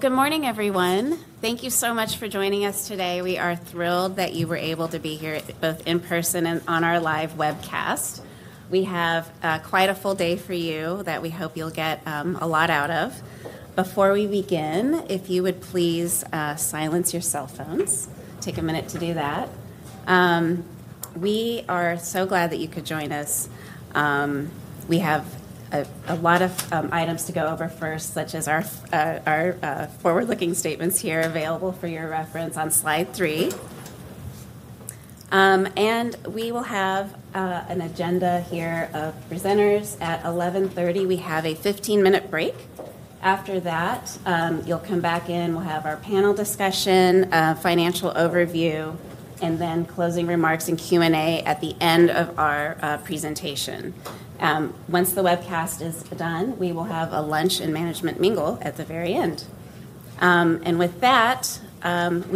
Good morning, everyone. Thank you so much for joining us today. We are thrilled that you were able to be here both in person and on our live webcast. We have quite a full day for you that we hope you'll get a lot out of. Before we begin, if you would please silence your cell phones. Take a minute to do that. We are so glad that you could join us. We have a lot of items to go over first, such as our forward-looking statements here available for your reference on slide three. We will have an agenda here of presenters. At 11:30 A.M., we have a 15-minute break. After that, you'll come back in. We'll have our panel discussion, financial overview, and then closing remarks and Q&A at the end of our presentation. Once the webcast is done, we will have a lunch and management mingle at the very end. We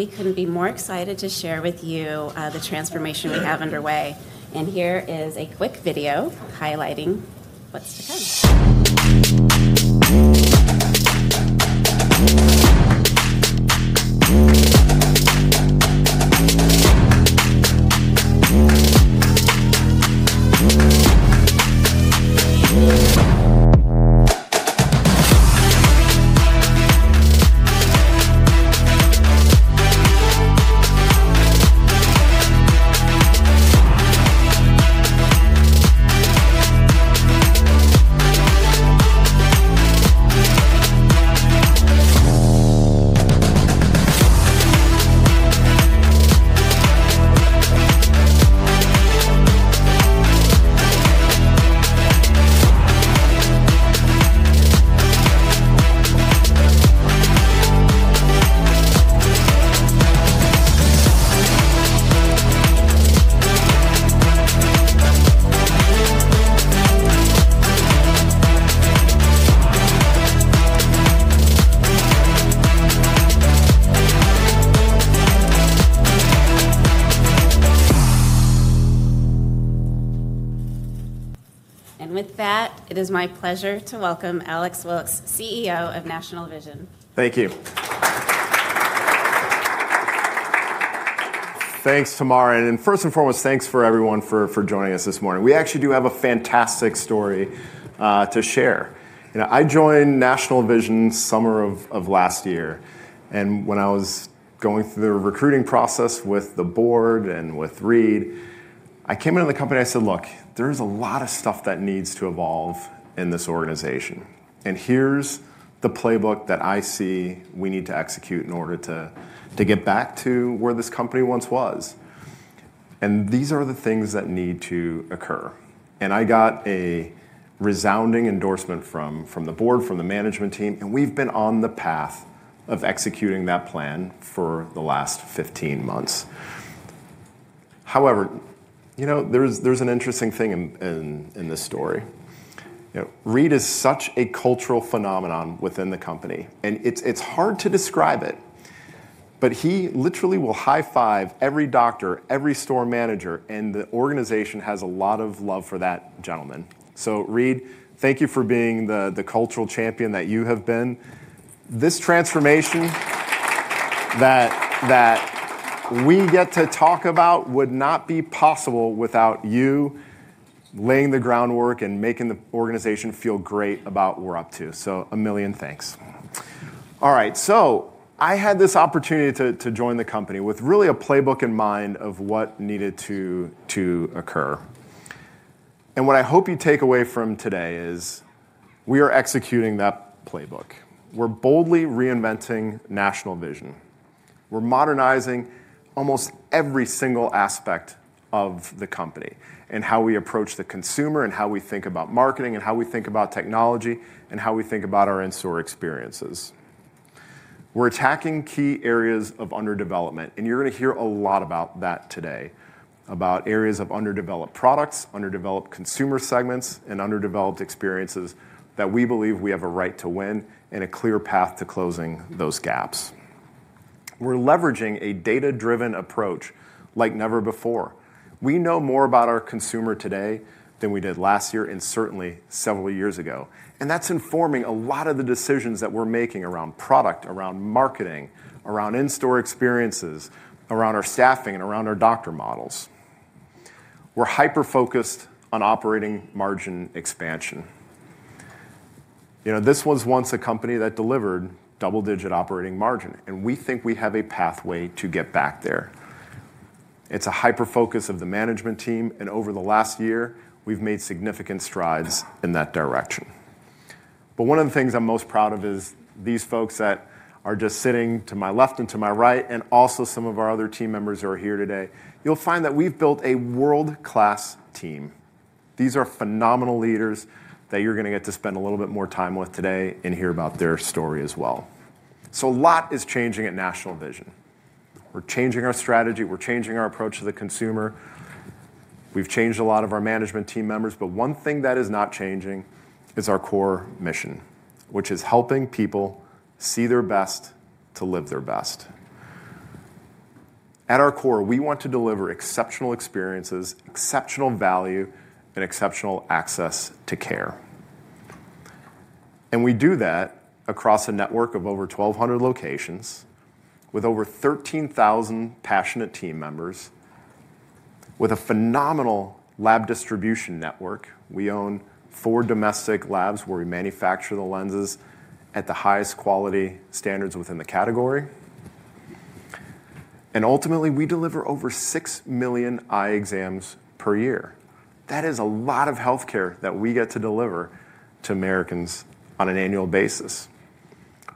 could not be more excited to share with you the transformation we have underway. Here is a quick video highlighting what is to come. It is my pleasure to welcome Alex Wilkes, CEO of National Vision. Thank you. Thanks, Tamara. First and foremost, thanks for everyone for joining us this morning. We actually do have a fantastic story to share. I joined National Vision summer of last year. When I was going through the recruiting process with the board and with Reade, I came into the company and I said, look, there's a lot of stuff that needs to evolve in this organization. Here's the playbook that I see we need to execute in order to get back to where this company once was. These are the things that need to occur. I got a resounding endorsement from the board, from the management team. We've been on the path of executing that plan for the last 15 months. However, you know, there's an interesting thing in this story. Reade is such a cultural phenomenon within the company. It is hard to describe it. He literally will high-five every doctor, every store manager. The organization has a lot of love for that gentleman. Reade, thank you for being the cultural champion that you have been. This transformation that we get to talk about would not be possible without you laying the groundwork and making the organization feel great about what we are up to. A million thanks. I had this opportunity to join the company with really a playbook in mind of what needed to occur. What I hope you take away from today is we are executing that playbook. We are boldly reinventing National Vision. We are modernizing almost every single aspect of the company and how we approach the consumer and how we think about marketing and how we think about technology and how we think about our in-store experiences. We're attacking key areas of underdevelopment. You're going to hear a lot about that today, about areas of underdeveloped products, underdeveloped consumer segments, and underdeveloped experiences that we believe we have a right to win and a clear path to closing those gaps. We're leveraging a data-driven approach like never before. We know more about our consumer today than we did last year and certainly several years ago. That's informing a lot of the decisions that we're making around product, around marketing, around in-store experiences, around our staffing, and around our doctor models. We're hyper-focused on operating margin expansion. This was once a company that delivered double-digit operating margin. We think we have a pathway to get back there. It's a hyper-focus of the management team. Over the last year, we've made significant strides in that direction. One of the things I'm most proud of is these folks that are just sitting to my left and to my right and also some of our other team members who are here today. You'll find that we've built a world-class team. These are phenomenal leaders that you're going to get to spend a little bit more time with today and hear about their story as well. A lot is changing at National Vision. We're changing our strategy. We're changing our approach to the consumer. We've changed a lot of our management team members. One thing that is not changing is our core mission, which is helping people see their best to live their best. At our core, we want to deliver exceptional experiences, exceptional value, and exceptional access to care. We do that across a network of over 1,200 locations with over 13,000 passionate team members, with a phenomenal lab distribution network. We own four domestic labs where we manufacture the lenses at the highest quality standards within the category. Ultimately, we deliver over 6 million eye exams per year. That is a lot of health care that we get to deliver to Americans on an annual basis.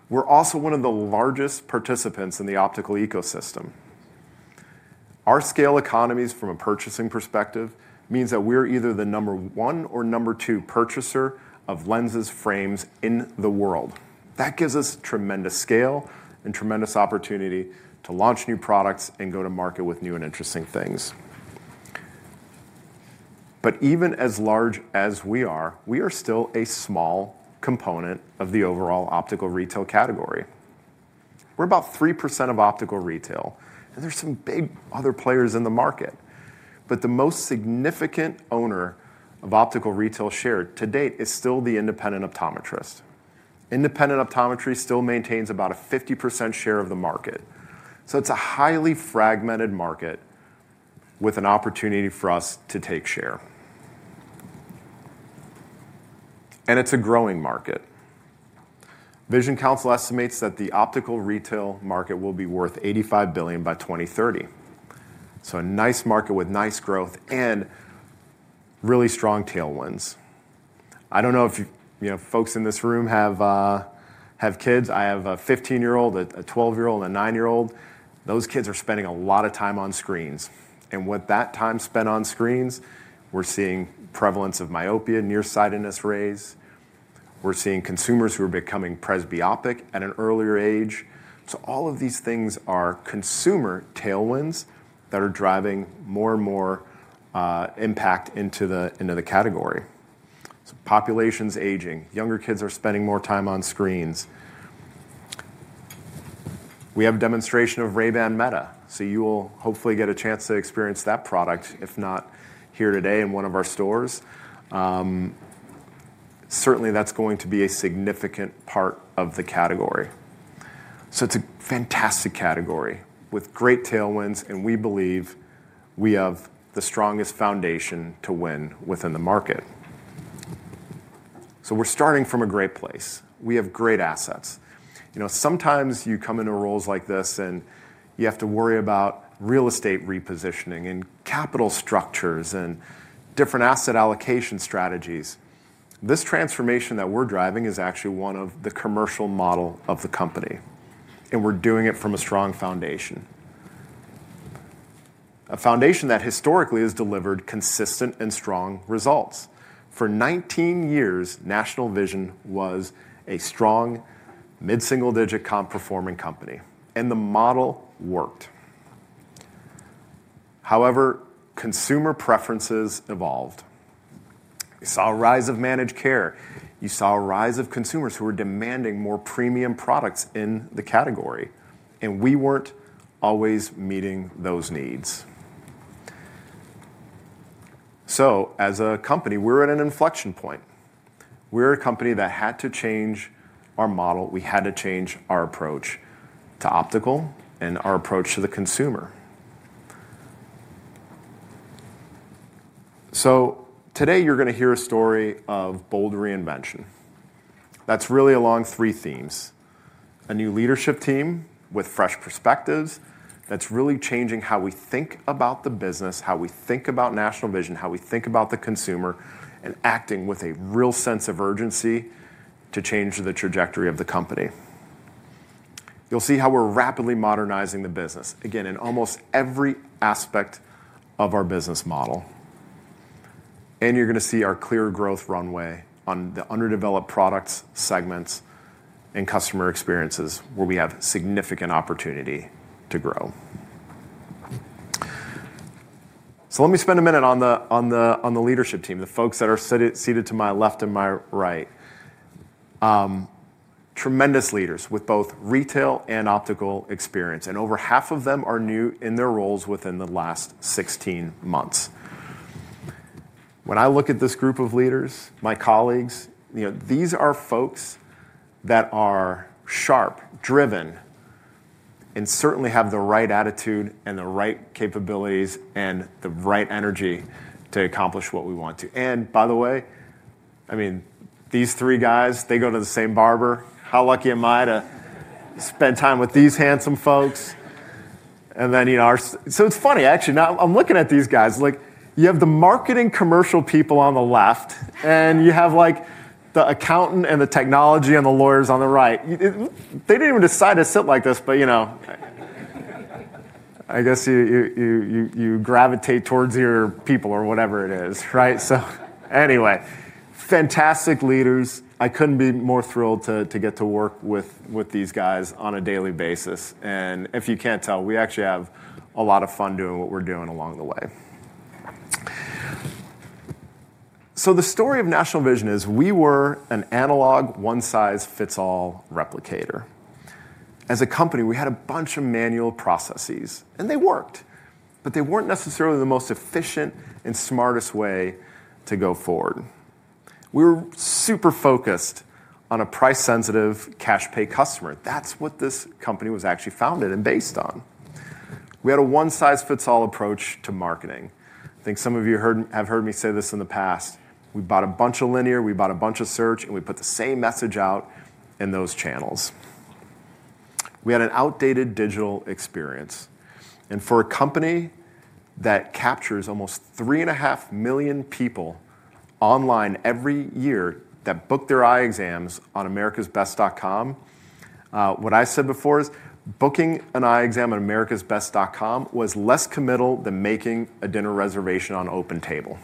We are also one of the largest participants in the optical ecosystem. Our scale economies from a purchasing perspective mean that we are either the number one or number two purchaser of lenses frames in the world. That gives us tremendous scale and tremendous opportunity to launch new products and go to market with new and interesting things. Even as large as we are, we are still a small component of the overall optical retail category. We're about 3% of optical retail. There's some big other players in the market. The most significant owner of optical retail share to date is still the independent optometrist. Independent optometry still maintains about a 50% share of the market. It's a highly fragmented market with an opportunity for us to take share. It's a growing market. Vision Council estimates that the optical retail market will be worth $85 billion by 2030. A nice market with nice growth and really strong tailwinds. I don't know if folks in this room have kids. I have a 15-year-old, a 12-year-old, and a 9-year-old. Those kids are spending a lot of time on screens. With that time spent on screens, we're seeing prevalence of myopia, nearsightedness raise. We're seeing consumers who are becoming presbyopic at an earlier age. All of these things are consumer tailwinds that are driving more and more impact into the category. Population's aging. Younger kids are spending more time on screens. We have a demonstration of Ray-Ban Meta. You will hopefully get a chance to experience that product, if not here today in one of our stores. Certainly, that's going to be a significant part of the category. It's a fantastic category with great tailwinds. We believe we have the strongest foundation to win within the market. We're starting from a great place. We have great assets. Sometimes you come into roles like this and you have to worry about real estate repositioning and capital structures and different asset allocation strategies. This transformation that we're driving is actually one of the commercial model of the company. We're doing it from a strong foundation. A foundation that historically has delivered consistent and strong results. For 19 years, National Vision was a strong, mid-single-digit comp-performing company. The model worked. However, consumer preferences evolved. We saw a rise of Managed Care. You saw a rise of consumers who were demanding more premium products in the category. We were not always meeting those needs. As a company, we are at an inflection point. We are a company that had to change our model. We had to change our approach to optical and our approach to the consumer. Today, you are going to hear a story of bold reinvention. That is really along three themes. A new leadership team with fresh perspectives that is really changing how we think about the business, how we think about National Vision, how we think about the consumer, and acting with a real sense of urgency to change the trajectory of the company. You'll see how we're rapidly modernizing the business, again, in almost every aspect of our business model. You're going to see our clear growth runway on the underdeveloped products, segments, and customer experiences where we have significant opportunity to grow. Let me spend a minute on the leadership team, the folks that are seated to my left and my right. Tremendous leaders with both retail and optical experience. Over half of them are new in their roles within the last 16 months. When I look at this group of leaders, my colleagues, these are folks that are sharp, driven, and certainly have the right attitude and the right capabilities and the right energy to accomplish what we want to. By the way, I mean, these three guys, they go to the same barber. How lucky am I to spend time with these handsome folks? It's funny, actually. I'm looking at these guys. You have the marketing commercial people on the left. You have the accountant and the technology and the lawyers on the right. They didn't even decide to sit like this. I guess you gravitate towards your people or whatever it is, right? Anyway, fantastic leaders. I couldn't be more thrilled to get to work with these guys on a daily basis. If you can't tell, we actually have a lot of fun doing what we're doing along the way. The story of National Vision is we were an analog one-size-fits-all replicator. As a company, we had a bunch of manual processes. They worked, but they weren't necessarily the most efficient and smartest way to go forward. We were super focused on a price-sensitive cash-pay customer. That's what this company was actually founded and based on. We had a one-size-fits-all approach to marketing. I think some of you have heard me say this in the past. We bought a bunch of linear. We bought a bunch of search. We put the same message out in those channels. We had an outdated digital experience. For a company that captures almost 3.5 million people online every year that book their eye exams on americasbest.com, what I said before is booking an eye exam at americasbest.com was less committal than making a dinner reservation on OpenTable.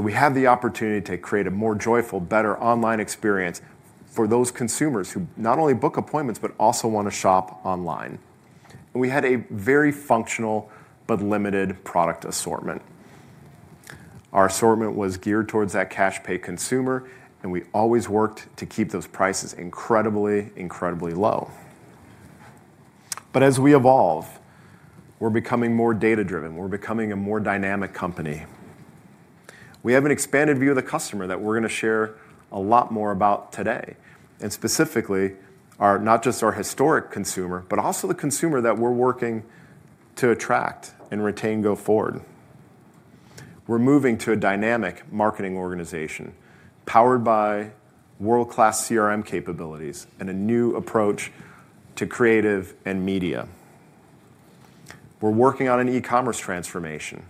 We had the opportunity to create a more joyful, better online experience for those consumers who not only book appointments but also want to shop online. We had a very functional but limited product assortment. Our assortment was geared towards that cash-pay consumer. We always worked to keep those prices incredibly, incredibly low. As we evolve, we're becoming more data-driven. We're becoming a more dynamic company. We have an expanded view of the customer that we're going to share a lot more about today. Specifically, not just our historic consumer but also the consumer that we're working to attract and retain going forward. We're moving to a dynamic marketing organization powered by world-class CRM capabilities and a new approach to creative and media. We're working on an e-commerce transformation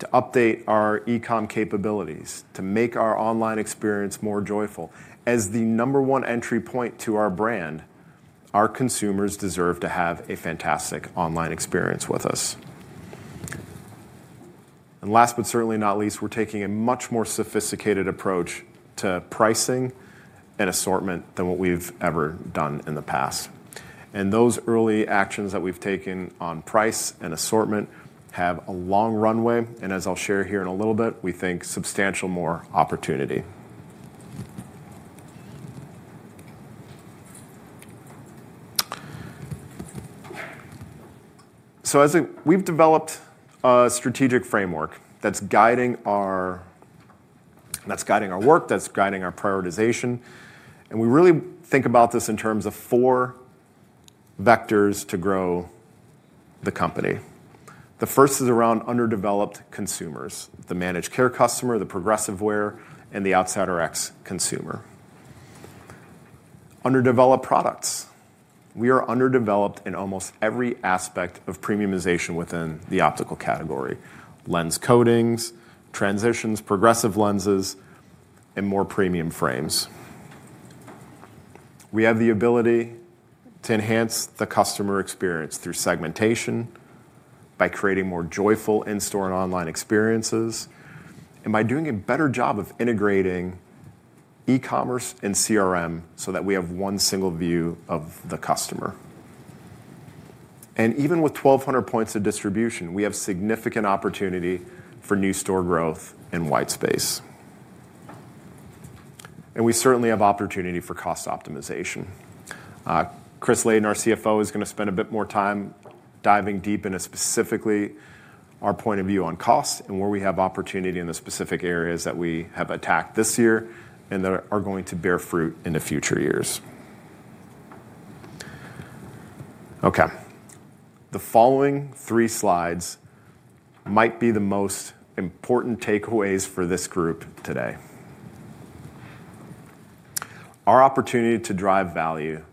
to update our e-com capabilities, to make our online experience more joyful. As the number one entry point to our brand, our consumers deserve to have a fantastic online experience with us. Last but certainly not least, we're taking a much more sophisticated approach to pricing and assortment than what we've ever done in the past. Those early actions that we've taken on price and assortment have a long runway. As I'll share here in a little bit, we think substantial more opportunity. We have developed a strategic framework that's guiding our work, that's guiding our prioritization. We really think about this in terms of four vectors to grow the company. The first is around underdeveloped consumers: the Managed Care customer, the progressive wearer, and the outsider X consumer. Underdeveloped products. We are underdeveloped in almost every aspect of premiumization within the optical category: lens coatings, transitions, progressive lenses, and more premium frames. We have the ability to enhance the customer experience through segmentation, by creating more joyful in-store and online experiences, and by doing a better job of integrating e-commerce and CRM so that we have one single view of the customer. Even with 1,200 points of distribution, we have significant opportunity for new store growth and white space. We certainly have opportunity for cost optimization. Chris Laden, our CFO, is going to spend a bit more time diving deep into specifically our point of view on cost and where we have opportunity in the specific areas that we have attacked this year and that are going to bear fruit in future years. Okay. The following three slides might be the most important takeaways for this group today. Our opportunity to drive value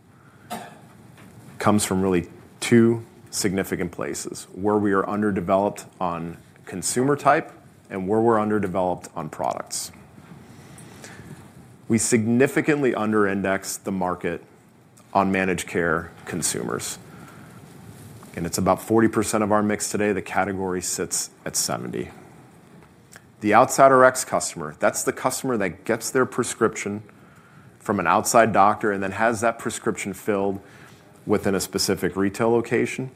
comes from really two significant places: where we are underdeveloped on consumer type and where we are underdeveloped on products. We significantly underindex the market on Managed Care consumers. It is about 40% of our mix today. The category sits at 70%. The Outsider X customer, that's the customer that gets their prescription from an outside doctor and then has that prescription filled within a specific retail location.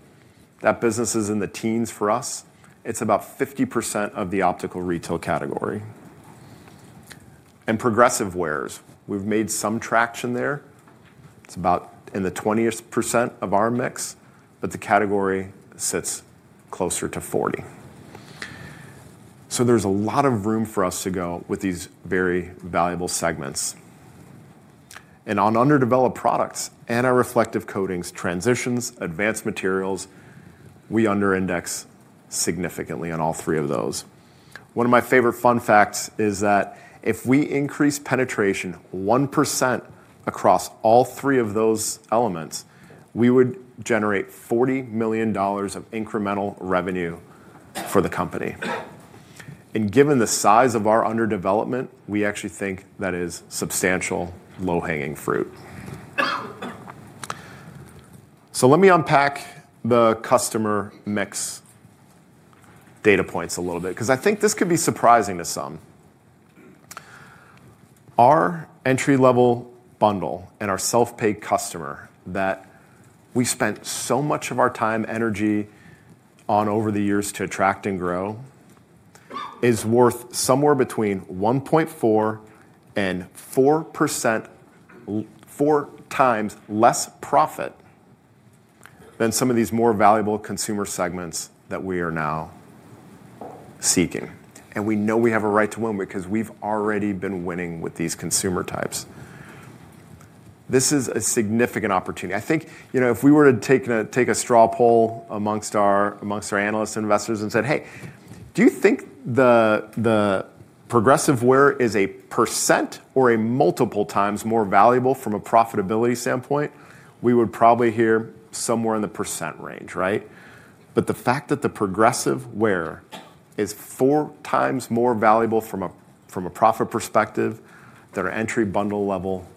That business is in the teens for us. It's about 50% of the optical retail category. Progressive wearers, we've made some traction there. It's about in the 20% of our mix. The category sits closer to 40%. There is a lot of room for us to go with these very valuable segments. On underdeveloped products, anti-reflective coatings, Transitions, advanced materials, we underindex significantly on all three of those. One of my favorite fun facts is that if we increase penetration 1% across all three of those elements, we would generate $40 million of incremental revenue for the company. Given the size of our underdevelopment, we actually think that is substantial low-hanging fruit. Let me unpack the customer mix data points a little bit because I think this could be surprising to some. Our entry-level bundle and our self-pay customer that we spent so much of our time, energy, on over the years to attract and grow is worth somewhere between 1.4% and 4%, four times less profit than some of these more valuable consumer segments that we are now seeking. We know we have a right to win because we've already been winning with these consumer types. This is a significant opportunity. I think if we were to take a straw poll amongst our analysts and investors and said, "Hey, do you think the progressive wearer is a percent or a multiple times more valuable from a profitability standpoint?" We would probably hear somewhere in the percent range, right? The fact that the progressive wearer is four times more valuable from a profit perspective than our entry-bundle-level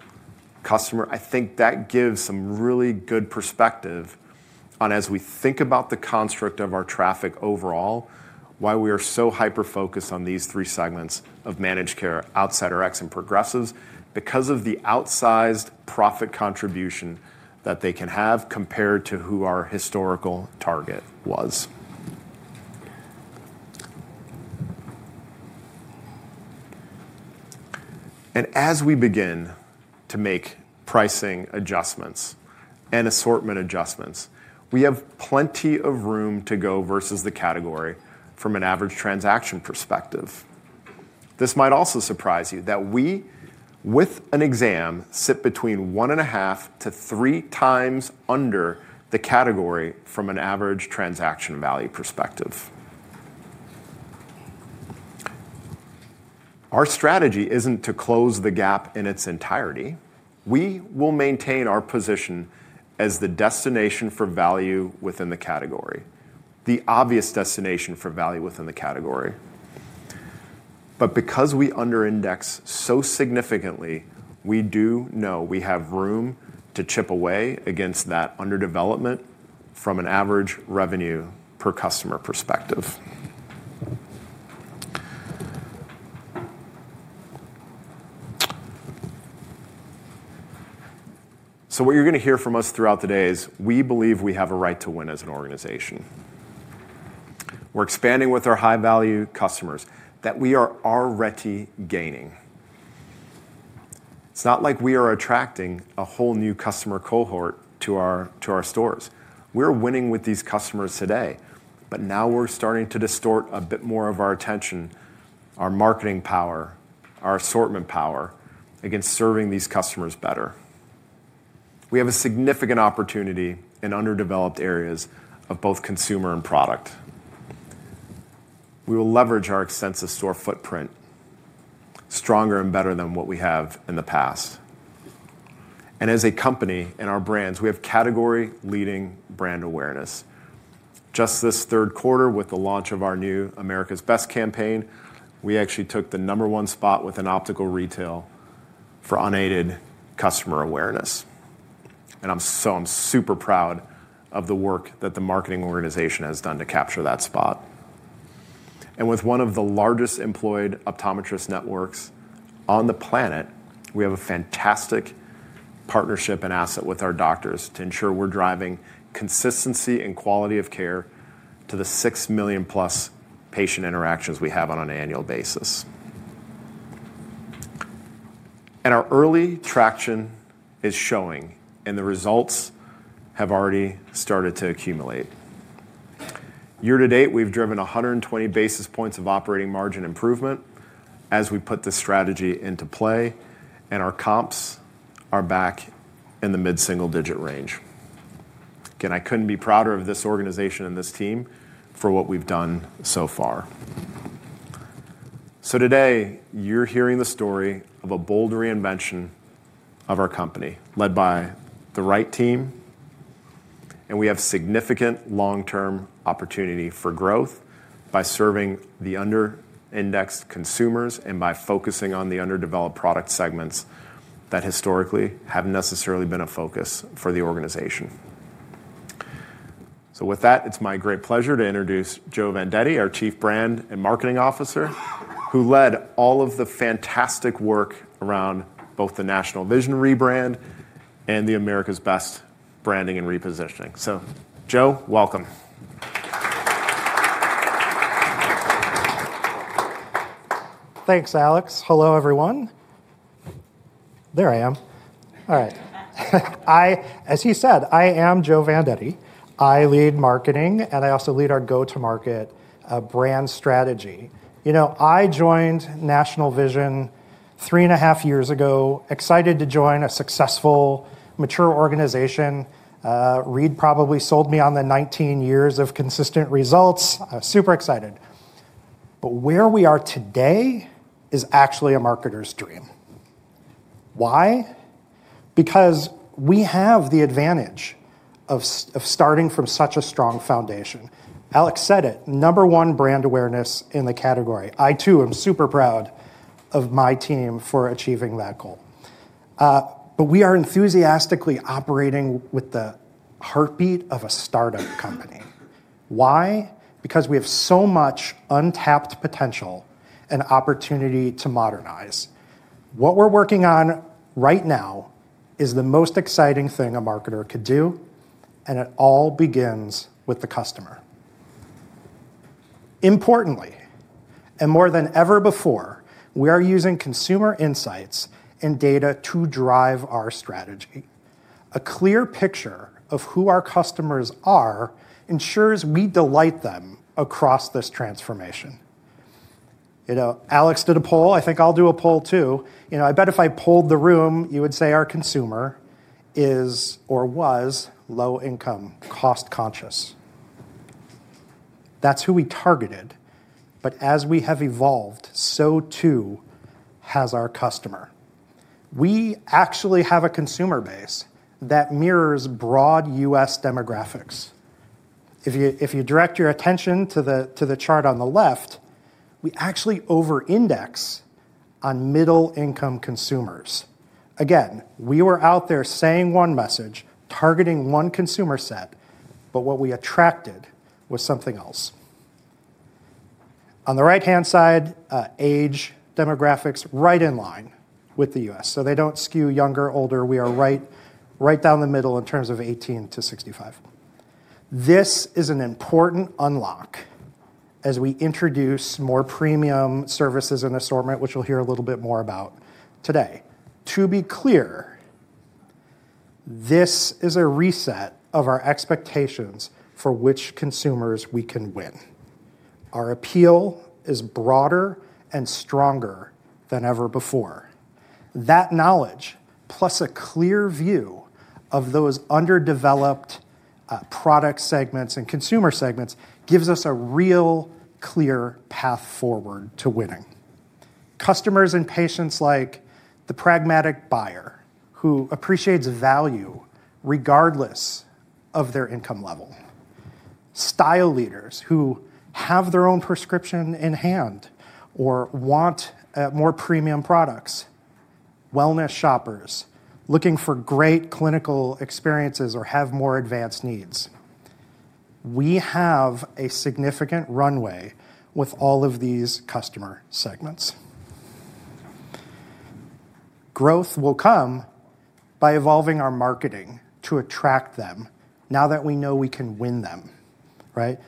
customer, I think that gives some really good perspective on, as we think about the construct of our traffic overall, why we are so hyper-focused on these three segments of Managed Care, outsider X, and progressives because of the outsized profit contribution that they can have compared to who our historical target was. As we begin to make pricing adjustments and assortment adjustments, we have plenty of room to go versus the category from an average transaction perspective. This might also surprise you that we, with an exam, sit between one and a half to three times under the category from an average transaction value perspective. Our strategy is not to close the gap in its entirety. We will maintain our position as the destination for value within the category, the obvious destination for value within the category. Because we underindex so significantly, we do know we have room to chip away against that underdevelopment from an average revenue per customer perspective. What you're going to hear from us throughout the day is we believe we have a right to win as an organization. We're expanding with our high-value customers that we are already gaining. It's not like we are attracting a whole new customer cohort to our stores. We're winning with these customers today. Now we're starting to distort a bit more of our attention, our marketing power, our assortment power against serving these customers better. We have a significant opportunity in underdeveloped areas of both consumer and product. We will leverage our extensive store footprint stronger and better than what we have in the past. As a company and our brands, we have category-leading brand awareness. Just this third quarter, with the launch of our new America's Best campaign, we actually took the number one spot within optical retail for unaided customer awareness. I'm so super proud of the work that the marketing organization has done to capture that spot. With one of the largest employed optometrist networks on the planet, we have a fantastic partnership and asset with our doctors to ensure we're driving consistency and quality of care to the 6 million+ patient interactions we have on an annual basis. Our early traction is showing. The results have already started to accumulate. Year to date, we've driven 120 basis points of operating margin improvement as we put the strategy into play. Our comps are back in the mid-single-digit range. Again, I could not be prouder of this organization and this team for what we have done so far. Today, you are hearing the story of a bold reinvention of our company led by the right team. We have significant long-term opportunity for growth by serving the underindexed consumers and by focusing on the underdeveloped product segments that historically have not necessarily been a focus for the organization. With that, it is my great pleasure to introduce Joe VanDette, our Chief Brand and Marketing Officer, who led all of the fantastic work around both the National Vision rebrand and the America's Best branding and repositioning. Joe, welcome. Thanks, Alex. Hello, everyone. There I am. All right. As he said, I am Joe VanDette. I lead marketing. I also lead our go-to-market brand strategy. I joined National Vision three and a half years ago, excited to join a successful, mature organization. Reade probably sold me on the 19 years of consistent results. I'm super excited. Where we are today is actually a marketer's dream. Why? Because we have the advantage of starting from such a strong foundation. Alex said it: number one brand awareness in the category. I, too, am super proud of my team for achieving that goal. We are enthusiastically operating with the heartbeat of a startup company. Why? Because we have so much untapped potential and opportunity to modernize. What we're working on right now is the most exciting thing a marketer could do. It all begins with the customer. Importantly, and more than ever before, we are using consumer insights and data to drive our strategy. A clear picture of who our customers are ensures we delight them across this transformation. Alex did a poll. I think I'll do a poll, too. I bet if I polled the room, you would say our consumer is or was low-income, cost-conscious. That's who we targeted. As we have evolved, so too has our customer. We actually have a consumer base that mirrors broad U.S. demographics. If you direct your attention to the chart on the left, we actually overindex on middle-income consumers. Again, we were out there saying one message, targeting one consumer set. What we attracted was something else. On the right-hand side, age, demographics right in line with the U.S. They do not skew younger, older. We are right down the middle in terms of 18 to 65. This is an important unlock as we introduce more premium services and assortment, which we'll hear a little bit more about today. To be clear, this is a reset of our expectations for which consumers we can win. Our appeal is broader and stronger than ever before. That knowledge, plus a clear view of those underdeveloped product segments and consumer segments, gives us a real clear path forward to winning. Customers and patients like the pragmatic buyer who appreciates value regardless of their income level, style leaders who have their own prescription in hand or want more premium products, wellness shoppers looking for great clinical experiences or have more advanced needs. We have a significant runway with all of these customer segments. Growth will come by evolving our marketing to attract them now that we know we can win them, right?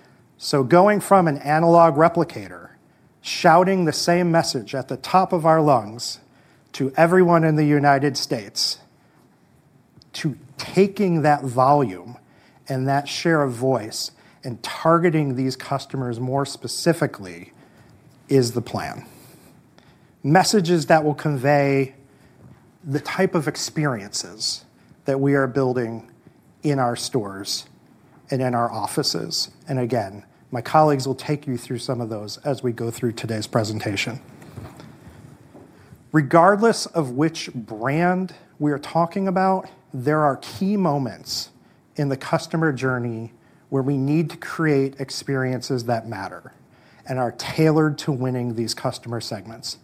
Going from an analog replicator shouting the same message at the top of our lungs to everyone in the United States to taking that volume and that share of voice and targeting these customers more specifically is the plan. Messages that will convey the type of experiences that we are building in our stores and in our offices. Again, my colleagues will take you through some of those as we go through today's presentation. Regardless of which brand we are talking about, there are key moments in the customer journey where we need to create experiences that matter and are tailored to winning these customer segments.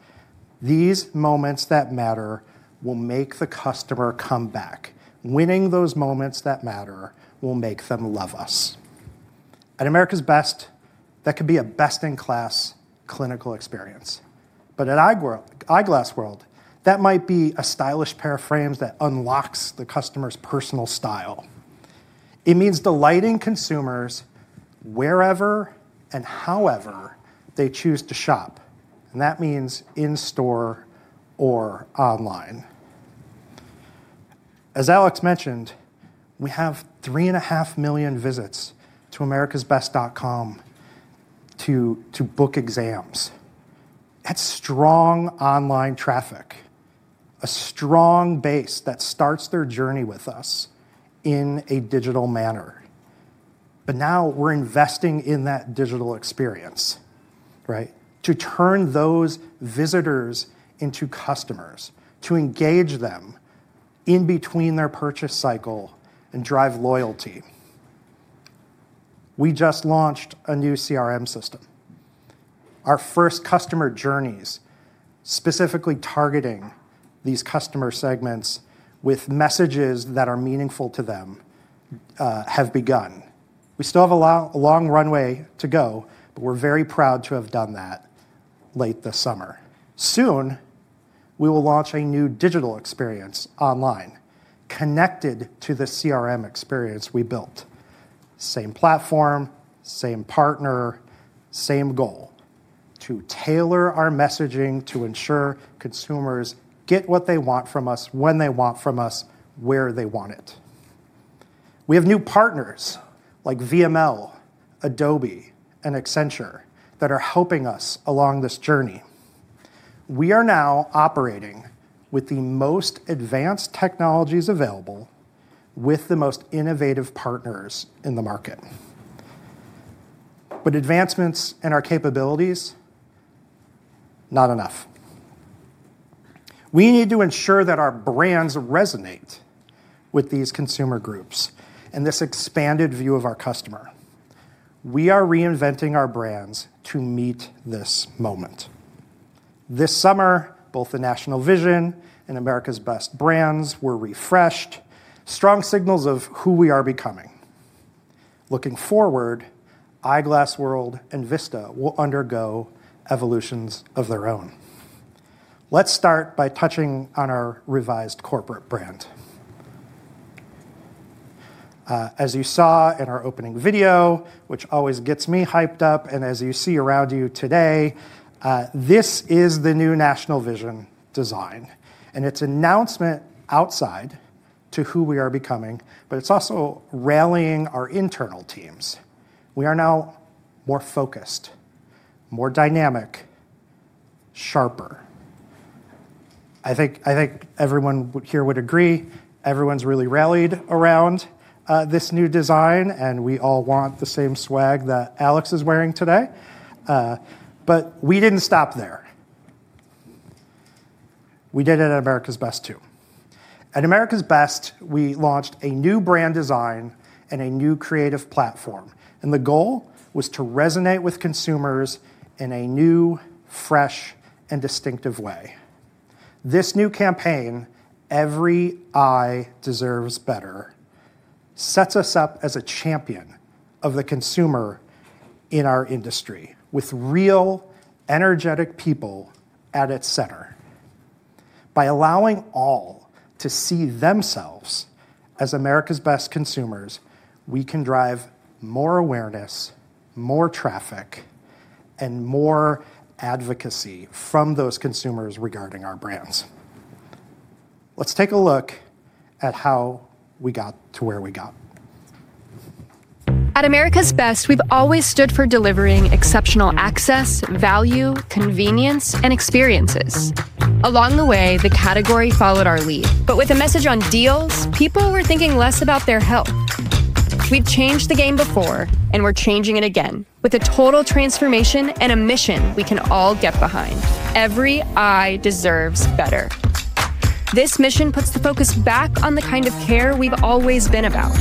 These moments that matter will make the customer come back. Winning those moments that matter will make them love us. At America's Best, that could be a best-in-class clinical experience. At Eyeglass World, that might be a stylish pair of frames that unlocks the customer's personal style. It means delighting consumers wherever and however they choose to shop. That means in-store or online. As Alex mentioned, we have three and a half million visits to americasbest.com to book exams. That is strong online traffic, a strong base that starts their journey with us in a digital manner. Now we are investing in that digital experience, right, to turn those visitors into customers, to engage them in between their purchase cycle and drive loyalty. We just launched a new CRM system. Our first customer journeys, specifically targeting these customer segments with messages that are meaningful to them, have begun. We still have a long runway to go. We are very proud to have done that late this summer. Soon, we will launch a new digital experience online connected to the CRM experience we built. Same platform, same partner, same goal: to tailor our messaging to ensure consumers get what they want from us when they want from us where they want it. We have new partners like VML, Adobe, and Accenture that are helping us along this journey. We are now operating with the most advanced technologies available with the most innovative partners in the market. Advancements in our capabilities, not enough. We need to ensure that our brands resonate with these consumer groups and this expanded view of our customer. We are reinventing our brands to meet this moment. This summer, both the National Vision and America's Best brands were refreshed, strong signals of who we are becoming. Looking forward, Eyeglass World and Vista will undergo evolutions of their own. Let's start by touching on our revised corporate brand. As you saw in our opening video, which always gets me hyped up, and as you see around you today, this is the new National Vision design. Its announcement is outside to who we are becoming, but it is also rallying our internal teams. We are now more focused, more dynamic, sharper. I think everyone here would agree. Everyone's really rallied around this new design. We all want the same swag that Alex is wearing today. We did not stop there. We did it at America's Best, too. At America's Best, we launched a new brand design and a new creative platform. The goal was to resonate with consumers in a new, fresh, and distinctive way. This new campaign, "Every Eye Deserves Better," sets us up as a champion of the consumer in our industry with real energetic people at its center. By allowing all to see themselves as America's Best consumers, we can drive more awareness, more traffic, and more advocacy from those consumers regarding our brands. Let's take a look at how we got to where we got. At America's Best, we've always stood for delivering exceptional access, value, convenience, and experiences. Along the way, the category followed our lead. With a message on deals, people were thinking less about their health. We've changed the game before, and we're changing it again with a total transformation and a mission we can all get behind: "Every Eye Deserves Better." This mission puts the focus back on the kind of care we've always been about.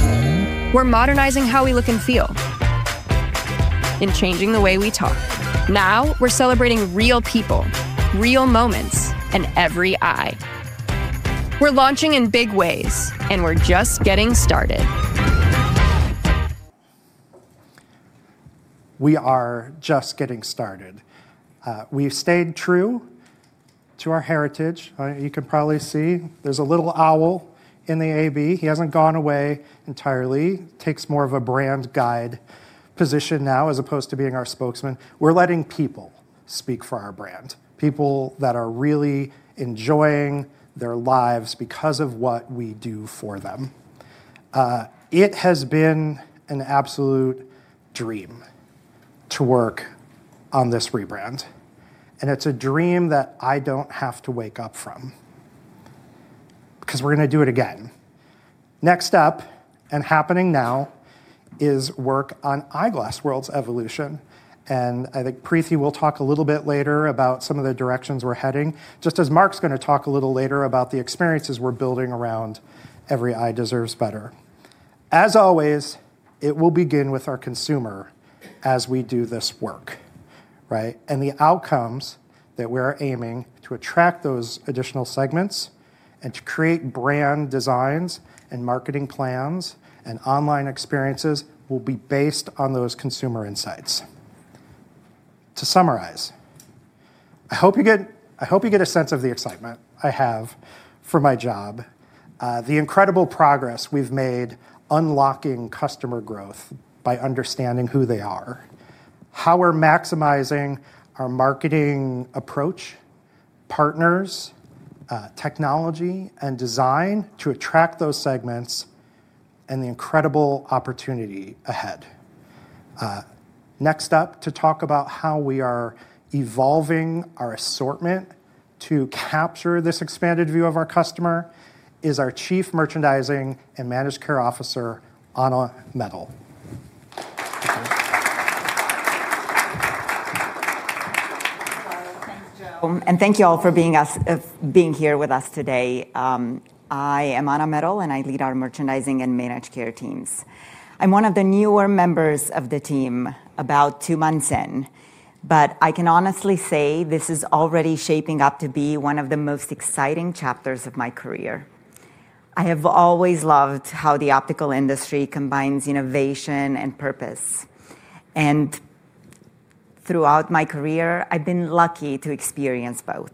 We're modernizing how we look and feel and changing the way we talk. Now we're celebrating real people, real moments, and every eye. We're launching in big ways. We're just getting started. We are just getting started. We've stayed true to our heritage. You can probably see there's a little owl in the A/V. He hasn't gone away entirely. Takes more of a brand guide position now as opposed to being our spokesman. We're letting people speak for our brand, people that are really enjoying their lives because of what we do for them. It has been an absolute dream to work on this rebrand. It is a dream that I don't have to wake up from because we're going to do it again. Next up, and happening now, is work on Eyeglass World's evolution. I think Priti will talk a little bit later about some of the directions we're heading, just as Mark's going to talk a little later about the experiences we're building around "Every Eye Deserves Better." As always, it will begin with our consumer as we do this work, right? The outcomes that we're aiming to attract those additional segments and to create brand designs and marketing plans and online experiences will be based on those consumer insights. To summarize, I hope you get a sense of the excitement I have for my job, the incredible progress we've made unlocking customer growth by understanding who they are, how we're maximizing our marketing approach, partners, technology, and design to attract those segments, and the incredible opportunity ahead. Next up, to talk about how we are evolving our assortment to capture this expanded view of our customer is our Chief Merchandising and Managed Care Officer, Ana Moeddel. Thank you, Joe. Thank you all for being here with us today. I am Ana Moeddel, and I lead our merchandising and Managed Care teams. I'm one of the newer members of the team, about two months in. I can honestly say this is already shaping up to be one of the most exciting chapters of my career. I have always loved how the optical industry combines innovation and purpose. Throughout my career, I've been lucky to experience both.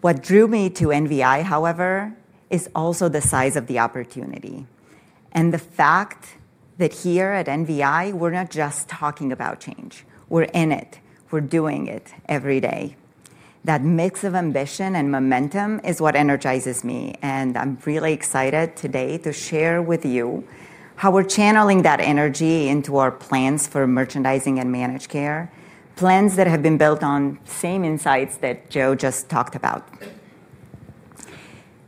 What drew me to NVI, however, is also the size of the opportunity and the fact that here at NVI, we're not just talking about change. We're in it. We're doing it every day. That mix of ambition and momentum is what energizes me. I am really excited today to share with you how we are channeling that energy into our plans for merchandising and Managed Care, plans that have been built on the same insights that Joe just talked about.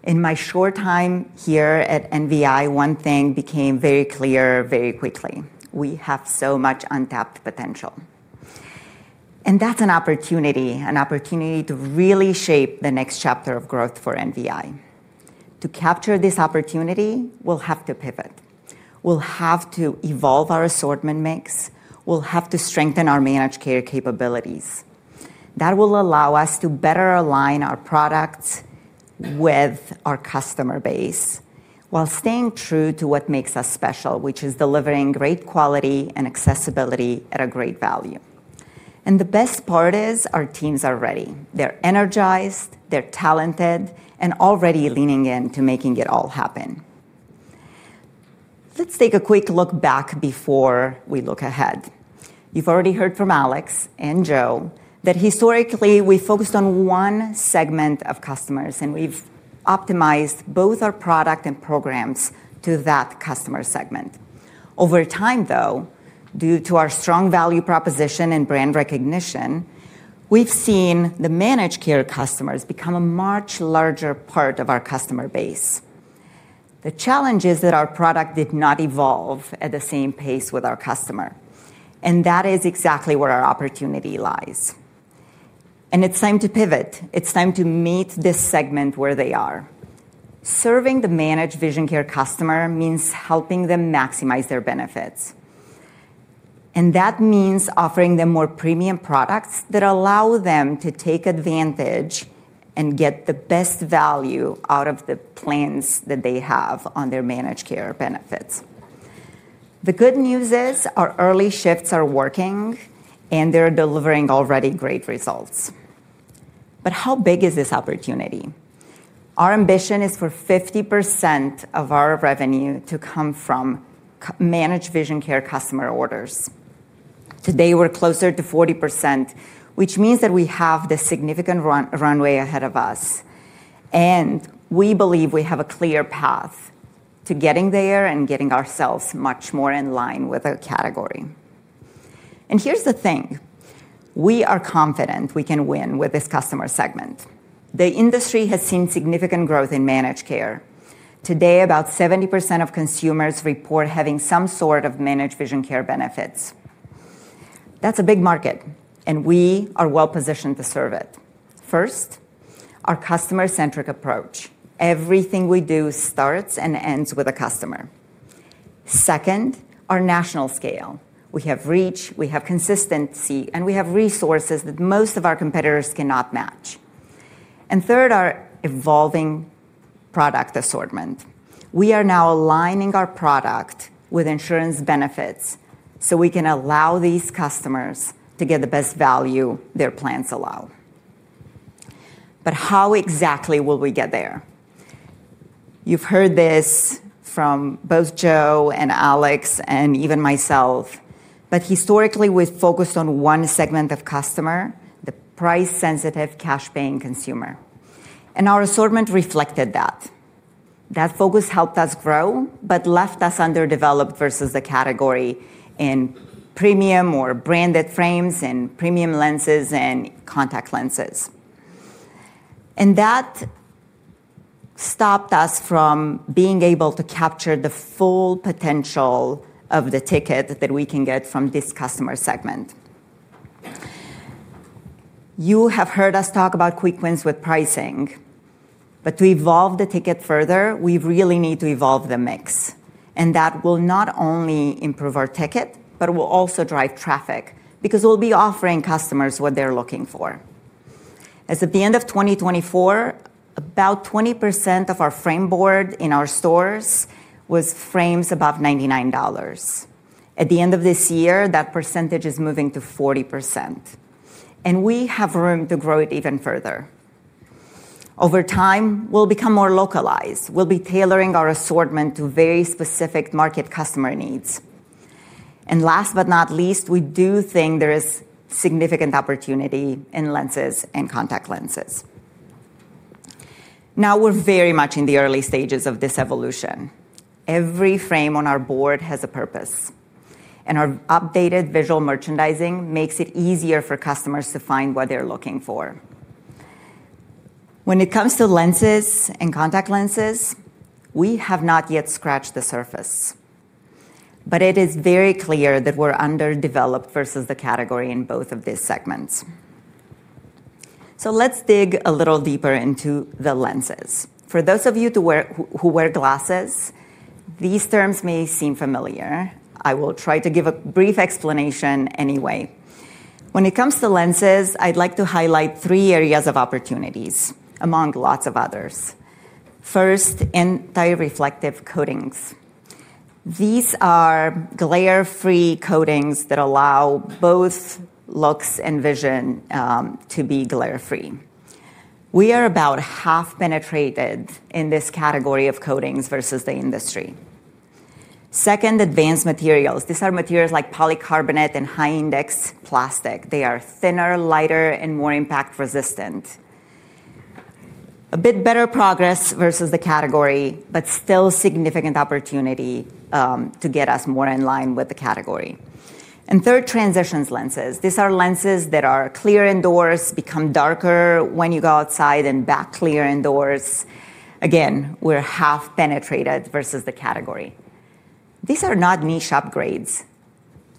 In my short time here at NVI, one thing became very clear very quickly. We have so much untapped potential. That is an opportunity, an opportunity to really shape the next chapter of growth for NVI. To capture this opportunity, we will have to pivot. We will have to evolve our assortment mix. We will have to strengthen our Managed Care capabilities. That will allow us to better align our products with our customer base while staying true to what makes us special, which is delivering great quality and accessibility at a great value. The best part is our teams are ready. They are energized. They are talented and already leaning in to making it all happen. Let's take a quick look back before we look ahead. You've already heard from Alex and Joe that historically, we focused on one segment of customers. We've optimized both our product and programs to that customer segment. Over time, though, due to our strong value proposition and brand recognition, we've seen the Managed Care customers become a much larger part of our customer base. The challenge is that our product did not evolve at the same pace with our customer. That is exactly where our opportunity lies. It's time to pivot. It's time to meet this segment where they are. Serving the managed vision care customer means helping them maximize their benefits. That means offering them more premium products that allow them to take advantage and get the best value out of the plans that they have on their Managed Care benefits. The good news is our early shifts are working. They are delivering already great results. How big is this opportunity? Our ambition is for 50% of our revenue to come from managed vision care customer orders. Today, we are closer to 40%, which means that we have a significant runway ahead of us. We believe we have a clear path to getting there and getting ourselves much more in line with our category. Here is the thing. We are confident we can win with this customer segment. The industry has seen significant growth in Managed Care. Today, about 70% of consumers report having some sort of managed vision care benefits. That is a big market. We are well positioned to serve it. First, our customer-centric approach. Everything we do starts and ends with a customer. Second, our national scale. We have reach. We have consistency. We have resources that most of our competitors cannot match. Third, our evolving product assortment. We are now aligning our product with insurance benefits so we can allow these customers to get the best value their plans allow. How exactly will we get there? You have heard this from both Joe and Alex and even myself. Historically, we have focused on one segment of customer, the price-sensitive, cash-paying consumer. Our assortment reflected that. That focus helped us grow but left us underdeveloped versus the category in premium or branded frames and premium lenses and contact lenses. That stopped us from being able to capture the full potential of the ticket that we can get from this customer segment. You have heard us talk about quick wins with pricing. To evolve the ticket further, we really need to evolve the mix. That will not only improve our ticket, but it will also drive traffic because we'll be offering customers what they're looking for. As of the end of 2024, about 20% of our frame board in our stores was frames above $99. At the end of this year, that percentage is moving to 40%. We have room to grow it even further. Over time, we'll become more localized. We'll be tailoring our assortment to very specific market customer needs. Last but not least, we do think there is significant opportunity in lenses and contact lenses. Now we're very much in the early stages of this evolution. Every frame on our board has a purpose. Our updated visual merchandising makes it easier for customers to find what they're looking for. When it comes to lenses and contact lenses, we have not yet scratched the surface. It is very clear that we're underdeveloped versus the category in both of these segments. Let's dig a little deeper into the lenses. For those of you who wear glasses, these terms may seem familiar. I will try to give a brief explanation anyway. When it comes to lenses, I'd like to highlight three areas of opportunities among lots of others. First, anti-reflective coatings. These are glare-free coatings that allow both looks and vision to be glare-free. We are about half-penetrated in this category of coatings versus the industry. Second, advanced materials. These are materials like polycarbonate and high-index plastic. They are thinner, lighter, and more impact-resistant. A bit better progress versus the category, but still significant opportunity to get us more in line with the category. Third, transitions lenses. These are lenses that are clear indoors, become darker when you go outside, and back clear indoors. Again, we're half-penetrated versus the category. These are not niche upgrades.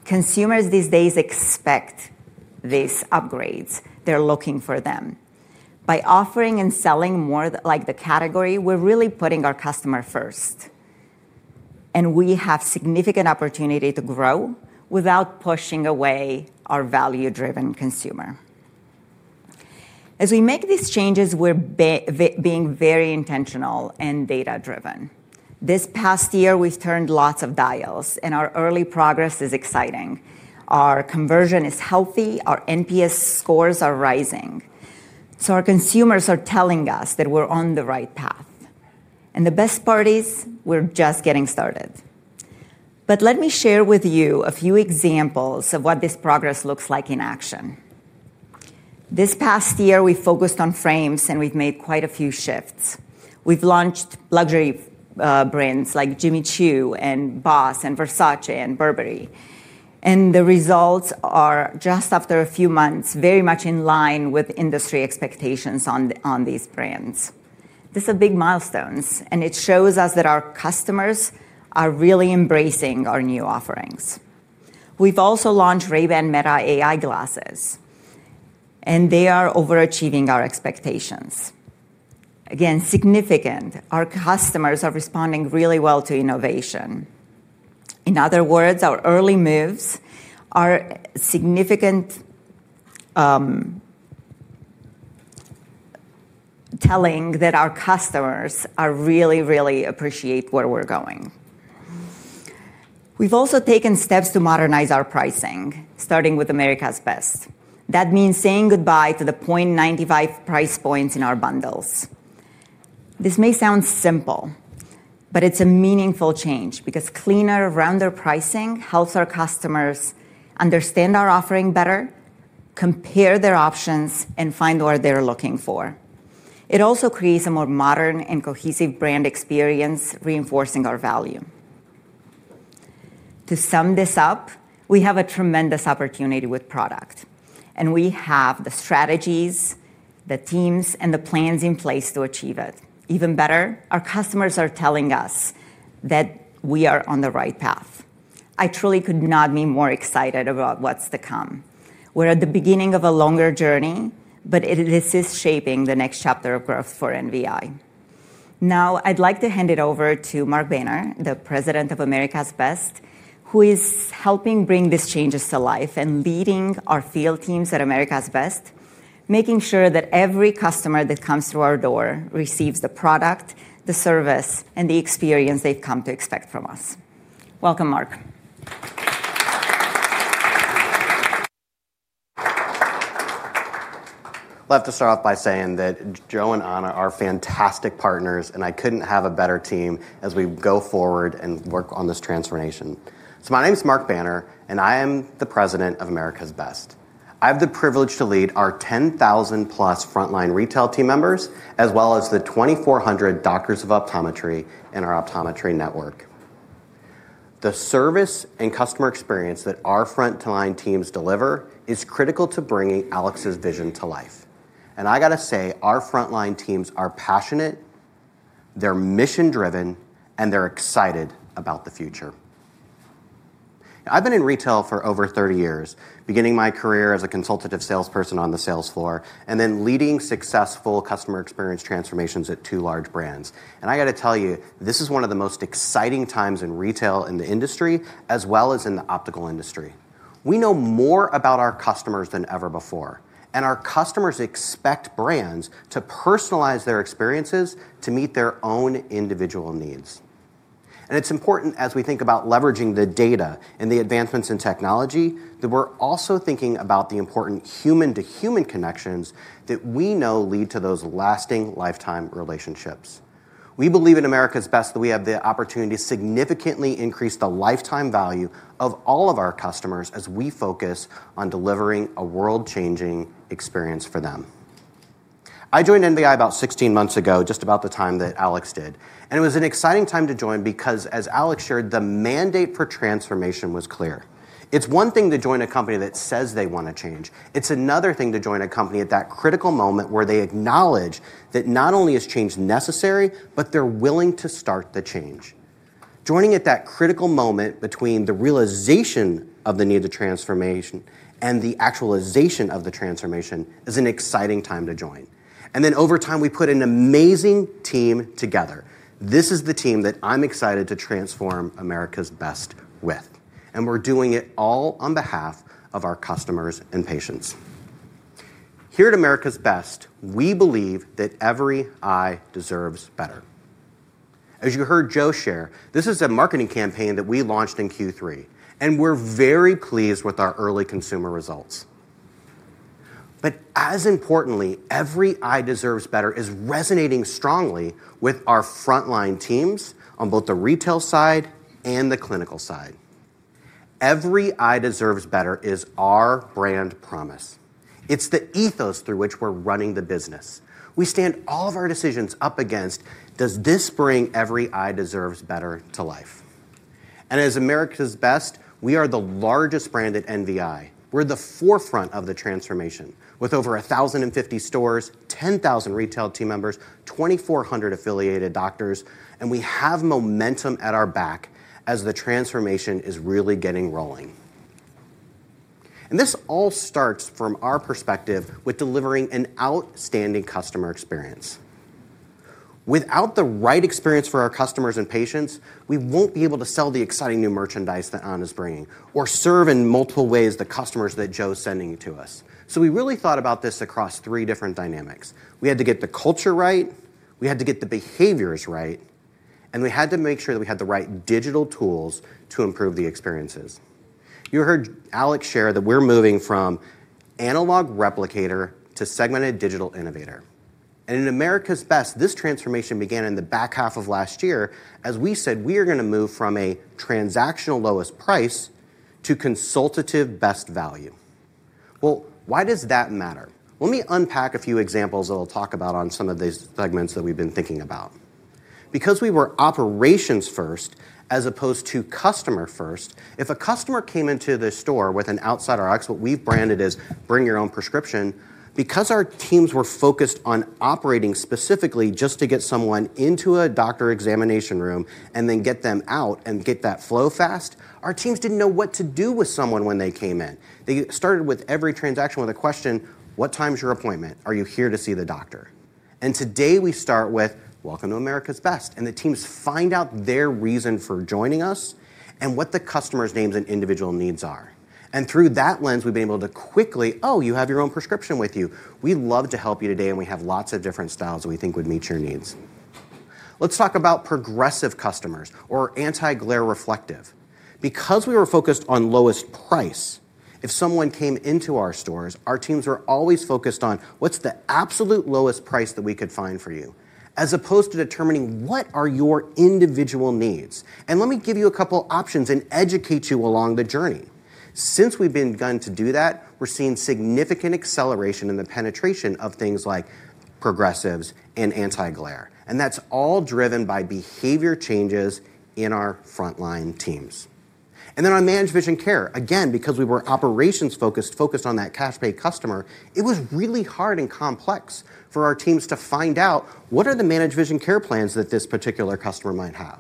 Consumers these days expect these upgrades. They're looking for them. By offering and selling more like the category, we're really putting our customer first. We have significant opportunity to grow without pushing away our value-driven consumer. As we make these changes, we're being very intentional and data-driven. This past year, we've turned lots of dials. Our early progress is exciting. Our conversion is healthy. Our NPS scores are rising. Our consumers are telling us that we're on the right path. The best part is we're just getting started. Let me share with you a few examples of what this progress looks like in action. This past year, we focused on frames. We've made quite a few shifts. We've launched luxury brands like Jimmy Choo and Boss and Versace and Burberry. The results are just after a few months very much in line with industry expectations on these brands. These are big milestones. It shows us that our customers are really embracing our new offerings. We have also launched Ray-Ban Meta AI glasses. They are overachieving our expectations. Significant. Our customers are responding really well to innovation. In other words, our early moves are significant, telling that our customers really, really appreciate where we are going. We have also taken steps to modernize our pricing, starting with America's Best. That means saying goodbye to the $0.95 price points in our bundles. This may sound simple. It is a meaningful change because cleaner rounded pricing helps our customers understand our offering better, compare their options, and find what they are looking for. It also creates a more modern and cohesive brand experience, reinforcing our value. To sum this up, we have a tremendous opportunity with product. And we have the strategies, the teams, and the plans in place to achieve it. Even better, our customers are telling us that we are on the right path. I truly could not be more excited about what's to come. We are at the beginning of a longer journey. This is shaping the next chapter of growth for National Vision. Now I would like to hand it over to Mark Banner, the President of America's Best, who is helping bring these changes to life and leading our field teams at America's Best, making sure that every customer that comes through our door receives the product, the service, and the experience they have come to expect from us. Welcome, Mark. I'd love to start off by saying that Joe and Ana are fantastic partners. I couldn't have a better team as we go forward and work on this transformation. My name is Mark Banner. I am the President of America's Best. I have the privilege to lead our 10,000+ frontline retail team members, as well as the 2,400 doctors of optometry in our optometry network. The service and customer experience that our frontline teams deliver is critical to bringing Alex's vision to life. I got to say, our frontline teams are passionate. They're mission-driven. They're excited about the future. I've been in retail for over 30 years, beginning my career as a consultative salesperson on the sales floor and then leading successful customer experience transformations at two large brands. I got to tell you, this is one of the most exciting times in retail in the industry, as well as in the optical industry. We know more about our customers than ever before. Our customers expect brands to personalize their experiences to meet their own individual needs. It is important, as we think about leveraging the data and the advancements in technology, that we are also thinking about the important human-to-human connections that we know lead to those lasting lifetime relationships. We believe in America's Best that we have the opportunity to significantly increase the lifetime value of all of our customers as we focus on delivering a world-changing experience for them. I joined NVI about 16 months ago, just about the time that Alex did. It was an exciting time to join because, as Alex shared, the mandate for transformation was clear. It's one thing to join a company that says they want to change. It's another thing to join a company at that critical moment where they acknowledge that not only is change necessary, but they're willing to start the change. Joining at that critical moment between the realization of the need to transformation and the actualization of the transformation is an exciting time to join. Over time, we put an amazing team together. This is the team that I'm excited to transform America's Best with. We're doing it all on behalf of our customers and patients. Here at America's Best, we believe that every eye deserves better. As you heard Joe share, this is a marketing campaign that we launched in Q3. We're very pleased with our early consumer results. As importantly, every eye deserves better is resonating strongly with our frontline teams on both the retail side and the clinical side. Every eye deserves better is our brand promise. It is the ethos through which we are running the business. We stand all of our decisions up against, does this bring every eye deserves better to life? As America's Best, we are the largest brand at National Vision. We are the forefront of the transformation with over 1,050 stores, 10,000 retail team members, 2,400 affiliated doctors. We have momentum at our back as the transformation is really getting rolling. This all starts from our perspective with delivering an outstanding customer experience. Without the right experience for our customers and patients, we will not be able to sell the exciting new merchandise that Ana is bringing or serve in multiple ways the customers that Joe is sending to us. We really thought about this across three different dynamics. We had to get the culture right. We had to get the behaviors right. And we had to make sure that we had the right digital tools to improve the experiences. You heard Alex share that we're moving from analog replicator to segmented digital innovator. In America's Best, this transformation began in the back half of last year as we said we are going to move from a transactional lowest price to consultative best value. Why does that matter? Let me unpack a few examples that I'll talk about on some of these segments that we've been thinking about. Because we were operations first as opposed to customer first, if a customer came into the store with Outside Rx, what we've branded as bring your own prescription, because our teams were focused on operating specifically just to get someone into a doctor examination room and then get them out and get that flow fast, our teams did not know what to do with someone when they came in. They started with every transaction with a question, what time's your appointment? Are you here to see the doctor? Today we start with, welcome to America's Best. The teams find out their reason for joining us and what the customer's names and individual needs are. Through that lens, we've been able to quickly, oh, you have your own prescription with you. We'd love to help you today. We have lots of different styles that we think would meet your needs. Let's talk about progressive customers or anti-glare reflective. Because we were focused on lowest price, if someone came into our stores, our teams were always focused on what's the absolute lowest price that we could find for you as opposed to determining what are your individual needs. Let me give you a couple of options and educate you along the journey. Since we've begun to do that, we're seeing significant acceleration in the penetration of things like progressives and anti-glare. That's all driven by behavior changes in our frontline teams. On managed vision care, again, because we were operations focused on that cash pay customer, it was really hard and complex for our teams to find out what are the managed vision care plans that this particular customer might have.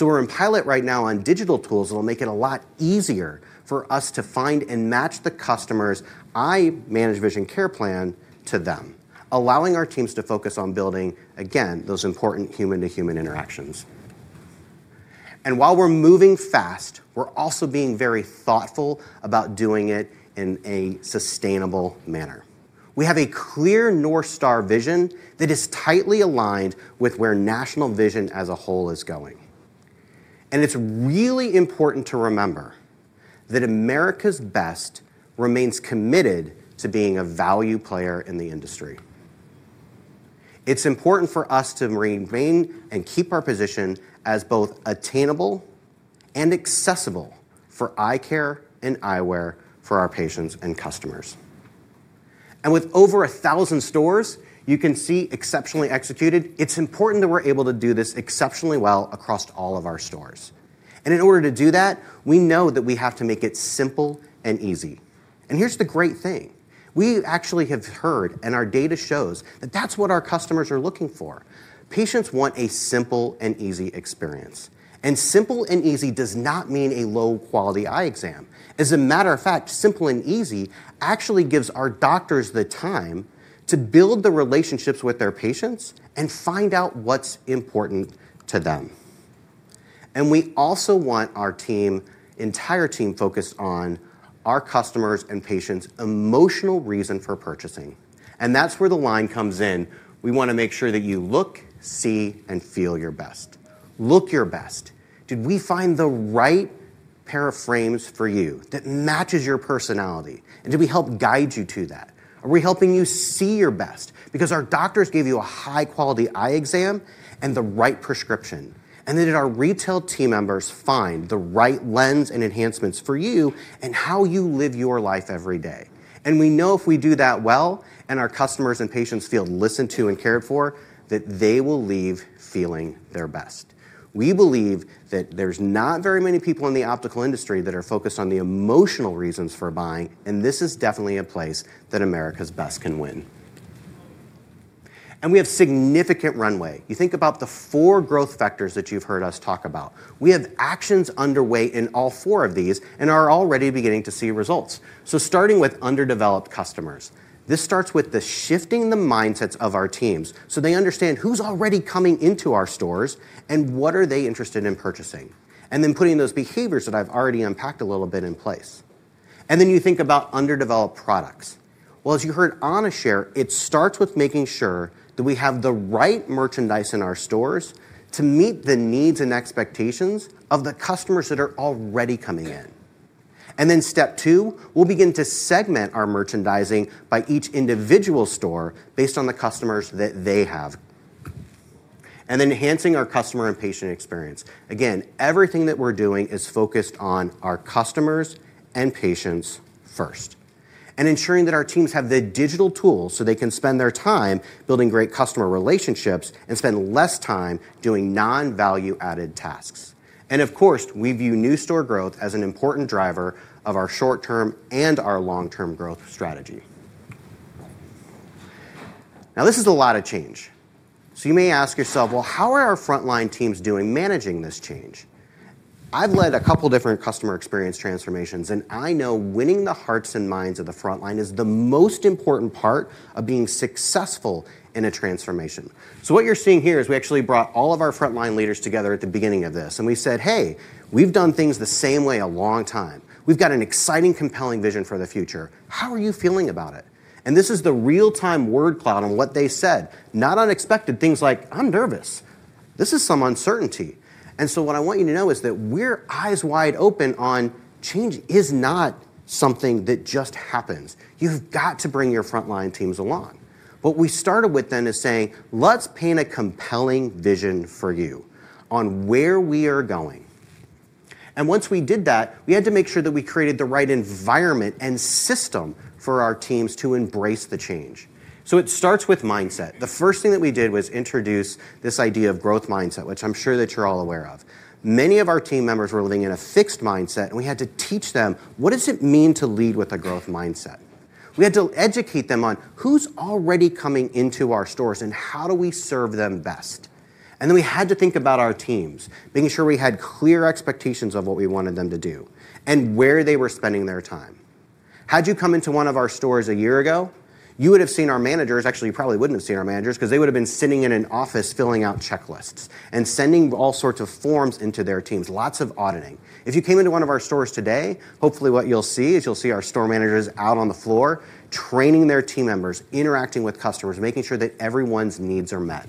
We're in pilot right now on digital tools that will make it a lot easier for us to find and match the customer's eye managed vision care plan to them, allowing our teams to focus on building, again, those important human-to-human interactions. While we're moving fast, we're also being very thoughtful about doing it in a sustainable manner. We have a clear North Star vision that is tightly aligned with where National Vision as a whole is going. It's really important to remember that America's Best remains committed to being a value player in the industry. It's important for us to remain and keep our position as both attainable and accessible for eye care and eyewear for our patients and customers. With over 1,000 stores, you can see exceptionally executed, it's important that we're able to do this exceptionally well across all of our stores. In order to do that, we know that we have to make it simple and easy. Here's the great thing. We actually have heard, and our data shows that that's what our customers are looking for. Patients want a simple and easy experience. Simple and easy does not mean a low-quality eye exam. As a matter of fact, simple and easy actually gives our doctors the time to build the relationships with their patients and find out what's important to them. We also want our entire team focused on our customers' and patients' emotional reason for purchasing. That's where the line comes in. We want to make sure that you look, see, and feel your best. Look your best. Did we find the right pair of frames for you that matches your personality? Did we help guide you to that? Are we helping you see your best? Because our doctors gave you a high-quality eye exam and the right prescription. Did our retail team members find the right lens and enhancements for you and how you live your life every day? We know if we do that well and our customers and patients feel listened to and cared for, they will leave feeling their best. We believe that there are not very many people in the optical industry that are focused on the emotional reasons for buying. This is definitely a place that America's Best can win. We have significant runway. You think about the four growth factors that you have heard us talk about. We have actions underway in all four of these and are already beginning to see results. Starting with underdeveloped customers, this starts with shifting the mindsets of our teams so they understand who's already coming into our stores and what are they interested in purchasing, and then putting those behaviors that I've already unpacked a little bit in place. You think about underdeveloped products. As you heard Ana share, it starts with making sure that we have the right merchandise in our stores to meet the needs and expectations of the customers that are already coming in. Step two, we'll begin to segment our merchandising by each individual store based on the customers that they have and enhancing our customer and patient experience. Again, everything that we're doing is focused on our customers and patients first and ensuring that our teams have the digital tools so they can spend their time building great customer relationships and spend less time doing non-value-added tasks. Of course, we view new store growth as an important driver of our short-term and our long-term growth strategy. This is a lot of change. You may ask yourself, how are our frontline teams doing managing this change? I've led a couple of different customer experience transformations. I know winning the hearts and minds of the frontline is the most important part of being successful in a transformation. What you're seeing here is we actually brought all of our frontline leaders together at the beginning of this. We said, hey, we've done things the same way a long time. We've got an exciting, compelling vision for the future. How are you feeling about it? This is the real-time word cloud on what they said, not unexpected things like, I'm nervous. This is some uncertainty. What I want you to know is that we're eyes wide open on change is not something that just happens. You've got to bring your frontline teams along. What we started with then is saying, let's paint a compelling vision for you on where we are going. Once we did that, we had to make sure that we created the right environment and system for our teams to embrace the change. It starts with mindset. The first thing that we did was introduce this idea of growth mindset, which I'm sure that you're all aware of. Many of our team members were living in a fixed mindset. We had to teach them, what does it mean to lead with a growth mindset? We had to educate them on who's already coming into our stores and how do we serve them best. We had to think about our teams, making sure we had clear expectations of what we wanted them to do and where they were spending their time. Had you come into one of our stores a year ago, you would have seen our managers. Actually, you probably would not have seen our managers because they would have been sitting in an office filling out checklists and sending all sorts of forms into their teams, lots of auditing. If you came into one of our stores today, hopefully what you'll see is you'll see our store managers out on the floor training their team members, interacting with customers, making sure that everyone's needs are met.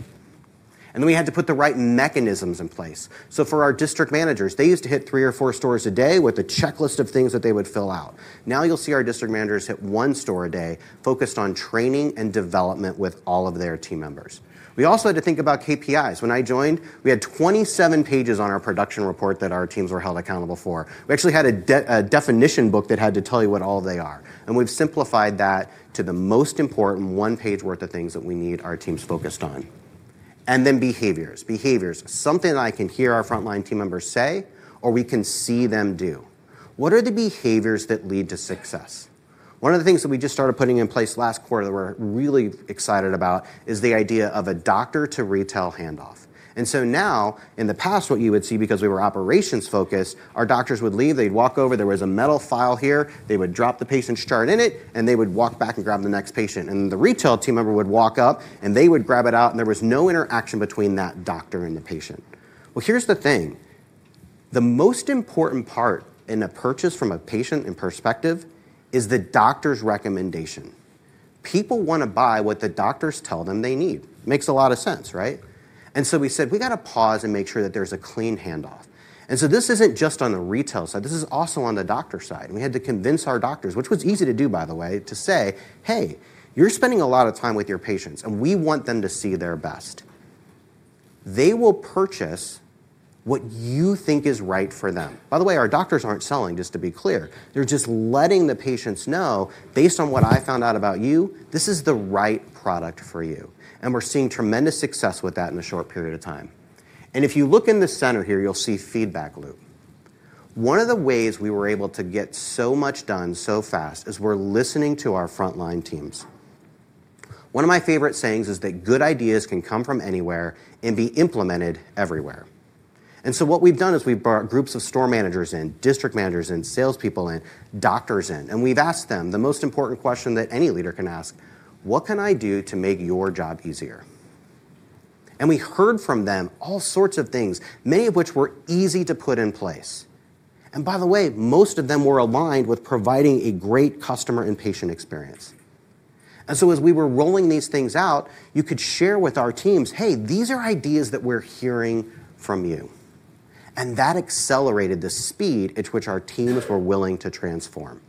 We had to put the right mechanisms in place. For our district managers, they used to hit three or four stores a day with a checklist of things that they would fill out. Now you'll see our district managers hit one store a day focused on training and development with all of their team members. We also had to think about KPIs. When I joined, we had 27 pages on our production report that our teams were held accountable for. We actually had a definition book that had to tell you what all they are. We have simplified that to the most important one-page worth of things that we need our teams focused on. Behaviors, behaviors, something that I can hear our frontline team members say or we can see them do. What are the behaviors that lead to success? One of the things that we just started putting in place last quarter that we're really excited about is the idea of a doctor-to-retail handoff. In the past, what you would see because we were operations-focused, our doctors would leave. They'd walk over. There was a metal file here. They would drop the patient's chart in it. They would walk back and grab the next patient. The retail team member would walk up. They would grab it out. There was no interaction between that doctor and the patient. The most important part in a purchase from a patient perspective is the doctor's recommendation. People want to buy what the doctors tell them they need. Makes a lot of sense, right? We said, we got to pause and make sure that there's a clean handoff. This is not just on the retail side. This is also on the doctor side. We had to convince our doctors, which was easy to do, by the way, to say, hey, you are spending a lot of time with your patients. We want them to see their best. They will purchase what you think is right for them. By the way, our doctors are not selling, just to be clear. They are just letting the patients know, based on what I found out about you, this is the right product for you. We are seeing tremendous success with that in a short period of time. If you look in the center here, you will see feedback loop. One of the ways we were able to get so much done so fast is we are listening to our frontline teams. One of my favorite sayings is that good ideas can come from anywhere and be implemented everywhere. What we've done is we brought groups of store managers in, district managers in, salespeople in, doctors in. We've asked them the most important question that any leader can ask, what can I do to make your job easier? We heard from them all sorts of things, many of which were easy to put in place. By the way, most of them were aligned with providing a great customer and patient experience. As we were rolling these things out, you could share with our teams, hey, these are ideas that we're hearing from you. That accelerated the speed at which our teams were willing to transform.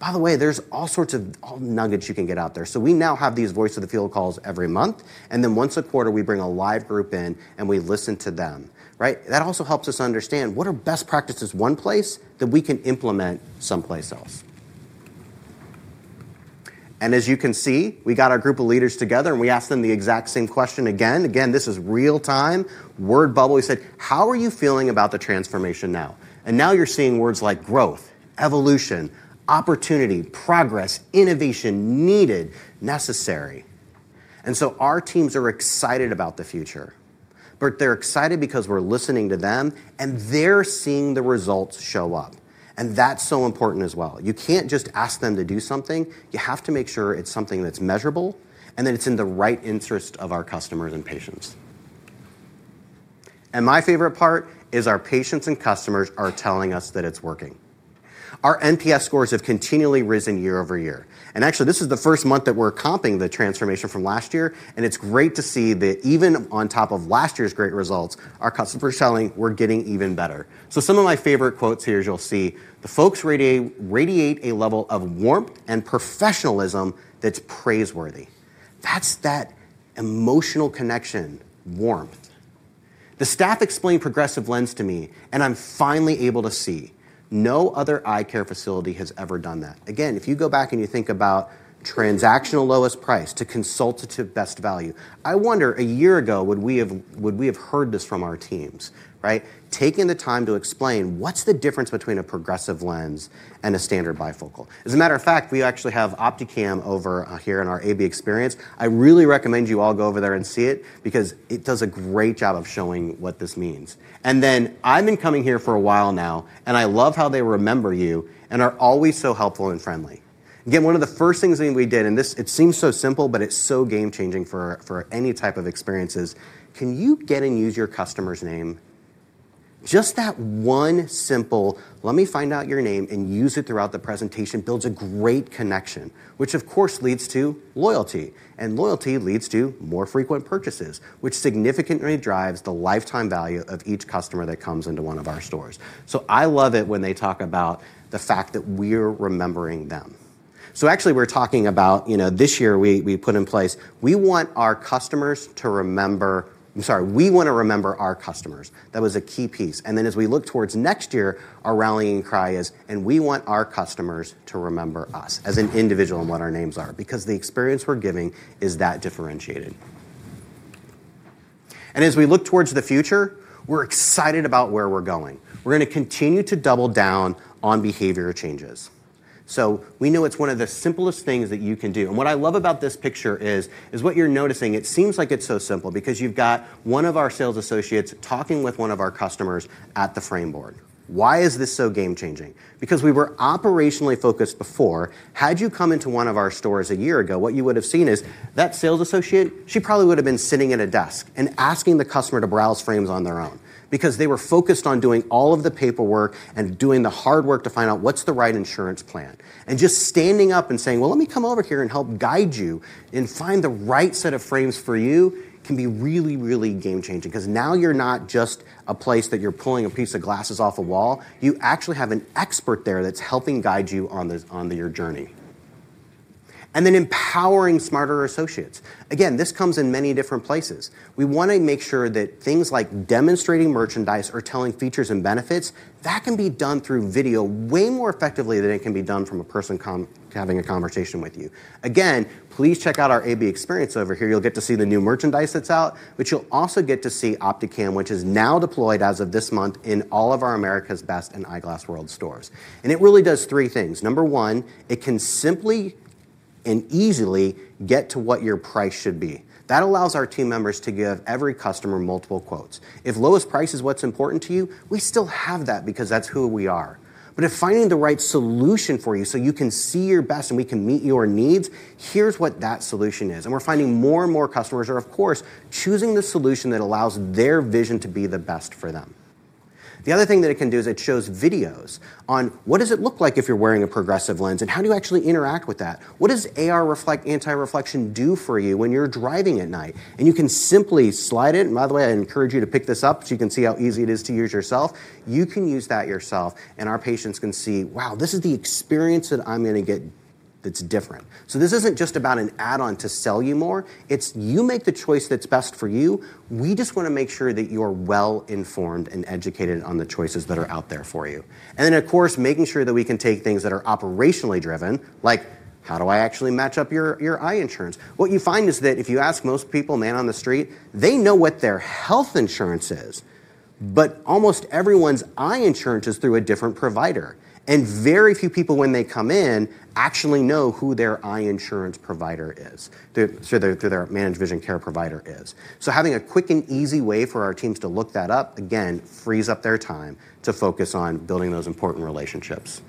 By the way, there's all sorts of nuggets you can get out there. We now have these voice-of-the-field calls every month. Then once a quarter, we bring a live group in. We listen to them, right? That also helps us understand what are best practices one place that we can implement someplace else. As you can see, we got our group of leaders together. We asked them the exact same question again. Again, this is real-time word bubble. We said, how are you feeling about the transformation now? Now you're seeing words like growth, evolution, opportunity, progress, innovation, needed, necessary. Our teams are excited about the future. They're excited because we're listening to them. They're seeing the results show up. That's so important as well. You can't just ask them to do something. You have to make sure it's something that's measurable and that it's in the right interest of our customers and patients. My favorite part is our patients and customers are telling us that it's working. Our NPS scores have continually risen year over year. Actually, this is the first month that we're comping the transformation from last year. It's great to see that even on top of last year's great results, our customers are saying we're getting even better. Some of my favorite quotes here, as you'll see, the folks radiate a level of warmth and professionalism that's praiseworthy. That's that emotional connection, warmth. The staff explained progressive lenses to me. I'm finally able to see. No other eye care facility has ever done that. Again, if you go back and you think about transactional lowest price to consultative best value, I wonder a year ago, would we have heard this from our teams, right? Taking the time to explain what's the difference between a progressive lens and a standard bifocal. As a matter of fact, we actually have Optikam over here in our AB experience. I really recommend you all go over there and see it because it does a great job of showing what this means. I have been coming here for a while now. I love how they remember you and are always so helpful and friendly. Again, one of the first things that we did, and this seems so simple, but it's so game-changing for any type of experiences. Can you get and use your customer's name? Just that one simple, let me find out your name and use it throughout the presentation builds a great connection, which of course leads to loyalty. Loyalty leads to more frequent purchases, which significantly drives the lifetime value of each customer that comes into one of our stores. I love it when they talk about the fact that we're remembering them. Actually, we're talking about this year we put in place, we want our customers to remember, I'm sorry, we want to remember our customers. That was a key piece. As we look towards next year, our rallying cry is, and we want our customers to remember us as an individual and what our names are because the experience we're giving is that differentiated. As we look towards the future, we're excited about where we're going. We're going to continue to double down on behavior changes. We know it's one of the simplest things that you can do. What I love about this picture is what you're noticing. It seems like it's so simple because you've got one of our sales associates talking with one of our customers at the frameboard. Why is this so game-changing? We were operationally focused before. Had you come into one of our stores a year ago, what you would have seen is that sales associate, she probably would have been sitting at a desk and asking the customer to browse frames on their own because they were focused on doing all of the paperwork and doing the hard work to find out what's the right insurance plan. Just standing up and saying, let me come over here and help guide you and find the right set of frames for you can be really, really game-changing because now you're not just a place that you're pulling a piece of glasses off a wall. You actually have an expert there that's helping guide you on your journey. Then empowering smarter associates. Again, this comes in many different places. We want to make sure that things like demonstrating merchandise or telling features and benefits, that can be done through video way more effectively than it can be done from a person having a conversation with you. Again, please check out our AB experience over here. You'll get to see the new merchandise that's out, but you'll also get to see Optikam, which is now deployed as of this month in all of our America's Best and Eyeglass World stores. It really does three things. Number one, it can simply and easily get to what your price should be. That allows our team members to give every customer multiple quotes. If lowest price is what's important to you, we still have that because that's who we are. If finding the right solution for you so you can see your best and we can meet your needs, here's what that solution is. We're finding more and more customers are, of course, choosing the solution that allows their vision to be the best for them. The other thing that it can do is it shows videos on what does it look like if you're wearing a progressive lens and how do you actually interact with that? What does AR anti-reflection do for you when you're driving at night? You can simply slide it. By the way, I encourage you to pick this up so you can see how easy it is to use yourself. You can use that yourself. Our patients can see, wow, this is the experience that I'm going to get that's different. This isn't just about an add-on to sell you more. You make the choice that's best for you. We just want to make sure that you're well-informed and educated on the choices that are out there for you. Of course, making sure that we can take things that are operationally driven, like how do I actually match up your eye insurance? What you find is that if you ask most people, man on the street, they know what their health insurance is. Almost everyone's eye insurance is through a different provider. Very few people, when they come in, actually know who their eye insurance provider is, who their managed vision care provider is. Having a quick and easy way for our teams to look that up, again, frees up their time to focus on building those important relationships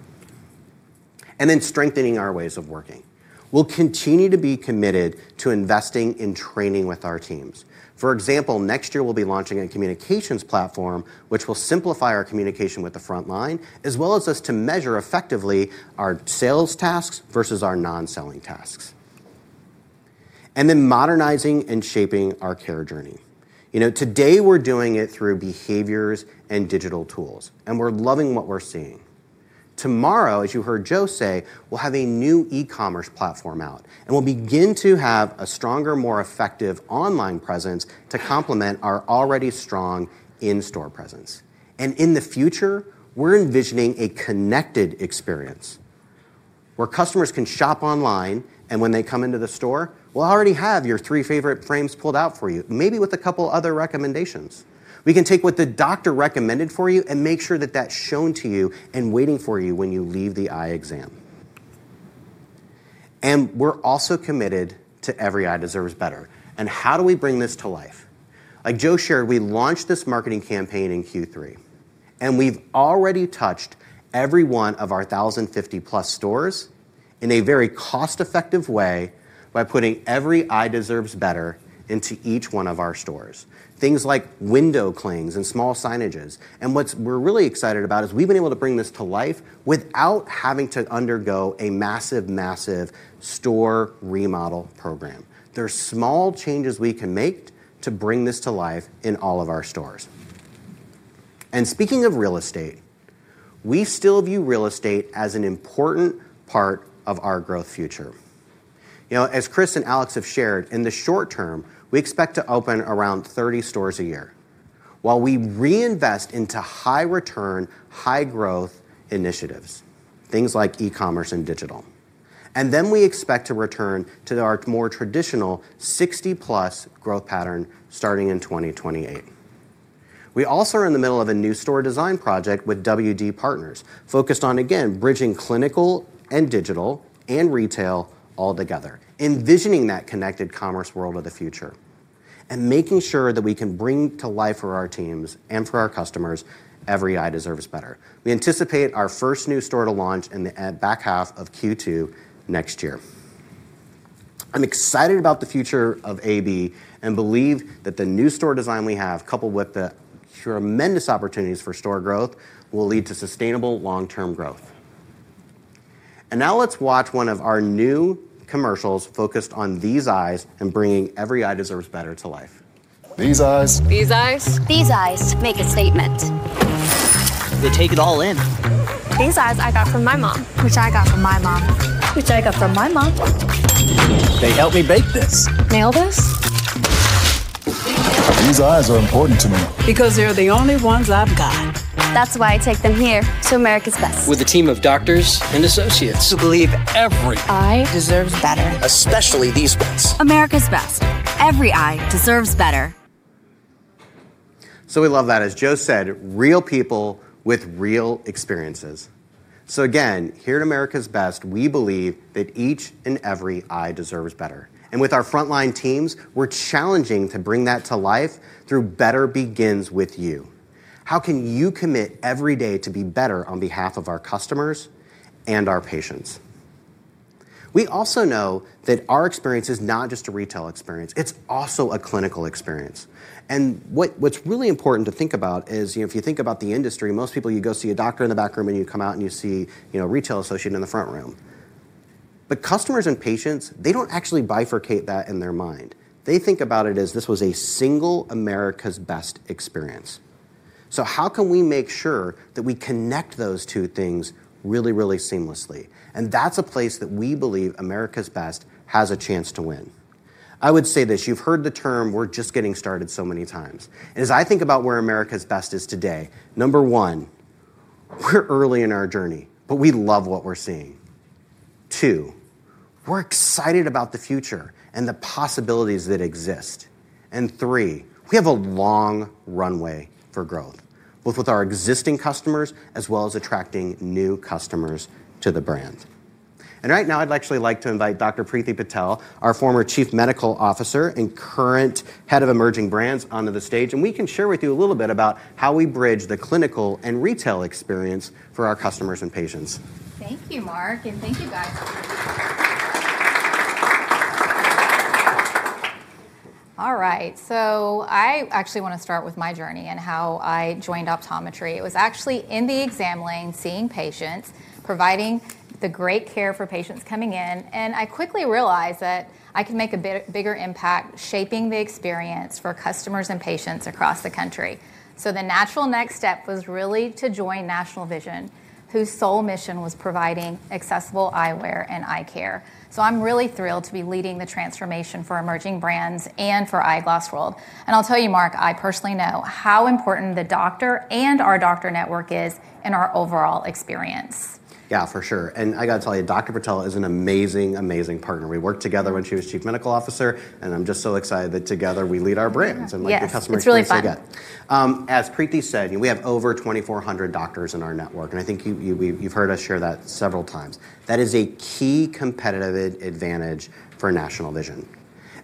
and then strengthening our ways of working. We'll continue to be committed to investing in training with our teams. For example, next year, we'll be launching a communications platform, which will simplify our communication with the frontline, as well as allow us to measure effectively our sales tasks versus our non-selling tasks, and then modernizing and shaping our care journey. Today, we're doing it through behaviors and digital tools. And we're loving what we're seeing. Tomorrow, as you heard Joe say, we'll have a new e-commerce platform out. We'll begin to have a stronger, more effective online presence to complement our already strong in-store presence. In the future, we're envisioning a connected experience where customers can shop online. When they come into the store, we'll already have your three favorite frames pulled out for you, maybe with a couple of other recommendations. We can take what the doctor recommended for you and make sure that that's shown to you and waiting for you when you leave the eye exam. We are also committed to every eye deserves better. How do we bring this to life? Like Joe shared, we launched this marketing campaign in Q3. We have already touched every one of our 1,050+ stores in a very cost-effective way by putting every eye deserves better into each one of our stores, things like window clings and small signages. What we are really excited about is we have been able to bring this to life without having to undergo a massive, massive store remodel program. There are small changes we can make to bring this to life in all of our stores. Speaking of real estate, we still view real estate as an important part of our growth future. As Chris and Alex have shared, in the short term, we expect to open around 30 stores a year while we reinvest into high-return, high-growth initiatives, things like e-commerce and digital. We expect to return to our more traditional 60+ growth pattern starting in 2028. We also are in the middle of a new store design project with WD Partners focused on, again, bridging clinical and digital and retail all together, envisioning that connected commerce world of the future and making sure that we can bring to life for our teams and for our customers every eye deserves better. We anticipate our first new store to launch in the back half of Q2 next year. I'm excited about the future of AB and believe that the new store design we have, coupled with the tremendous opportunities for store growth, will lead to sustainable long-term growth. Now let's watch one of our new commercials focused on these eyes and bringing every eye deserves better to life. These eyes. These eyes. These eyes make a statement. They take it all in. These eyes I got from my mom, which I got from my mom, which I got from my mom. They helped me bake this. Nail this. These eyes are important to me because they're the only ones I've got. That's why I take them here to America's Best, with a team of doctors and associates who believe every eye deserves better. Especially these ones. America's Best. Every eye deserves better. We love that, as Joe said, real people with real experiences. Here at America's Best, we believe that each and every eye deserves better. With our frontline teams, we're challenging to bring that to life through Better Begins With You. How can you commit every day to be better on behalf of our customers and our patients? We also know that our experience is not just a retail experience. It is also a clinical experience. What is really important to think about is if you think about the industry, most people, you go see a doctor in the back room, and you come out, and you see a retail associate in the front room. Customers and patients, they do not actually bifurcate that in their mind. They think about it as this was a single America's Best experience. How can we make sure that we connect those two things really, really seamlessly? That is a place that we believe America's Best has a chance to win. I would say this. You have heard the term, we are just getting started so many times. As I think about where America's Best is today, number one, we're early in our journey, but we love what we're seeing. Two, we're excited about the future and the possibilities that exist. Three, we have a long runway for growth, both with our existing customers as well as attracting new customers to the brand. Right now, I'd actually like to invite Dr. Priti Patel, our former Chief Medical Officer and current Head of Emerging Brands, onto the stage. We can share with you a little bit about how we bridge the clinical and retail experience for our customers and patients. Thank you, Mark. Thank you, guys. All right. I actually want to start with my journey and how I joined optometry. It was actually in the exam lane, seeing patients, providing the great care for patients coming in. I quickly realized that I could make a bigger impact shaping the experience for customers and patients across the country. The natural next step was really to join National Vision, whose sole mission was providing accessible eyewear and eye care. I'm really thrilled to be leading the transformation for emerging brands and for Eyeglass World. I'll tell you, Mark, I personally know how important the doctor and our doctor network is in our overall experience. Yeah, for sure. I got to tell you, Dr. Patel is an amazing, amazing partner. We worked together when she was Chief Medical Officer. I'm just so excited that together we lead our brands and make the customer experience we get. As Priti said, we have over 2,400 doctors in our network. I think you've heard us share that several times. That is a key competitive advantage for National Vision.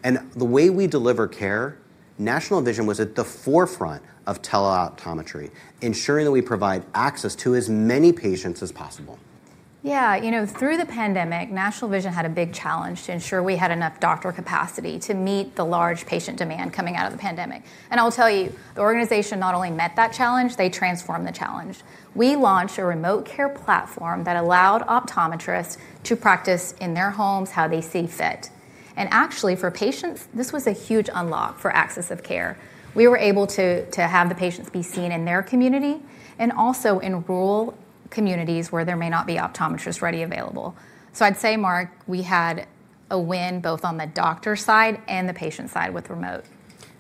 The way we deliver care, National Vision was at the forefront of teleoptometry, ensuring that we provide access to as many patients as possible. Yeah. Through the pandemic, National Vision had a big challenge to ensure we had enough doctor capacity to meet the large patient demand coming out of the pandemic. I'll tell you, the organization not only met that challenge, they transformed the challenge. We launched a remote care platform that allowed optometrists to practice in their homes how they see fit. Actually, for patients, this was a huge unlock for access of care. We were able to have the patients be seen in their community and also in rural communities where there may not be optometrists readily available. I'd say, Mark, we had a win both on the doctor's side and the patient's side with remote.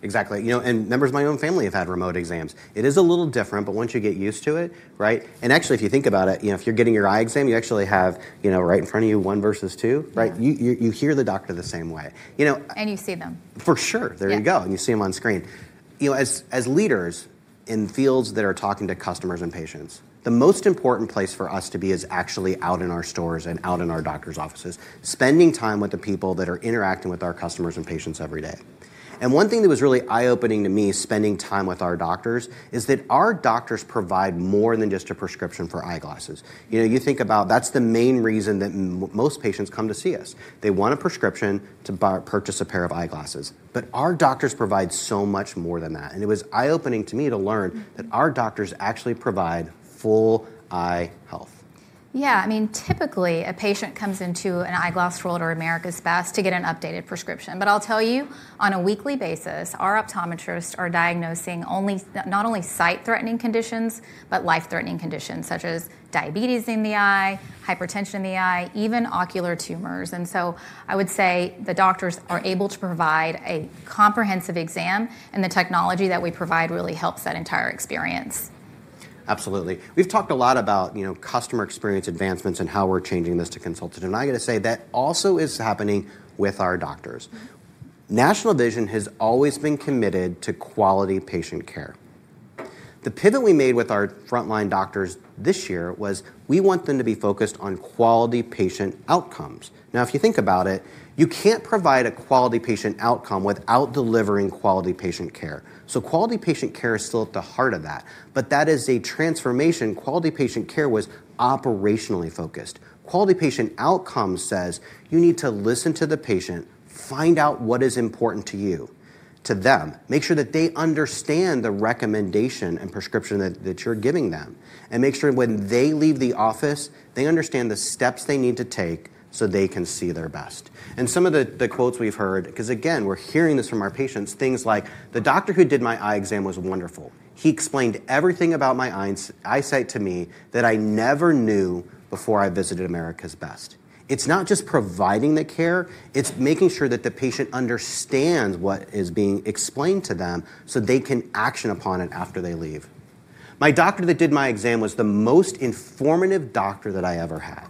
Exactly. Members of my own family have had remote exams. It is a little different, but once you get used to it, right? Actually, if you think about it, if you're getting your eye exam, you actually have right in front of you one versus two, right? You hear the doctor the same way. You see them. For sure. There you go. You see them on screen. As leaders in fields that are talking to customers and patients, the most important place for us to be is actually out in our stores and out in our doctor's offices, spending time with the people that are interacting with our customers and patients every day. One thing that was really eye-opening to me, spending time with our doctors, is that our doctors provide more than just a prescription for eyeglasses. You think about that's the main reason that most patients come to see us. They want a prescription to purchase a pair of eyeglasses. Our doctors provide so much more than that. It was eye-opening to me to learn that our doctors actually provide full eye health. Yeah. I mean, typically, a patient comes into an Eyeglass World or America's Best to get an updated prescription. I'll tell you, on a weekly basis, our optometrists are diagnosing not only sight-threatening conditions, but life-threatening conditions, such as diabetes in the eye, hypertension in the eye, even ocular tumors. I would say the doctors are able to provide a comprehensive exam. The technology that we provide really helps that entire experience. Absolutely. We've talked a lot about customer experience advancements and how we're changing this to consultants. I got to say that also is happening with our doctors. National Vision has always been committed to quality patient care. The pivot we made with our frontline doctors this year was we want them to be focused on quality patient outcomes. Now, if you think about it, you can't provide a quality patient outcome without delivering quality patient care. Quality patient care is still at the heart of that. That is a transformation. Quality patient care was operationally focused. Quality patient outcomes say you need to listen to the patient, find out what is important to them, make sure that they understand the recommendation and prescription that you're giving them, and make sure when they leave the office, they understand the steps they need to take so they can see their best. Some of the quotes we've heard, because again, we're hearing this from our patients, things like, "The doctor who did my eye exam was wonderful. He explained everything about my eyesight to me that I never knew before I visited America's Best." It's not just providing the care. It's making sure that the patient understands what is being explained to them so they can action upon it after they leave. My doctor that did my exam was the most informative doctor that I ever had.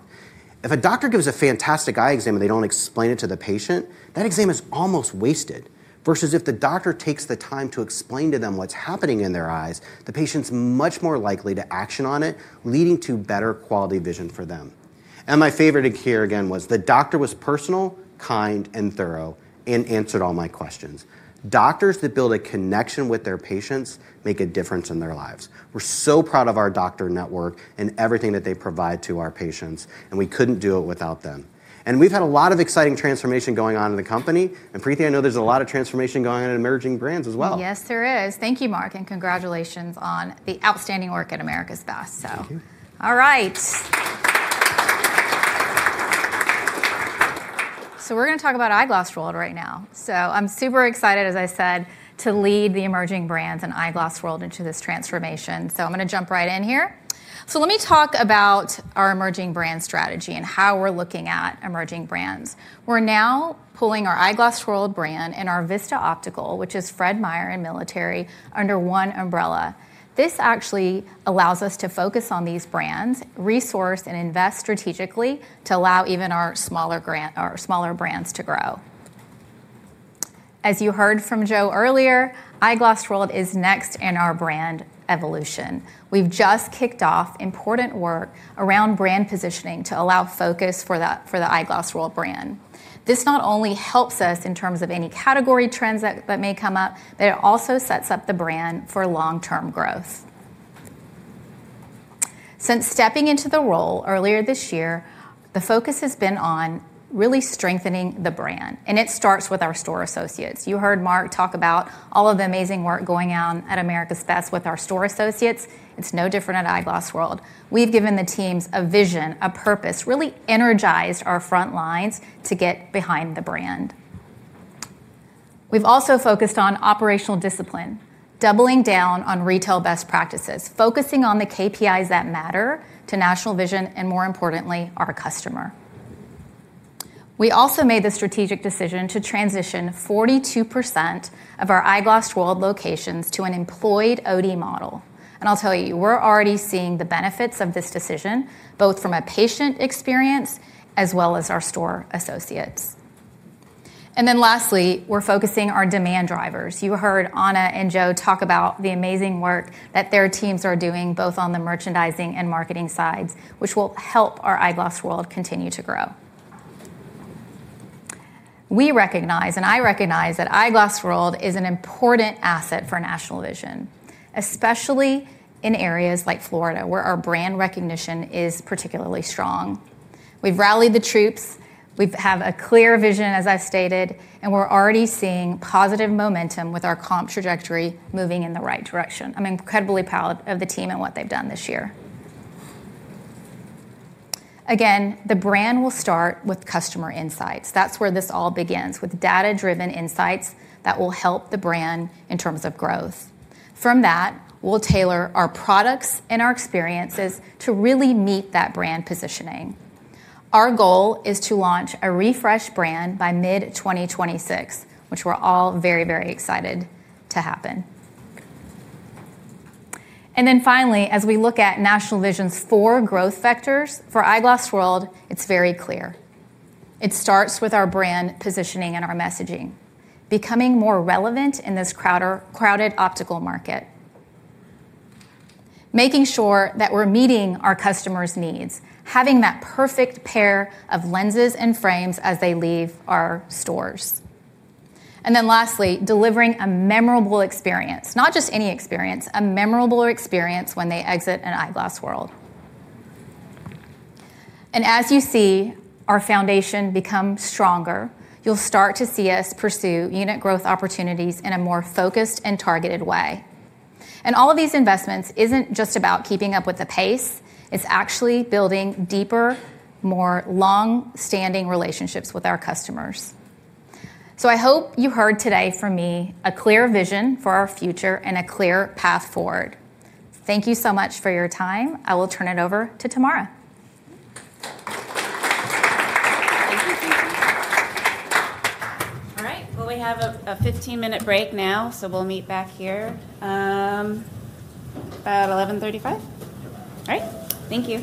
If a doctor gives a fantastic eye exam and they do not explain it to the patient, that exam is almost wasted. Versus if the doctor takes the time to explain to them what is happening in their eyes, the patient is much more likely to action on it, leading to better quality vision for them. My favorite here again was the doctor was personal, kind, and thorough and answered all my questions. Doctors that build a connection with their patients make a difference in their lives. We are so proud of our doctor network and everything that they provide to our patients. We could not do it without them. We have had a lot of exciting transformation going on in the company. Priti, I know there is a lot of transformation going on in emerging brands as well. Yes, there is. Thank you, Mark. Congratulations on the outstanding work at America's Best. Thank you. All right. We are going to talk about Eyeglass World right now. I am super excited, as I said, to lead the emerging brands and Eyeglass World into this transformation. I am going to jump right in here. Let me talk about our emerging brand strategy and how we are looking at emerging brands. We are now pulling our Eyeglass World brand and our Vista Optical, which is Fred Meyer and Military, under one umbrella. This actually allows us to focus on these brands, resource, and invest strategically to allow even our smaller brands to grow. As you heard from Joe earlier, Eyeglass World is next in our brand evolution. We have just kicked off important work around brand positioning to allow focus for the Eyeglass World brand. This not only helps us in terms of any category trends that may come up, but it also sets up the brand for long-term growth. Since stepping into the role earlier this year, the focus has been on really strengthening the brand. It starts with our store associates. You heard Mark talk about all of the amazing work going on at America's Best with our store associates. It's no different at Eyeglass World. We've given the teams a vision, a purpose, really energized our frontlines to get behind the brand. We've also focused on operational discipline, doubling down on retail best practices, focusing on the KPIs that matter to National Vision and, more importantly, our customer. We also made the strategic decision to transition 42% of our Eyeglass World locations to an employed OD model. I'll tell you, we're already seeing the benefits of this decision, both from a patient experience as well as our store associates. Lastly, we're focusing on demand drivers. You heard Ana and Joe talk about the amazing work that their teams are doing both on the merchandising and marketing sides, which will help our Eyeglass World continue to grow. We recognize, and I recognize, that Eyeglass World is an important asset for National Vision, especially in areas like Florida where our brand recognition is particularly strong. We've rallied the troops. We have a clear vision, as I've stated, and we're already seeing positive momentum with our comp trajectory moving in the right direction. I'm incredibly proud of the team and what they've done this year. Again, the brand will start with customer insights. That's where this all begins, with data-driven insights that will help the brand in terms of growth. From that, we'll tailor our products and our experiences to really meet that brand positioning. Our goal is to launch a refreshed brand by mid-2026, which we're all very, very excited to happen. Finally, as we look at National Vision's four growth vectors for Eyeglass World, it's very clear. It starts with our brand positioning and our messaging, becoming more relevant in this crowded optical market, making sure that we're meeting our customers' needs, having that perfect pair of lenses and frames as they leave our stores. Lastly, delivering a memorable experience, not just any experience, a memorable experience when they exit an Eyeglass World. As you see our foundation become stronger, you'll start to see us pursue unit growth opportunities in a more focused and targeted way. All of these investments is not just about keeping up with the pace. It is actually building deeper, more long-standing relationships with our customers. I hope you heard today from me a clear vision for our future and a clear path forward. Thank you so much for your time. I will turn it over to Tamara. Thank you Priti. All right. We have a 15-minute break now, so we will meet back here about 11:35 A.M. Thank you.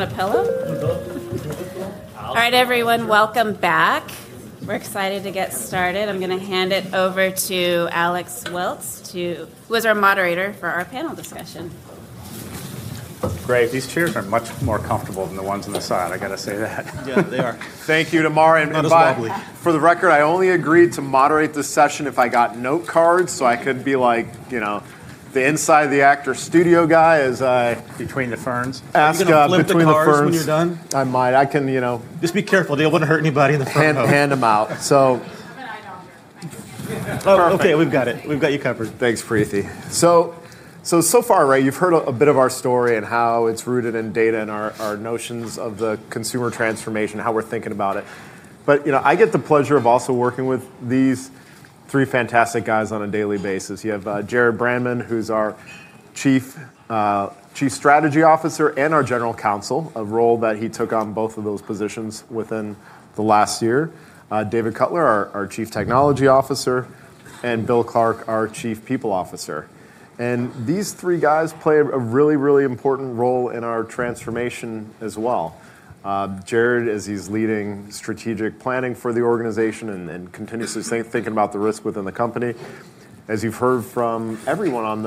You want a pillow? All right, everyone, welcome back. We are excited to get started. I am going to hand it over to Alex Wilkes, who is our moderator for our panel discussion. Great. These chairs are much more comfortable than the ones on the side, I got to say that. Yes, they are. Thank you, Tamara. By the way, for the record, I only agreed to moderate this session if I got note cards so I could be like, you know, the Inside the Actor Studio guy as I... Between the Ferns. Ask up Between the Ferns when you're done. I might. I can, you know...just be careful. They do not want to hurt anybody in the ferns. Hand them out. Okay. We have got it. We have got you covered. Thanks, Priti. So far, right, you have heard a bit of our story and how it is rooted in data and our notions of the consumer transformation, how we are thinking about it. You know, I get the pleasure of also working with these three fantastic guys on a daily basis. You have Jared Brandman, who's our Chief Strategy Officer and our General Counsel, a role that he took on both of those positions within the last year. David Cutler, our Chief Technology Officer, and Bill Clark, our Chief People Officer. These three guys play a really, really important role in our transformation as well. Jared, as he's leading strategic planning for the organization and continuously thinking about the risk within the company. As you've heard from everyone on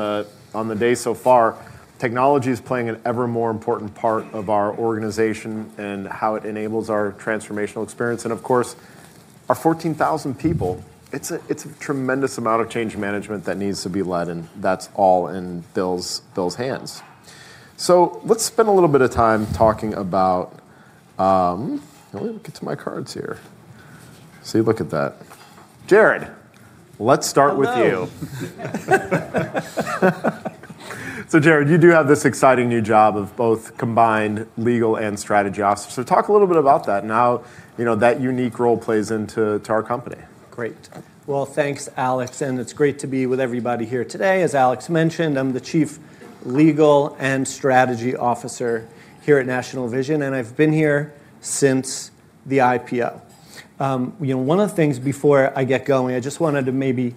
the day so far, technology is playing an ever more important part of our organization and how it enables our transformational experience. Of course, our 14,000 people, it's a tremendous amount of change management that needs to be led, and that's all in Bill's hands. Let's spend a little bit of time talking about... Let me get to my cards here. You look at that. Jared, let's start with you. So, Jared, you do have this exciting new job of both combined legal and strategy officer. So talk a little bit about that. Now, you know, that unique role plays into our company. Great. Thanks, Alex. It's great to be with everybody here today. As Alex mentioned, I'm the Chief Legal and Strategy Officer here at National Vision, and I've been here since the IPO. One of the things before I get going, I just wanted to maybe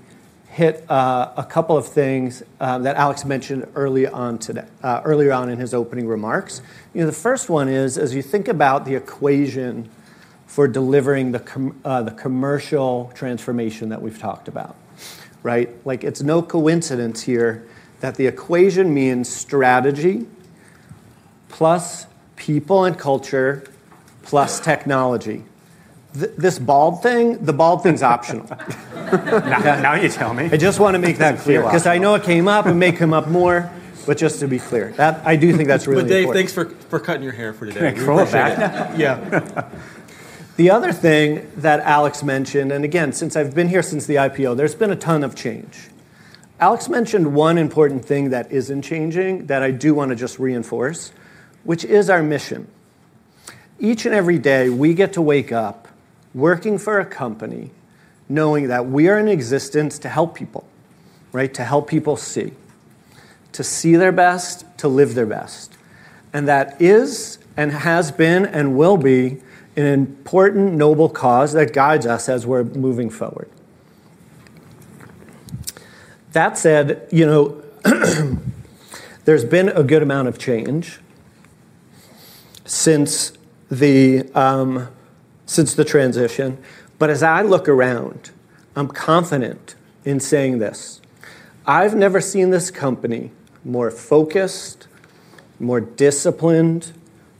hit a couple of things that Alex mentioned early on today, earlier on in his opening remarks. The first one is, as you think about the equation for delivering the commercial transformation that we've talked about, right? Like, it's no coincidence here that the equation means strategy plus people and culture plus technology. This bald thing, the bald thing's optional. Now you tell me. I just want to make that clear because I know it came up and may come up more, but just to be clear, I do think that's really important. Dave, thanks for cutting your hair for today. Thanks for all that. Yeah. The other thing that Alex mentioned, and again, since I've been here since the IPO, there's been a ton of change. Alex mentioned one important thing that isn't changing that I do want to just reinforce, which is our mission. Each and every day, we get to wake up working for a company knowing that we are in existence to help people, right? To help people see, to see their best, to live their best. That is and has been and will be an important noble cause that guides us as we're moving forward. That said, you know, there's been a good amount of change since the transition. As I look around, I'm confident in saying this. I've never seen this company more focused, more disciplined,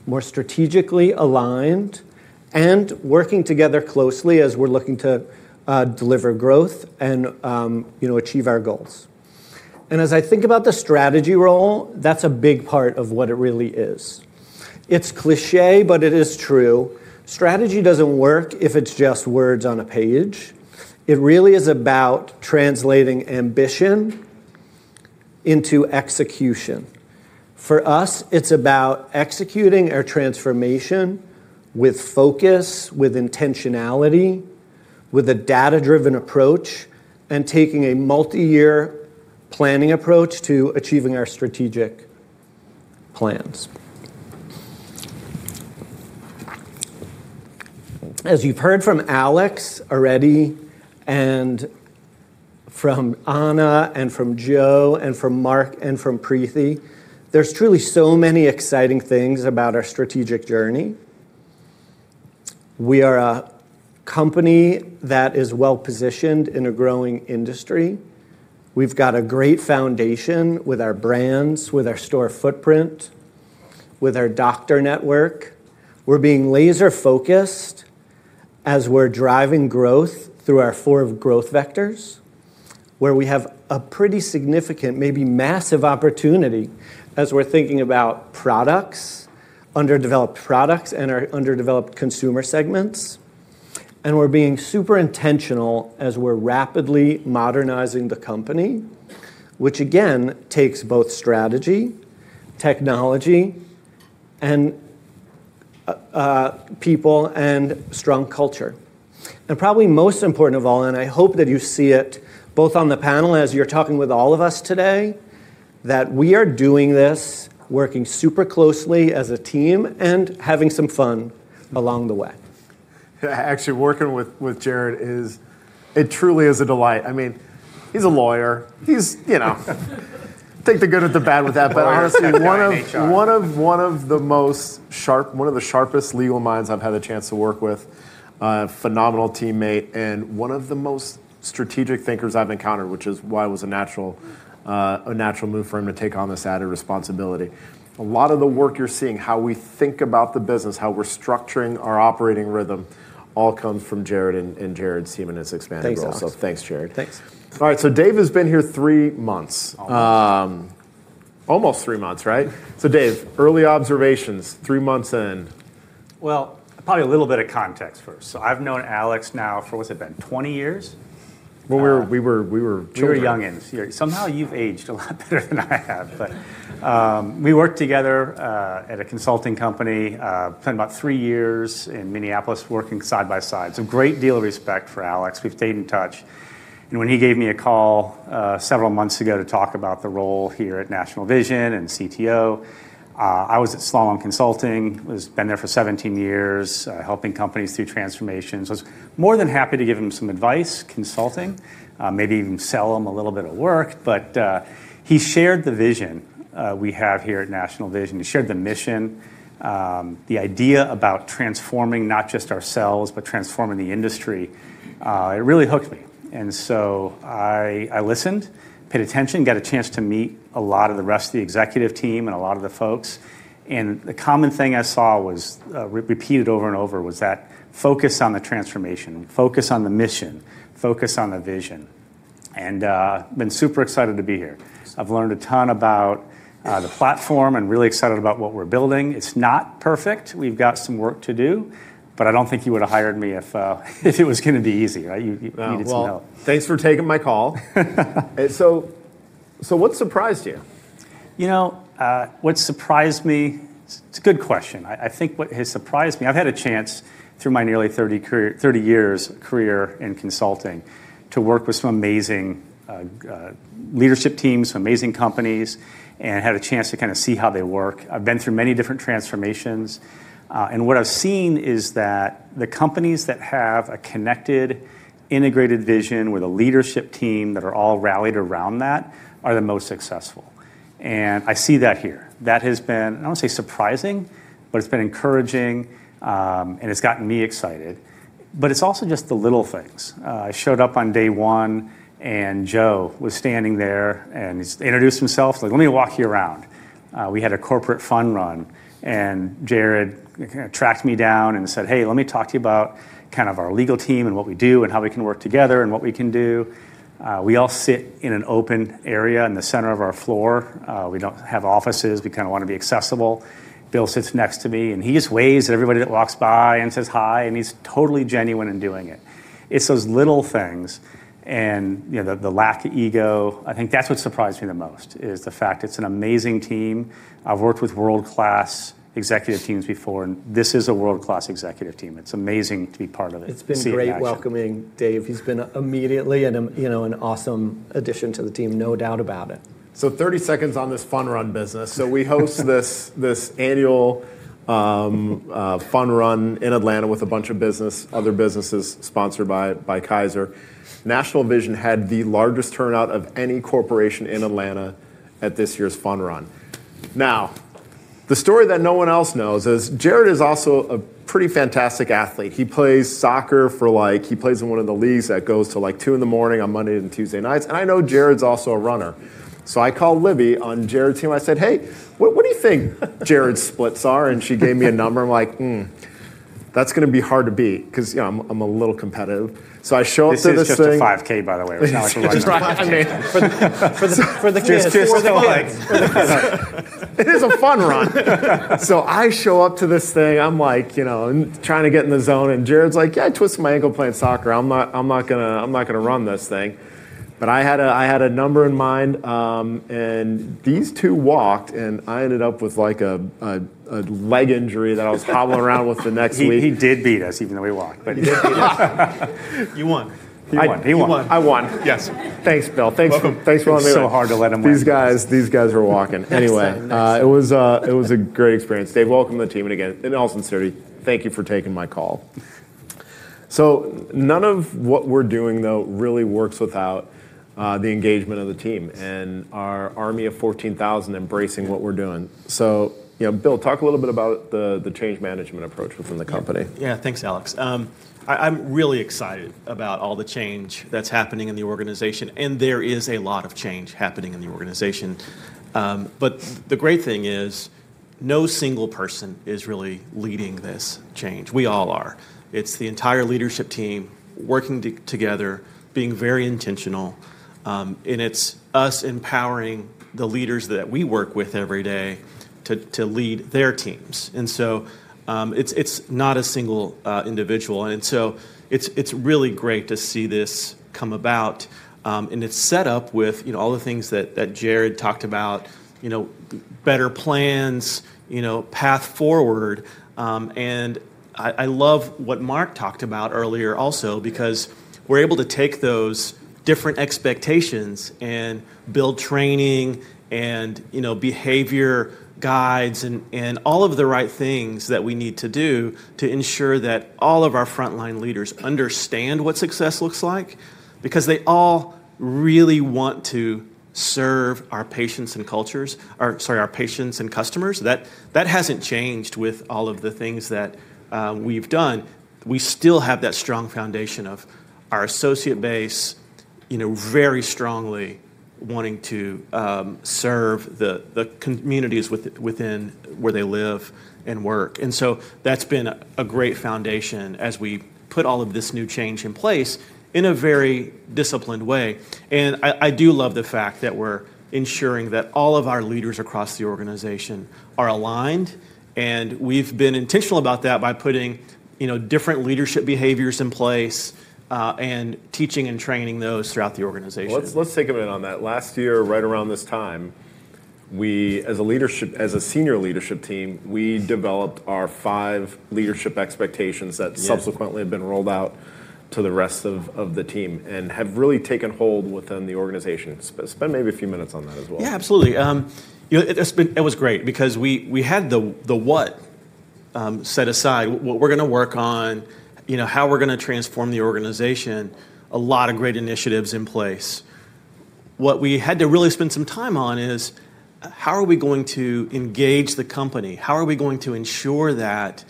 more strategically aligned, and working together closely as we're looking to deliver growth and, you know, achieve our goals. As I think about the strategy role, that's a big part of what it really is. It's cliché, but it is true. Strategy doesn't work if it's just words on a page. It really is about translating ambition into execution. For us, it's about executing our transformation with focus, with intentionality, with a data-driven approach, and taking a multi-year planning approach to achieving our strategic plans. As you've heard from Alex already and from Ana and from Joe and from Mark and from Priti, there's truly so many exciting things about our strategic journey. We are a company that is well positioned in a growing industry. We've got a great foundation with our brands, with our store footprint, with our doctor network. We're being laser-focused as we're driving growth through our four growth vectors, where we have a pretty significant, maybe massive opportunity as we're thinking about products, underdeveloped products and our underdeveloped consumer segments. We're being super intentional as we're rapidly modernizing the company, which again takes both strategy, technology, and people and strong culture. Probably most important of all, and I hope that you see it both on the panel as you're talking with all of us today, that we are doing this, working super closely as a team and having some fun along the way. Actually, working with Jared is, it truly is a delight. I mean, he's a lawyer. He's, you know, take the good and the bad with that. Honestly, one of the most sharp, one of the sharpest legal minds I've had the chance to work with, a phenomenal teammate, and one of the most strategic thinkers I've encountered, which is why it was a natural move for him to take on this added responsibility. A lot of the work you're seeing, how we think about the business, how we're structuring our operating rhythm, all comes from Jared and Jared Seaman as expanding also. Thanks, Jared. Thanks. All right. Dave has been here three months. Almost three months, right? Dave, early observations, three months in. Probably a little bit of context first. I've known Alex now for, what's it been, 20 years? We were children. We were youngins. Somehow you've aged a lot better than I have. We worked together at a consulting company, spent about three years in Minneapolis working side by side. A great deal of respect for Alex. We've stayed in touch. When he gave me a call several months ago to talk about the role here at National Vision and CTO, I was at Slalom Consulting. I had been there for 17 years, helping companies through transformations. I was more than happy to give him some advice, consulting, maybe even sell him a little bit of work. He shared the vision we have here at National Vision. He shared the mission, the idea about transforming not just ourselves, but transforming the industry. It really hooked me. I listened, paid attention, got a chance to meet a lot of the rest of the executive team and a lot of the folks. The common thing I saw was repeated over and over was that focus on the transformation, focus on the mission, focus on the vision. I've been super excited to be here. I've learned a ton about the platform and really excited about what we're building. It's not perfect. We've got some work to do. I don't think you would have hired me if it was going to be easy. Thanks for taking my call. What surprised you? You know, what surprised me, it's a good question. I think what has surprised me, I've had a chance through my nearly 30 years career in consulting to work with some amazing leadership teams, some amazing companies, and had a chance to kind of see how they work. I've been through many different transformations. What I have seen is that the companies that have a connected, integrated vision with a leadership team that are all rallied around that are the most successful. I see that here. That has been, I do not want to say surprising, but it has been encouraging and it has gotten me excited. It is also just the little things. I showed up on day one and Joe was standing there and he introduced himself, like, "Let me walk you around." We had a corporate fun run. Jared tracked me down and said, "Hey, let me talk to you about kind of our legal team and what we do and how we can work together and what we can do." We all sit in an open area in the center of our floor. We do not have offices. We kind of want to be accessible. Bill sits next to me and he just waves at everybody that walks by and says hi. And he's totally genuine in doing it. It's those little things and the lack of ego. I think that's what surprised me the most is the fact it's an amazing team. I've worked with world-class executive teams before, and this is a world-class executive team. It's amazing to be part of it. It's been great welcoming Dave. He's been immediately an awesome addition to the team, no doubt about it. Thirty seconds on this fun run business. We host this annual fun run in Atlanta with a bunch of other businesses sponsored by Kaiser. National Vision had the largest turnout of any corporation in Atlanta at this year's fun run. Now, the story that no one else knows is Jared is also a pretty fantastic athlete. He plays soccer for, like, he plays in one of the leagues that goes to like two in the morning on Monday and Tuesday nights. I know Jared's also a runner. I called Libby on Jared's team. I said, "Hey, what do you think Jared's splits are?" She gave me a number. I'm like, that's going to be hard to beat because, you know, I'm a little competitive." I show up to this thing. It's just 5K, by the way. I mean, for the kids, just for the fun. It is a fun run. I show up to this thing. I'm like, you know, trying to get in the zone. Jared's like, "Yeah, I twisted my ankle playing soccer. I'm not going to run this thing." I had a number in mind. These two walked, and I ended up with like a leg injury that I was hobbling around with the next week. He did beat us even though he walked. He did beat us. You won. He won. I won. Yes. Thanks, Bill. Thanks for letting me run. So hard to let him run. These guys were walking. Anyway, it was a great experience. Dave, welcome to the team. In all sincerity, thank you for taking my call. None of what we're doing, though, really works without the engagement of the team and our army of 14,000 embracing what we're doing. You know, Bill, talk a little bit about the change management approach within the company. Yeah, thanks, Alex. I'm really excited about all the change that's happening in the organization. There is a lot of change happening in the organization. The great thing is no single person is really leading this change. We all are. It is the entire leadership team working together, being very intentional. It is us empowering the leaders that we work with every day to lead their teams. It is not a single individual. It is really great to see this come about. It is set up with, you know, all the things that Jared talked about, you know, better plans, you know, path forward. I love what Mark talked about earlier also because we are able to take those different expectations and build training and, you know, behavior guides and all of the right things that we need to do to ensure that all of our frontline leaders understand what success looks like because they all really want to serve our patients and cultures, or sorry, our patients and customers. That hasn't changed with all of the things that we've done. We still have that strong foundation of our associate base, you know, very strongly wanting to serve the communities within where they live and work. That has been a great foundation as we put all of this new change in place in a very disciplined way. I do love the fact that we're ensuring that all of our leaders across the organization are aligned. We have been intentional about that by putting, you know, different leadership behaviors in place and teaching and training those throughout the organization. Let's take a minute on that. Last year, right around this time, we, as a senior leadership team, developed our five leadership expectations that subsequently have been rolled out to the rest of the team and have really taken hold within the organization. Spend maybe a few minutes on that as well. Yeah, absolutely. It was great because we had the what set aside, what we're going to work on, you know, how we're going to transform the organization, a lot of great initiatives in place. What we had to really spend some time on is how are we going to engage the company? How are we going to ensure that,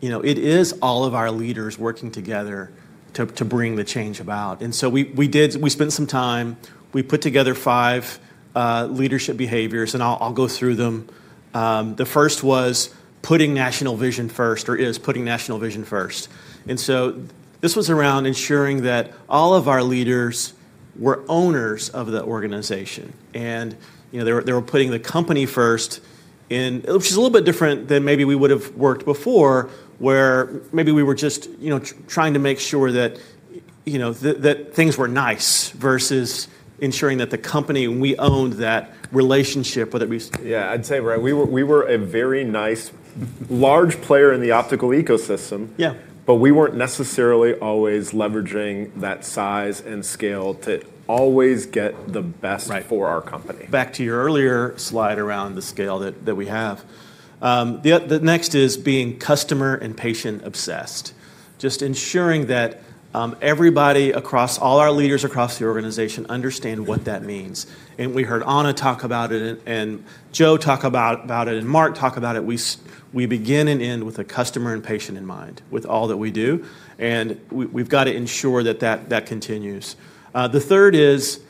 you know, it is all of our leaders working together to bring the change about? We did, we spent some time, we put together five leadership behaviors, and I'll go through them. The first was putting National Vision first, or is putting National Vision first. This was around ensuring that all of our leaders were owners of the organization. You know, they were putting the company first, which is a little bit different than maybe we would have worked before, where maybe we were just, you know, trying to make sure that, you know, that things were nice versus ensuring that the company and we owned that relationship. I'd say, right, we were a very nice large player in the optical ecosystem. Yeah, but we were not necessarily always leveraging that size and scale to always get the best for our company. Back to your earlier slide around the scale that we have. The next is being customer and patient obsessed, just ensuring that everybody across all our leaders across the organization understands what that means. We heard Ana talk about it and Joe talk about it and Mark talk about it. We begin and end with a customer and patient in mind with all that we do. We have got to ensure that that continues. The third is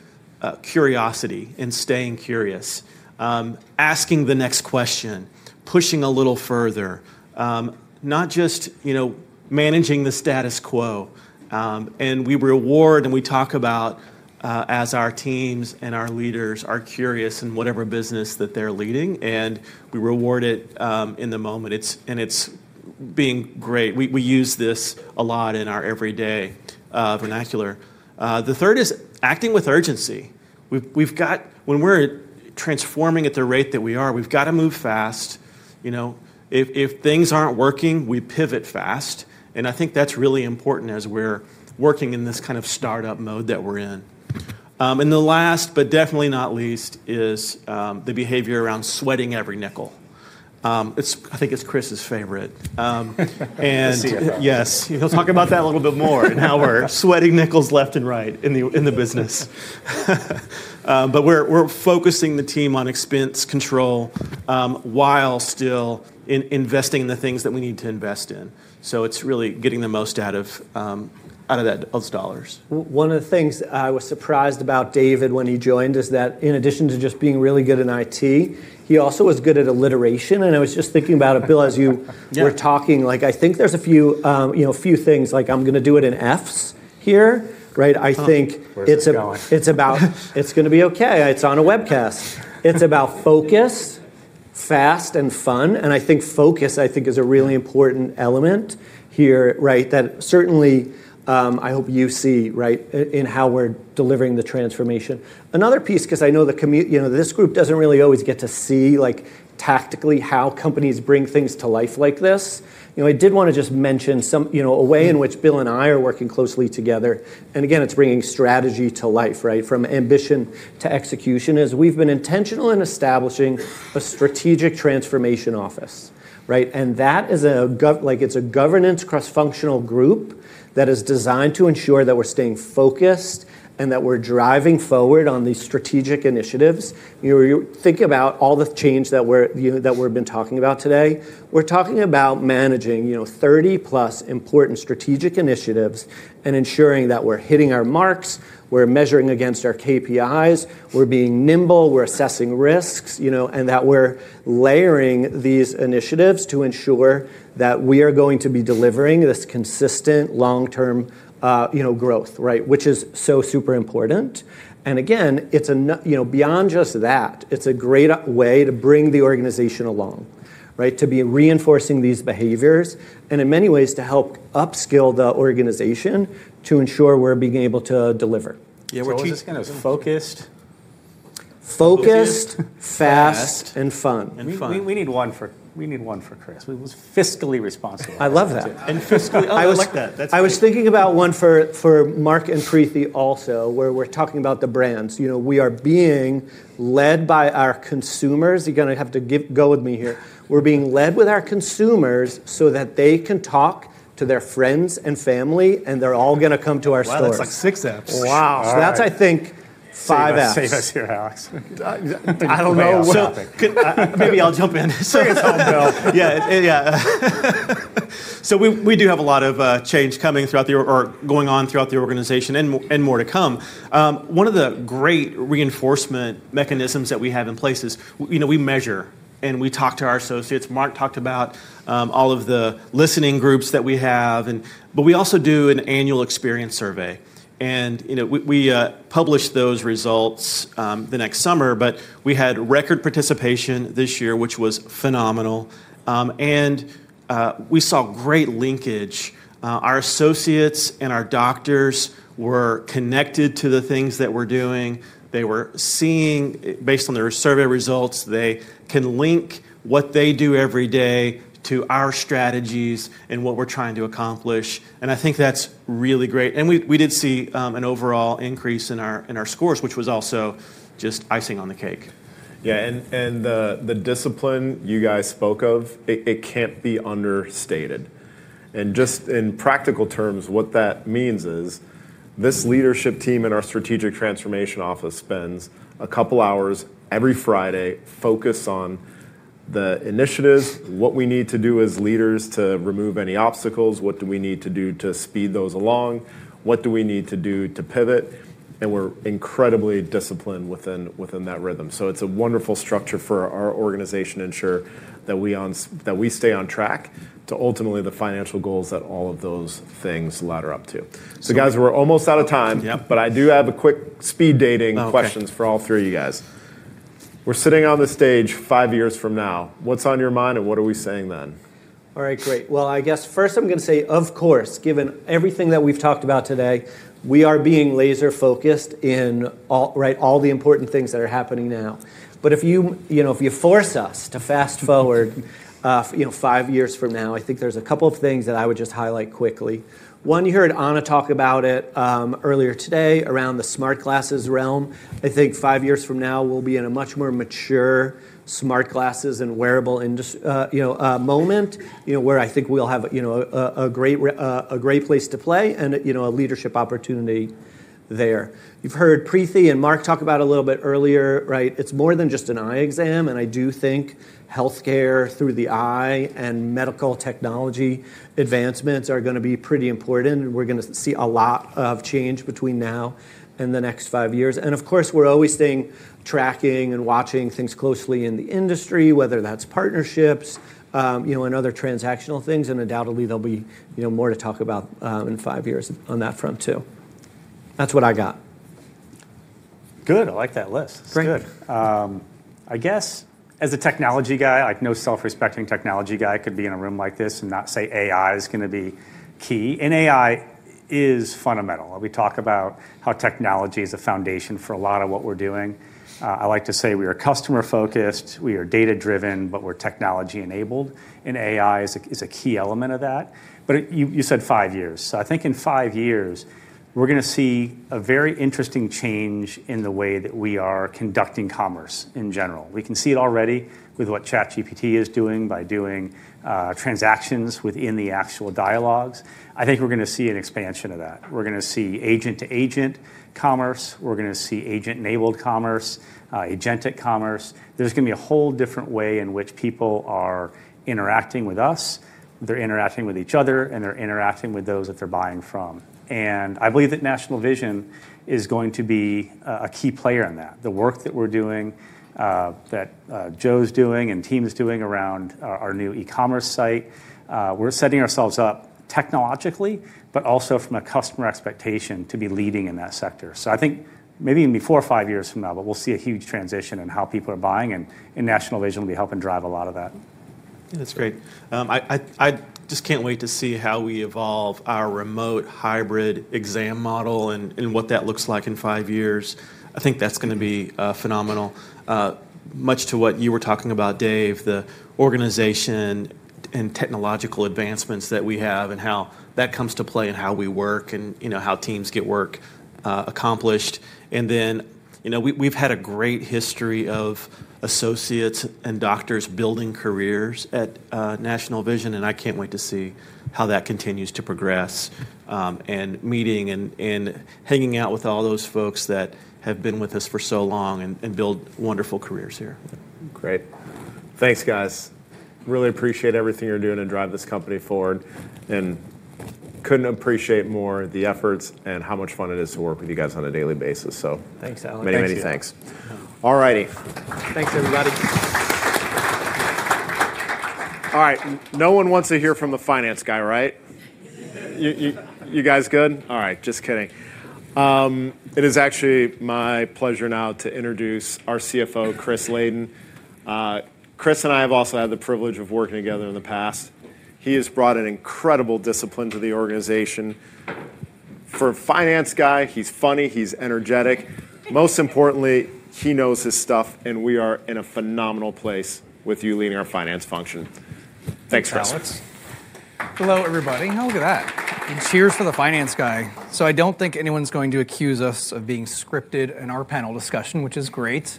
curiosity and staying curious, asking the next question, pushing a little further, not just, you know, managing the status quo. We reward and we talk about as our teams and our leaders are curious in whatever business that they are leading. We reward it in the moment. It is being great. We use this a lot in our everyday vernacular. The third is acting with urgency. When we are transforming at the rate that we are, we have got to move fast. You know, if things are not working, we pivot fast. I think that is really important as we are working in this kind of startup mode that we are in. The last, but definitely not least, is the behavior around sweating every nickel. I think it's Chris's favorite. Yes, he'll talk about that a little bit more and how we're sweating nickels left and right in the business. We're focusing the team on expense control while still investing in the things that we need to invest in. It's really getting the most out of those dollars. One of the things I was surprised about, David, when he joined is that in addition to just being really good in IT, he also was good at alliteration. I was just thinking about it, Bill, as you were talking, like I think there's a few, you know, a few things like I'm going to do it in F's here, right? I think it's about it's going to be okay. It's on a webcast. It's about focus, fast, and fun. I think focus, I think, is a really important element here, right? That certainly I hope you see, right, in how we're delivering the transformation. Another piece, because I know this group doesn't really always get to see like tactically how companies bring things to life like this. You know, I did want to just mention some, you know, a way in which Bill and I are working closely together. Again, it's bringing strategy to life, right, from ambition to execution as we've been intentional in establishing a strategic transformation office, right? That is a, like it's a governance cross-functional group that is designed to ensure that we're staying focused and that we're driving forward on these strategic initiatives. You know, think about all the change that we've been talking about today. We're talking about managing, you know, 30+ important strategic initiatives and ensuring that we're hitting our marks, we're measuring against our KPIs, we're being nimble, we're assessing risks, you know, and that we're layering these initiatives to ensure that we are going to be delivering this consistent long-term, you know, growth, right, which is so super important. Again, it's, you know, beyond just that, it's a great way to bring the organization along, right, to be reinforcing these behaviors and in many ways to help upskill the organization to ensure we're being able to deliver. Yeah, we're just kind of focused, focused, fast, and fun. We need one for Chris. We need one for Chris. We were fiscally responsible. I love that. And fiscally, I like that. I was thinking about one for Mark and Priti also where we're talking about the brands. You know, we are being led by our consumers. You're going to have to go with me here. We're being led with our consumers so that they can talk to their friends and family and they're all going to come to our stores. Wow, that's like six apps. Wow. That's, I think, five apps. Save us here, Alex. I don't know. Maybe I'll jump in. Yeah, yeah. We do have a lot of change coming throughout the, or going on throughout the organization and more to come. One of the great reinforcement mechanisms that we have in place is, you know, we measure and we talk to our associates. Mark talked about all of the listening groups that we have. We also do an annual experience survey. You know, we publish those results the next summer. We had record participation this year, which was phenomenal. We saw great linkage. Our associates and our doctors were connected to the things that we are doing. They were seeing, based on their survey results, they can link what they do every day to our strategies and what we are trying to accomplish. I think that is really great. We did see an overall increase in our scores, which was also just icing on the cake. The discipline you guys spoke of, it cannot be understated. Just in practical terms, what that means is this leadership team in our strategic transformation office spends a couple hours every Friday focused on the initiatives. What do we need to do as leaders to remove any obstacles? What do we need to do to speed those along? What do we need to do to pivot? We are incredibly disciplined within that rhythm. It's a wonderful structure for our organization to ensure that we stay on track to ultimately the financial goals that all of those things ladder up to. Guys, we're almost out of time. I do have a quick speed dating question for all three of you guys. We're sitting on the stage five years from now. What's on your mind and what are we saying then? All right, great. I guess first I'm going to say, of course, given everything that we've talked about today, we are being laser-focused in all the important things that are happening now. If you, you know, if you force us to fast forward, you know, five years from now, I think there's a couple of things that I would just highlight quickly. One, you heard Ana talk about it earlier today around the smart glasses realm. I think five years from now we'll be in a much more mature smart glasses and wearable, you know, moment, you know, where I think we'll have, you know, a great place to play and, you know, a leadership opportunity there. You've heard Priti and Mark talk about it a little bit earlier, right? It's more than just an eye exam. I do think healthcare through the eye and medical technology advancements are going to be pretty important. We're going to see a lot of change between now and the next five years. Of course, we're always staying tracking and watching things closely in the industry, whether that's partnerships, you know, and other transactional things. Undoubtedly, there'll be, you know, more to talk about in five years on that front too. That's what I got. Good. I like that list. It's good. I guess as a technology guy, like no self-respecting technology guy could be in a room like this and not say AI is going to be key. AI is fundamental. We talk about how technology is a foundation for a lot of what we're doing. I like to say we are customer-focused, we are data-driven, but we're technology-enabled. AI is a key element of that. You said five years. I think in five years, we're going to see a very interesting change in the way that we are conducting commerce in general. We can see it already with what ChatGPT is doing by doing transactions within the actual dialogues. I think we're going to see an expansion of that. We're going to see agent-to-agent commerce. We're going to see agent-enabled commerce, agentic commerce. There's going to be a whole different way in which people are interacting with us. They're interacting with each other and they're interacting with those that they're buying from. I believe that National Vision is going to be a key player in that. The work that we're doing, that Joe's doing and team's doing around our new e-commerce site, we're setting ourselves up technologically, but also from a customer expectation to be leading in that sector. I think maybe even before five years from now, but we'll see a huge transition in how people are buying. National Vision will be helping drive a lot of that. That's great. I just can't wait to see how we evolve our remote hybrid exam model and what that looks like in five years. I think that's going to be phenomenal. Much to what you were talking about, Dave, the organization and technological advancements that we have and how that comes to play and how we work and, you know, how teams get work accomplished. And then, you know, we have had a great history of associates and doctors building careers at National Vision. I cannot wait to see how that continues to progress and meeting and hanging out with all those folks that have been with us for so long and build wonderful careers here. Great. Thanks, guys. Really appreciate everything you are doing to drive this company forward. Could not appreciate more the efforts and how much fun it is to work with you guys on a daily basis. Thanks, Alex. Many, many thanks. All righty. Thanks, everybody. All right. No one wants to hear from the finance guy, right? You guys good? All right. Just kidding.It is actually my pleasure now to introduce our CFO, Chris Laden. Chris and I have also had the privilege of working together in the past. He has brought an incredible discipline to the organization. For a finance guy, he's funny, he's energetic. Most importantly, he knows his stuff. We are in a phenomenal place with you leading our finance function. Thanks, Alex. Hello, everybody. Look at that. Cheers for the finance guy. I do not think anyone's going to accuse us of being scripted in our panel discussion, which is great.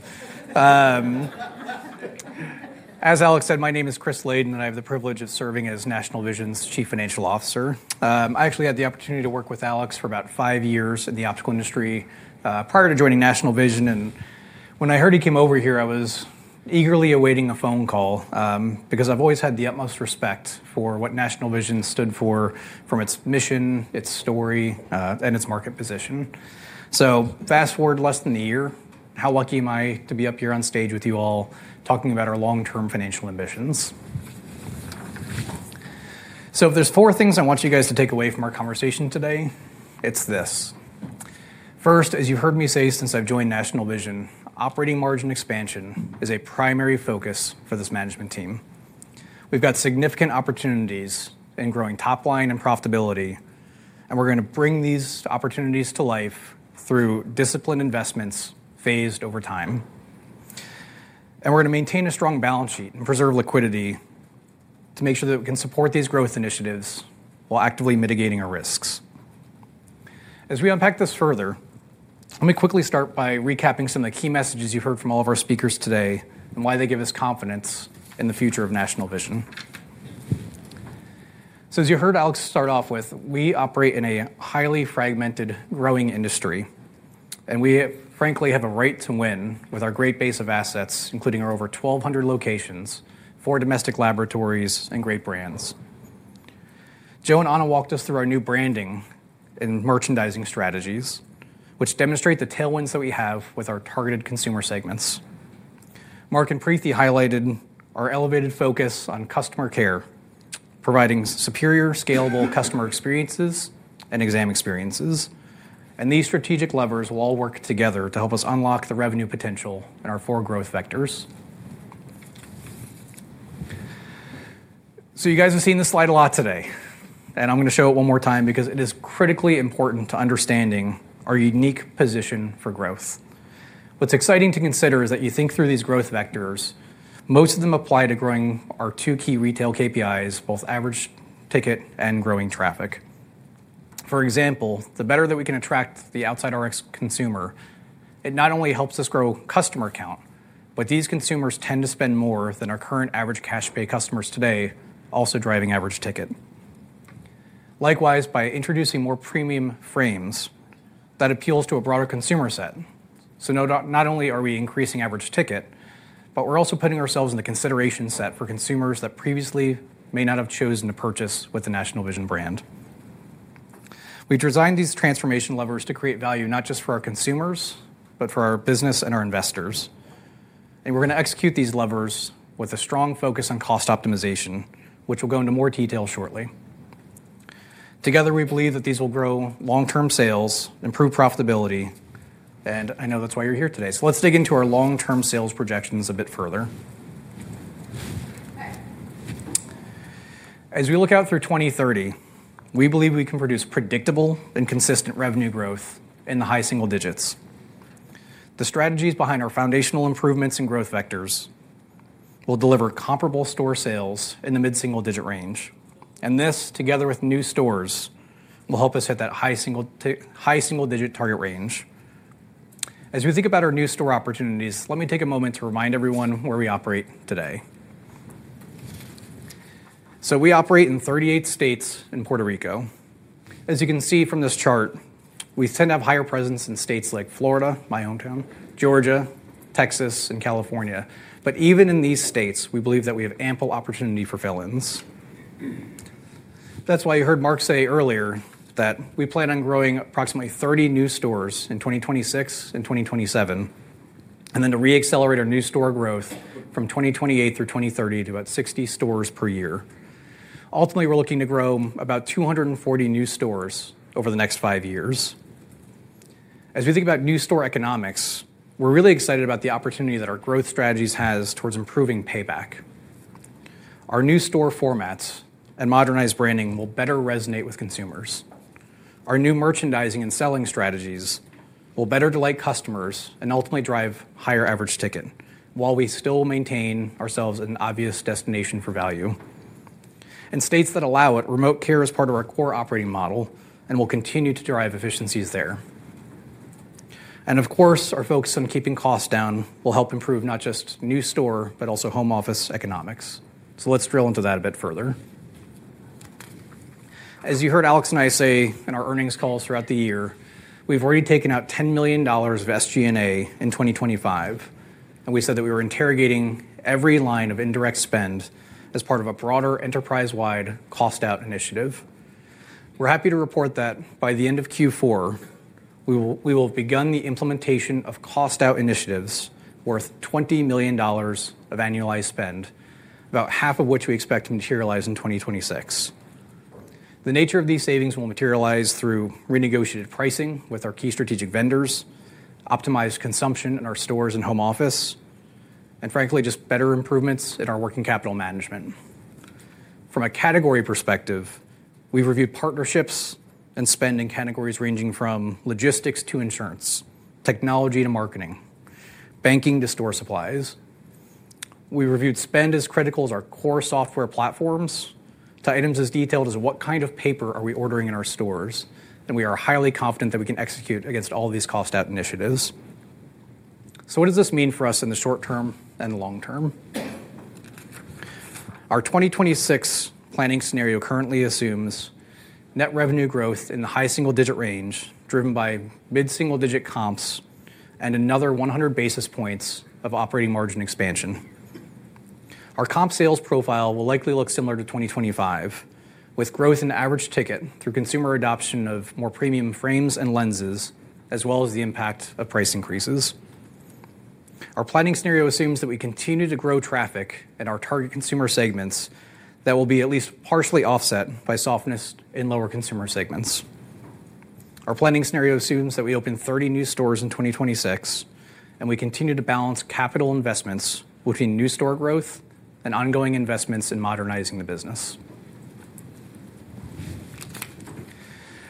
As Alex said, my name is Chris Laden. I have the privilege of serving as National Vision's Chief Financial Officer. I actually had the opportunity to work with Alex for about five years in the optical industry prior to joining National Vision. When I heard he came over here, I was eagerly awaiting a phone call because I've always had the utmost respect for what National Vision stood for from its mission, its story, and its market position. Fast forward less than a year. How lucky am I to be up here on stage with you all talking about our long-term financial ambitions? If there are four things I want you guys to take away from our conversation today, it's this. First, as you've heard me say since I've joined National Vision, operating margin expansion is a primary focus for this management team. We've got significant opportunities in growing top line and profitability. We're going to bring these opportunities to life through disciplined investments phased over time. We are going to maintain a strong balance sheet and preserve liquidity to make sure that we can support these growth initiatives while actively mitigating our risks. As we unpack this further, let me quickly start by recapping some of the key messages you heard from all of our speakers today and why they give us confidence in the future of National Vision. As you heard Alex start off with, we operate in a highly fragmented growing industry. We, frankly, have a right to win with our great base of assets, including our over 1,200 locations, four domestic laboratories, and great brands. Joe and Ana walked us through our new branding and merchandising strategies, which demonstrate the tailwinds that we have with our targeted consumer segments. Mark and Priti highlighted our elevated focus on customer care, providing superior scalable customer experiences and exam experiences. These strategic levers will all work together to help us unlock the revenue potential in our four growth vectors. You guys have seen this slide a lot today. I am going to show it one more time because it is critically important to understanding our unique position for growth. What is exciting to consider is that as you think through these growth vectors, most of them apply to growing our two key retail KPIs, both average ticket and growing traffic. For example, the better that we can attract Outside Rx consumer, it not only helps us grow customer count, but these consumers tend to spend more than our current average cash pay customers today, also driving average ticket. Likewise, by introducing more premium frames, that appeals to a broader consumer set. Not only are we increasing average ticket, but we're also putting ourselves in the consideration set for consumers that previously may not have chosen to purchase with the National Vision brand. We designed these transformation levers to create value not just for our consumers, but for our business and our investors. We are going to execute these levers with a strong focus on cost optimization, which we will go into more detail shortly. Together, we believe that these will grow long-term sales and improve profitability. I know that's why you're here today. Let's dig into our long-term sales projections a bit further. As we look out through 2030, we believe we can produce predictable and consistent revenue growth in the high single digits. The strategies behind our foundational improvements and growth vectors will deliver comparable store sales in the mid-single digit range. This, together with new stores, will help us hit that high single-digit target range. As we think about our new store opportunities, let me take a moment to remind everyone where we operate today. We operate in 38 states and Puerto Rico. As you can see from this chart, we tend to have higher presence in states like Florida, my hometown, Georgia, Texas, and California. Even in these states, we believe that we have ample opportunity for fill-ins. That is why you heard Mark say earlier that we plan on growing approximately 30 new stores in 2026 and 2027, and to re-accelerate our new store growth from 2028 through 2030 to about 60 stores per year. Ultimately, we are looking to grow about 240 new stores over the next five years. As we think about new store economics, we're really excited about the opportunity that our growth strategies have towards improving payback. Our new store formats and modernized branding will better resonate with consumers. Our new merchandising and selling strategies will better delight customers and ultimately drive higher average ticket while we still maintain ourselves an obvious destination for value. In states that allow it, remote care is part of our core operating model and will continue to drive efficiencies there. Our focus on keeping costs down will help improve not just new store, but also home office economics. Let's drill into that a bit further. As you heard Alex and I say in our earnings calls throughout the year, we've already taken out $10 million of SG&A in 2025. We said that we were interrogating every line of indirect spend as part of a broader enterprise-wide cost-out initiative. We're happy to report that by the end of Q4, we will have begun the implementation of cost-out initiatives worth $20 million of annualized spend, about half of which we expect to materialize in 2026. The nature of these savings will materialize through renegotiated pricing with our key strategic vendors, optimized consumption in our stores and home office, and frankly, just better improvements in our working capital management. From a category perspective, we've reviewed partnerships and spend in categories ranging from logistics to insurance, technology to marketing, banking to store supplies. We've reviewed spend as critical as our core software platforms to items as detailed as what kind of paper are we ordering in our stores. We are highly confident that we can execute against all of these cost-out initiatives. What does this mean for us in the short term and the long term? Our 2026 planning scenario currently assumes net revenue growth in the high single digit range driven by mid-single digit comps and another 100 basis points of operating margin expansion. Our comp sales profile will likely look similar to 2025, with growth in average ticket through consumer adoption of more premium frames and lenses, as well as the impact of price increases. Our planning scenario assumes that we continue to grow traffic in our target consumer segments that will be at least partially offset by softness in lower consumer segments. Our planning scenario assumes that we open 30 new stores in 2026, and we continue to balance capital investments between new store growth and ongoing investments in modernizing the business.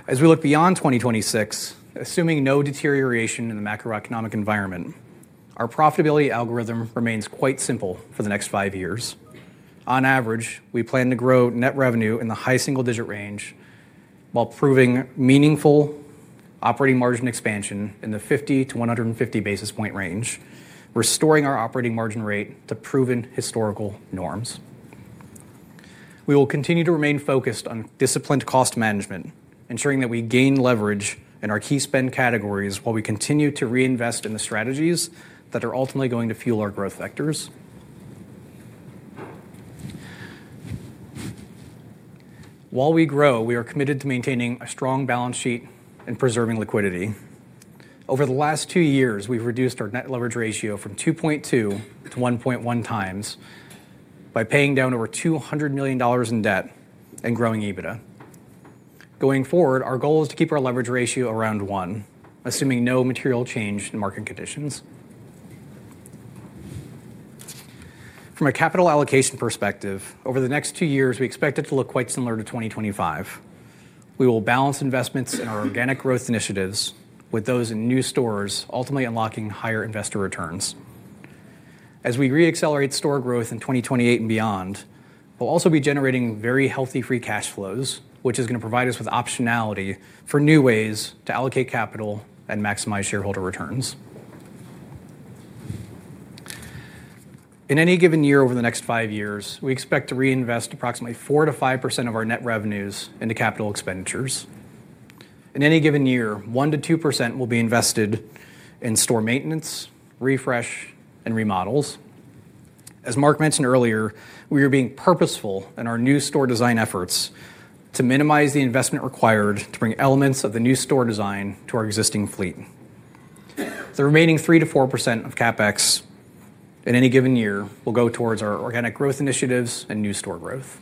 As we look beyond 2026, assuming no deterioration in the macroeconomic environment, our profitability algorithm remains quite simple for the next five years. On average, we plan to grow net revenue in the high single digit range while proving meaningful operating margin expansion in the 50-150 basis point range, restoring our operating margin rate to proven historical norms. We will continue to remain focused on disciplined cost management, ensuring that we gain leverage in our key spend categories while we continue to reinvest in the strategies that are ultimately going to fuel our growth vectors. While we grow, we are committed to maintaining a strong balance sheet and preserving liquidity. Over the last two years, we've reduced our net leverage ratio from 2.2x to 1.1x by paying down over $200 million in debt and growing EBITDA. Going forward, our goal is to keep our leverage ratio around 1x, assuming no material change in market conditions. From a capital allocation perspective, over the next two years, we expect it to look quite similar to 2025. We will balance investments in our organic growth initiatives with those in new stores, ultimately unlocking higher investor returns. As we re-accelerate store growth in 2028 and beyond, we will also be generating very healthy free cash flows, which is going to provide us with optionality for new ways to allocate capital and maximize shareholder returns. In any given year over the next five years, we expect to reinvest approximately 4%-5% of our net revenues into capital expenditures. In any given year, 1%-2% will be invested in store maintenance, refresh, and remodels. As Mark mentioned earlier, we are being purposeful in our new store design efforts to minimize the investment required to bring elements of the new store design to our existing fleet. The remaining 3%-4% of CapEx in any given year will go towards our organic growth initiatives and new store growth.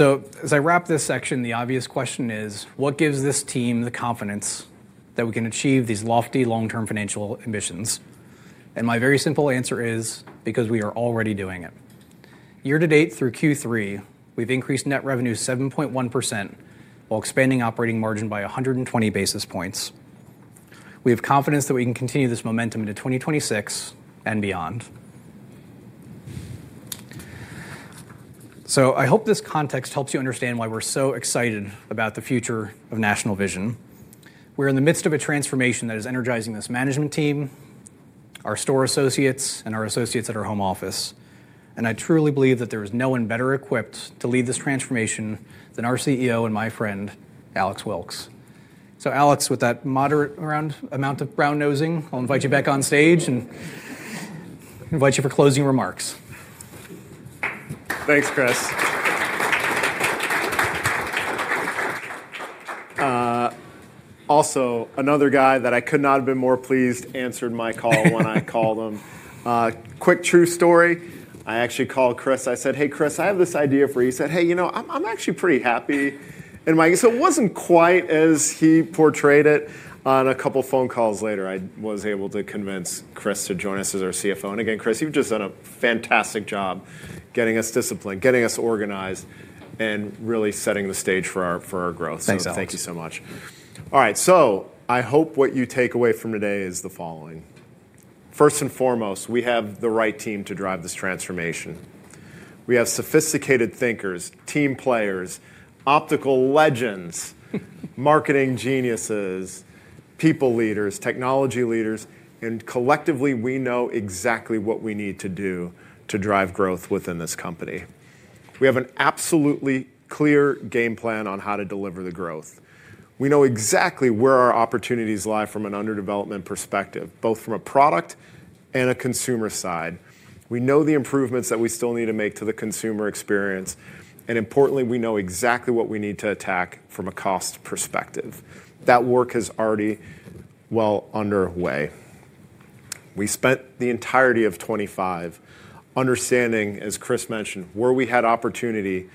As I wrap this section, the obvious question is, what gives this team the confidence that we can achieve these lofty long-term financial ambitions? My very simple answer is, because we are already doing it. Year to date, through Q3, we've increased net revenue 7.1% while expanding operating margin by 120 basis points. We have confidence that we can continue this momentum into 2026 and beyond. I hope this context helps you understand why we're so excited about the future of National Vision. We're in the midst of a transformation that is energizing this management team, our store associates, and our associates at our home office. I truly believe that there is no one better equipped to lead this transformation than our CEO and my friend, Alex Wilkes. Alex, with that moderate amount of brown-nosing, I'll invite you back on stage and invite you for closing remarks. Thanks, Chris. Also, another guy that I could not have been more pleased answered my call when I called him. Quick true story. I actually called Chris. I said, "Hey, Chris, I have this idea for you." He said, "Hey, you know, I'm actually pretty happy." It was not quite as he portrayed it. On a couple of phone calls later, I was able to convince Chris to join us as our CFO. Again, Chris, you've just done a fantastic job getting us disciplined, getting us organized, and really setting the stage for our growth. Thank you so much. I hope what you take away from today is the following. First and foremost, we have the right team to drive this transformation. We have sophisticated thinkers, team players, optical legends, marketing geniuses, people leaders, technology leaders, and collectively, we know exactly what we need to do to drive growth within this company. We have an absolutely clear game plan on how to deliver the growth. We know exactly where our opportunities lie from an underdevelopment perspective, both from a product and a consumer side. We know the improvements that we still need to make to the consumer experience. Importantly, we know exactly what we need to attack from a cost perspective. That work is already well underway. We spent the entirety of 2025 understanding, as Chris mentioned, where we had opportunity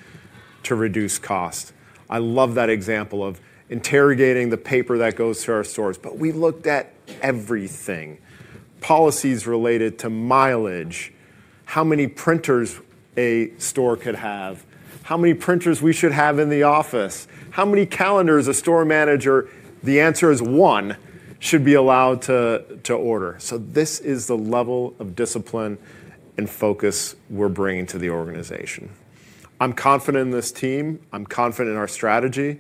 to reduce cost. I love that example of interrogating the paper that goes to our stores, but we looked at everything: policies related to mileage, how many printers a store could have, how many printers we should have in the office, how many calendars a store manager, the answer is one, should be allowed to order. This is the level of discipline and focus we are bringing to the organization. I'm confident in this team. I'm confident in our strategy.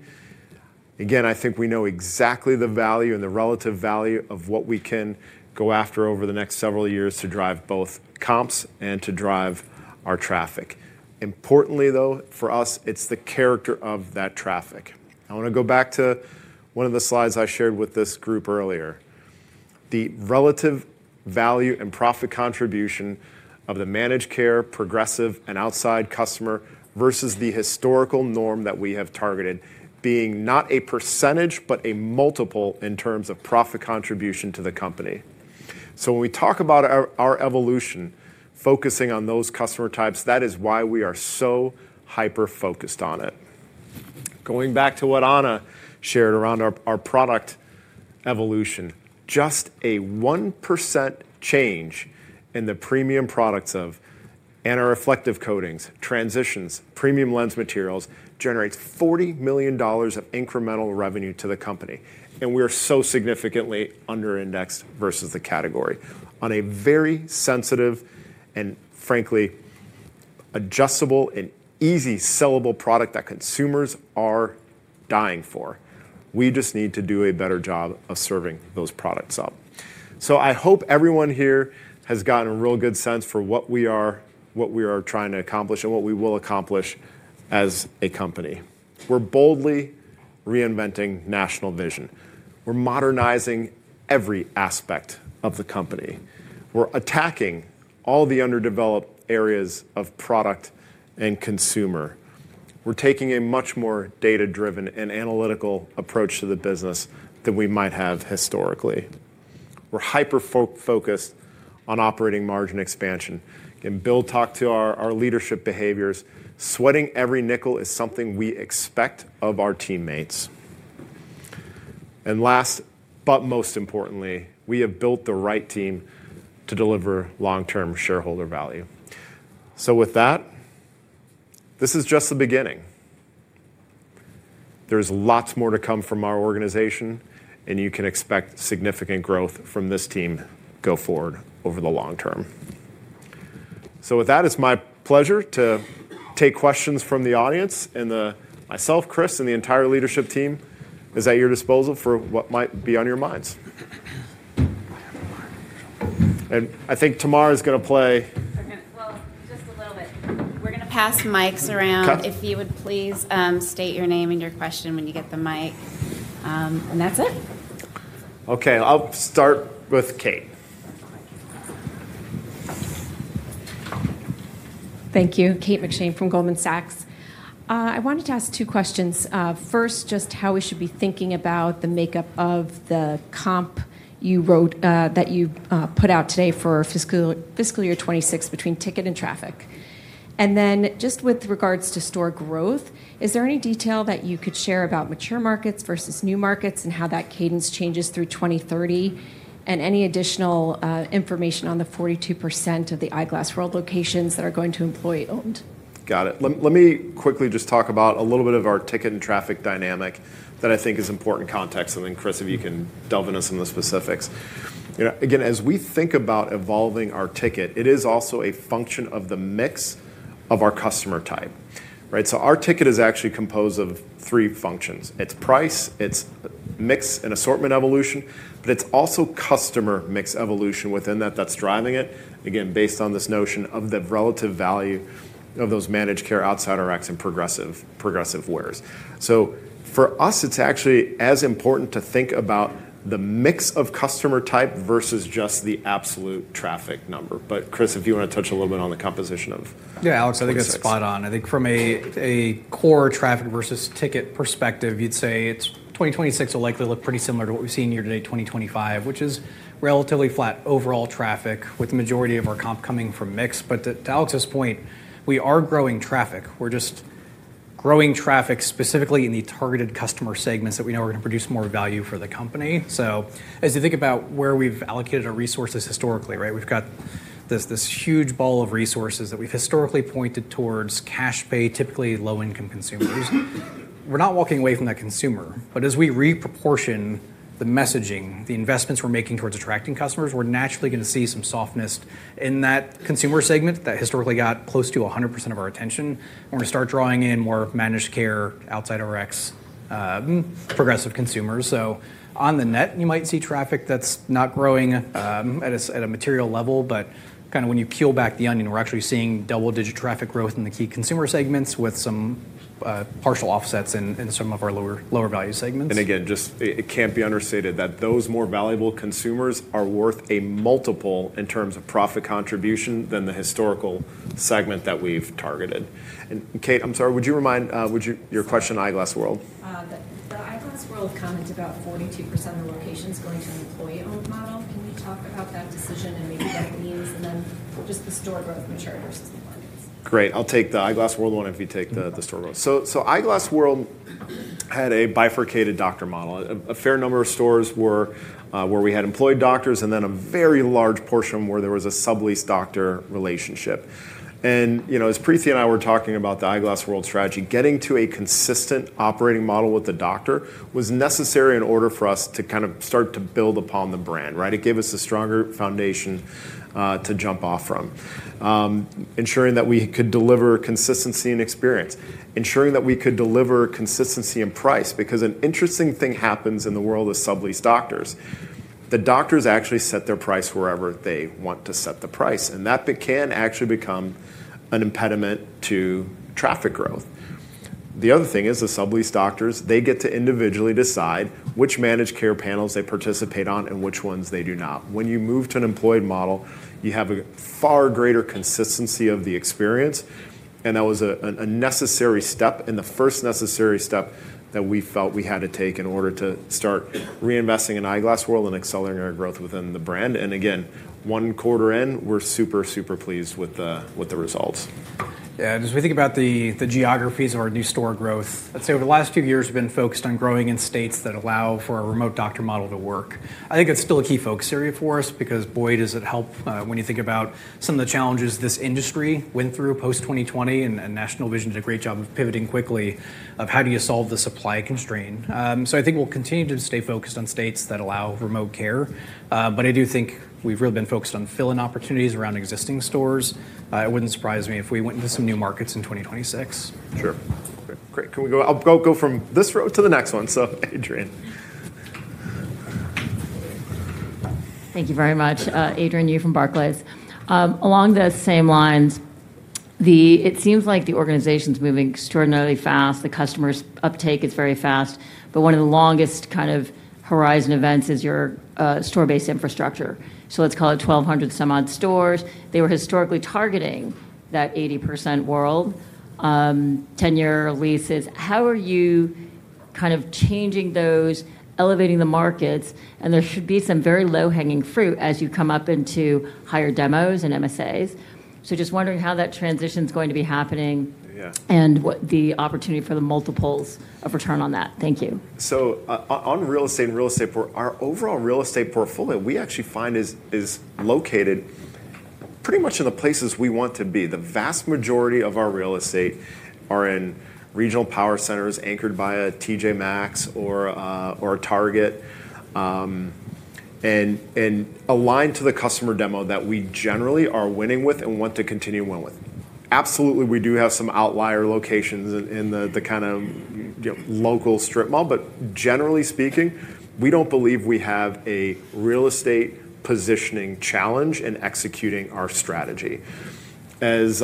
Again, I think we know exactly the value and the relative value of what we can go after over the next several years to drive both comps and to drive our traffic. Importantly, though, for us, it is the character of that traffic. I want to go back to one of the slides I shared with this group earlier. The relative value and profit contribution of the Managed Care, progressive, and outside customer versus the historical norm that we have targeted being not a percentage, but a multiple in terms of profit contribution to the company. When we talk about our evolution, focusing on those customer types, that is why we are so hyper-focused on it. Going back to what Ana shared around our product evolution, just a 1% change in the premium products of anti-reflective coatings, Transitions, premium lens materials generates $40 million of incremental revenue to the company. We are so significantly underindexed versus the category on a very sensitive and, frankly, adjustable and easy-sellable product that consumers are dying for. We just need to do a better job of serving those products up. I hope everyone here has gotten a real good sense for what we are, what we are trying to accomplish, and what we will accomplish as a company. We're boldly reinventing National Vision. We're modernizing every aspect of the company. We're attacking all the underdeveloped areas of product and consumer. We're taking a much more data-driven and analytical approach to the business than we might have historically. We're hyper-focused on operating margin expansion and build talk to our leadership behaviors. Sweating every nickel is something we expect of our teammates. Last, but most importantly, we have built the right team to deliver long-term shareholder value. With that, this is just the beginning. There's lots more to come from our organization, and you can expect significant growth from this team go forward over the long term. With that, it's my pleasure to take questions from the audience and myself, Chris, and the entire leadership team. Is that your disposal for what might be on your minds? I think Tamara is going to play just a little bit. We're going to pass mics around. If you would please state your name and your question when you get the mic. That's it. Okay. I'll start with Kate. Thank you. Kate McShane from Goldman Sachs. I wanted to ask two questions. First, just how we should be thinking about the makeup of the comp you wrote that you put out today for fiscal year 2026 between ticket and traffic. Then just with regards to store growth, is there any detail that you could share about mature markets versus new markets and how that cadence changes through 2030? Any additional information on the 42% of the Eyeglass World locations that are going to employ owned? Got it. Let me quickly just talk about a little bit of our ticket and traffic dynamic that I think is important context. Chris, if you can delve into some of the specifics. Again, as we think about evolving our ticket, it is also a function of the mix of our customer type. Our ticket is actually composed of three functions. It is price, it is mix and assortment evolution, but it is also customer mix evolution within that that is driving it, again, based on this notion of the relative value of those Outside Rx, and progressive wearers. For us, it is actually as important to think about the mix of customer type versus just the absolute traffic number. Chris, if you want to touch a little bit on the composition of. Yeah, Alex, I think that's spot on. I think from a core traffic versus ticket perspective, you'd say 2026 will likely look pretty similar to what we've seen year to date 2025, which is relatively flat overall traffic with the majority of our comp coming from mix. To Alex's point, we are growing traffic. We're just growing traffic specifically in the targeted customer segments that we know are going to produce more value for the company. As you think about where we've allocated our resources historically, we've got this huge ball of resources that we've historically pointed towards cash pay, typically low-income consumers. We're not walking away from that consumer. As we reproportion the messaging, the investments we're making towards attracting customers, we're naturally going to see some softness in that consumer segment that historically got close to 100% of our attention. We're going to start drawing in more Managed Care outside our ex-progressive consumers. On the net, you might see traffic that's not growing at a material level, but kind of when you peel back the onion, we're actually seeing double-digit traffic growth in the key consumer segments with some partial offsets in some of our lower value segments. It can't be understated that those more valuable consumers are worth a multiple in terms of profit contribution than the historical segment that we've targeted. Kate, I'm sorry, would you remind your question on Eyeglass World? The Eyeglass World commented about 42% of the locations going to an employee-owned model. Can you talk about that decision and maybe what it means and then just the store growth mature versus new markets? Great. I'll take the Eyeglass World one if you take the store growth. Eyeglass World had a bifurcated doctor model. A fair number of stores were where we had employed doctors and then a very large portion where there was a subleased doctor relationship. As Priti and I were talking about the Eyeglass World strategy, getting to a consistent operating model with the doctor was necessary in order for us to kind of start to build upon the brand. It gave us a stronger foundation to jump off from, ensuring that we could deliver consistency and experience, ensuring that we could deliver consistency and price. Because an interesting thing happens in the world of subleased doctors. The doctors actually set their price wherever they want to set the price. That can actually become an impediment to traffic growth. The other thing is the subleased doctors, they get to individually decide which Managed Care panels they participate on and which ones they do not. When you move to an employed model, you have a far greater consistency of the experience. That was a necessary step and the first necessary step that we felt we had to take in order to start reinvesting in Eyeglass World and accelerating our growth within the brand. Again, one quarter in, we're super, super pleased with the results. Yeah. As we think about the geographies of our new store growth, I'd say over the last few years, we've been focused on growing in states that allow for a remote doctor model to work. I think it's still a key focus area for us because boy, does it help when you think about some of the challenges this industry went through post-2020. National Vision did a great job of pivoting quickly of how do you solve the supply constraint. I think we'll continue to stay focused on states that allow remote care. I do think we've really been focused on filling opportunities around existing stores. It wouldn't surprise me if we went into some new markets in 2026. Sure. Great. Can we go? I'll go from this row to the next one. Adrienne. Thank you very much. Adrienne Yih from Barclays. Along those same lines, it seems like the organization's moving extraordinarily fast. The customer's uptake is very fast. One of the longest kind of horizon events is your store-based infrastructure. Let's call it 1,200 some-odd stores. They were historically targeting that 80% world, 10-year leases. How are you kind of changing those, elevating the markets? There should be some very low-hanging fruit as you come up into higher demos and MSAs. Just wondering how that transition is going to be happening and what the opportunity for the multiples of return on that. Thank you. On real estate and real estate, our overall real estate portfolio, we actually find is located pretty much in the places we want to be. The vast majority of our real estate are in regional power centers anchored by a TJ Maxx or a Target and aligned to the customer demo that we generally are winning with and want to continue to win with. Absolutely, we do have some outlier locations in the kind of local strip mall. Generally speaking, we don't believe we have a real estate positioning challenge in executing our strategy. As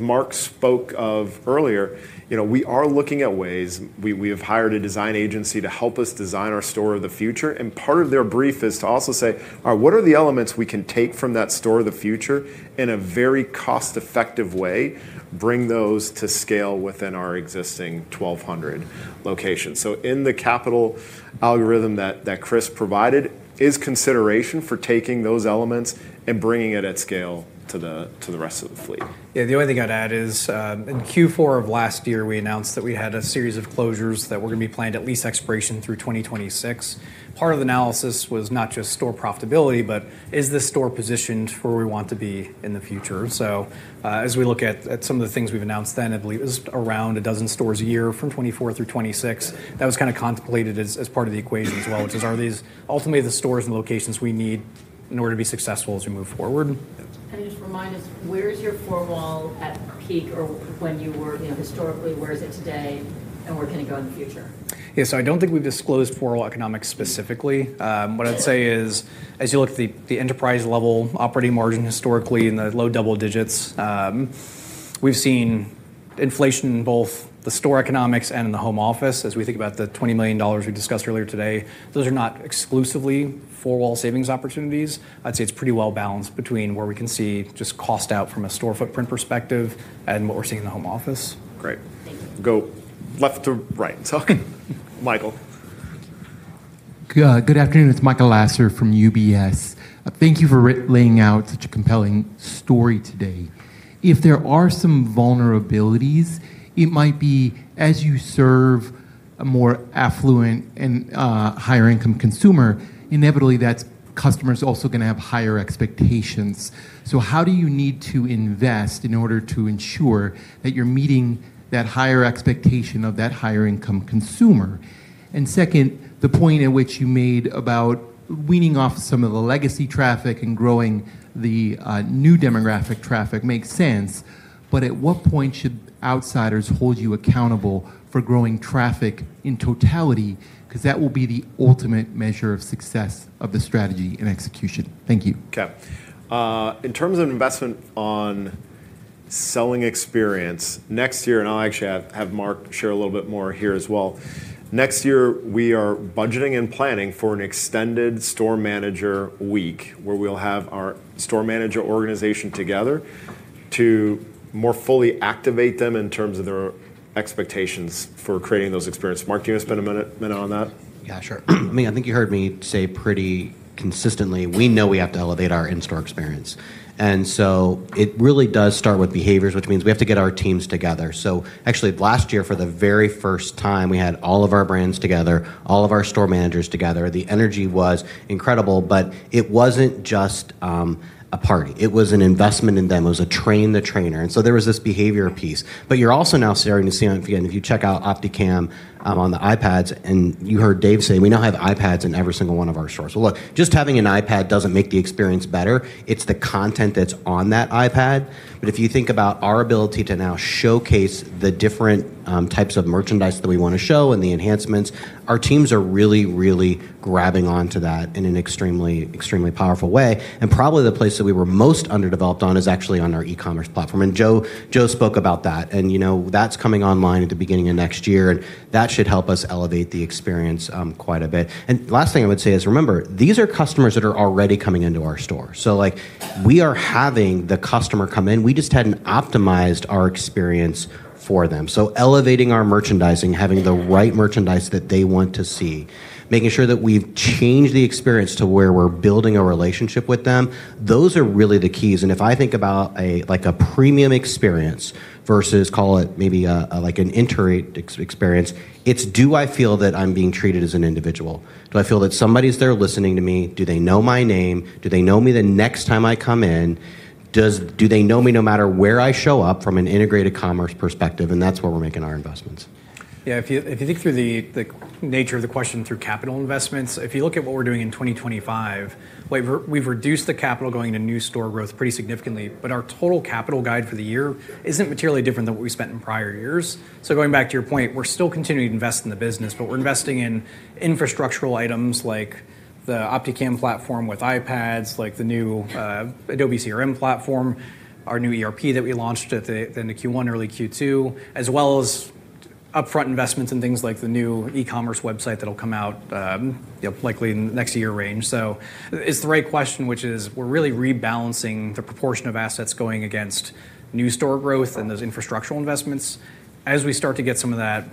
Mark spoke of earlier, we are looking at ways. We have hired a design agency to help us design our store of the future. Part of their brief is to also say, "All right, what are the elements we can take from that store of the future in a very cost-effective way, bring those to scale within our existing 1,200 locations?" In the capital algorithm that Chris provided is consideration for taking those elements and bringing it at scale to the rest of the fleet. Yeah. The only thing I'd add is in Q4 of last year, we announced that we had a series of closures that were going to be planned at lease expiration through 2026. Part of the analysis was not just store profitability, but is this store positioned where we want to be in the future? As we look at some of the things we've announced then, I believe it was around a dozen stores a year from 2024 through 2026. That was kind of contemplated as part of the equation as well, which is, are these ultimately the stores and locations we need in order to be successful as we move forward? Can you just remind us, where is your four-wall at peak or when you were historically, where is it today, and where can it go in the future? Yeah. I don't think we've disclosed four-wall economics specifically. What I'd say is, as you look at the enterprise-level operating margin historically in the low double digits, we've seen inflation in both the store economics and in the home office. As we think about the $20 million we discussed earlier today, those are not exclusively four-wall savings opportunities. I'd say it's pretty well balanced between where we can see just cost out from a store footprint perspective and what we're seeing in the home office. Great. Thank you. Go left to right. Michael. Good afternoon. It's Michael Lasser from UBS. Thank you for laying out such a compelling story today. If there are some vulnerabilities, it might be as you serve a more affluent and higher-income consumer, inevitably that customer's also going to have higher expectations. How do you need to invest in order to ensure that you're meeting that higher expectation of that higher-income consumer? Second, the point at which you made about weaning off some of the legacy traffic and growing the new demographic traffic makes sense. But at what point should outsiders hold you accountable for growing traffic in totality? Because that will be the ultimate measure of success of the strategy and execution. Thank you. Okay. In terms of investment on selling experience next year, and I'll actually have Mark share a little bit more here as well. Next year, we are budgeting and planning for an extended store manager week where we'll have our store manager organization together to more fully activate them in terms of their expectations for creating those experiences. Mark, do you want to spend a minute on that? Yeah, sure. I mean, I think you heard me say pretty consistently, we know we have to elevate our in-store experience. And so it really does start with behaviors, which means we have to get our teams together. Actually, last year, for the very first time, we had all of our brands together, all of our store managers together. The energy was incredible. It was not just a party. It was an investment in them. It was a train the trainer. There was this behavior piece. You are also now starting to see, again, if you check out Optikam on the iPads, and you heard Dave say, "We now have iPads in every single one of our stores." Just having an iPad does not make the experience better. It is the content that is on that iPad. If you think about our ability to now showcase the different types of merchandise that we want to show and the enhancements, our teams are really, really grabbing on to that in an extremely powerful way. Probably the place that we were most underdeveloped on is actually on our e-commerce platform. Joe spoke about that. That is coming online at the beginning of next year. That should help us elevate the experience quite a bit. The last thing I would say is, remember, these are customers that are already coming into our store. We are having the customer come in. We just had not optimized our experience for them. Elevating our merchandising, having the right merchandise that they want to see, making sure that we have changed the experience to where we are building a relationship with them, those are really the keys. If I think about a premium experience versus, call it maybe an integrated experience, it is, do I feel that I am being treated as an individual? Do I feel that somebody is there listening to me? Do they know my name? Do they know me the next time I come in? Do they know me no matter where I show up from an integrated commerce perspective? That is where we are making our investments. Yeah. If you think through the nature of the question through capital investments, if you look at what we are doing in 2025, we have reduced the capital going into new store growth pretty significantly. Our total capital guide for the year is not materially different than what we spent in prior years. Going back to your point, we are still continuing to invest in the business, but we are investing in infrastructural items like the Optikam platform with iPads, like the new Adobe CRM platform, our new ERP that we launched in Q1, early Q2, as well as upfront investments in things like the new e-commerce website that will come out likely in the next year range. It is the right question, which is we're really rebalancing the proportion of assets going against new store growth and those infrastructural investments. As we start to get some of that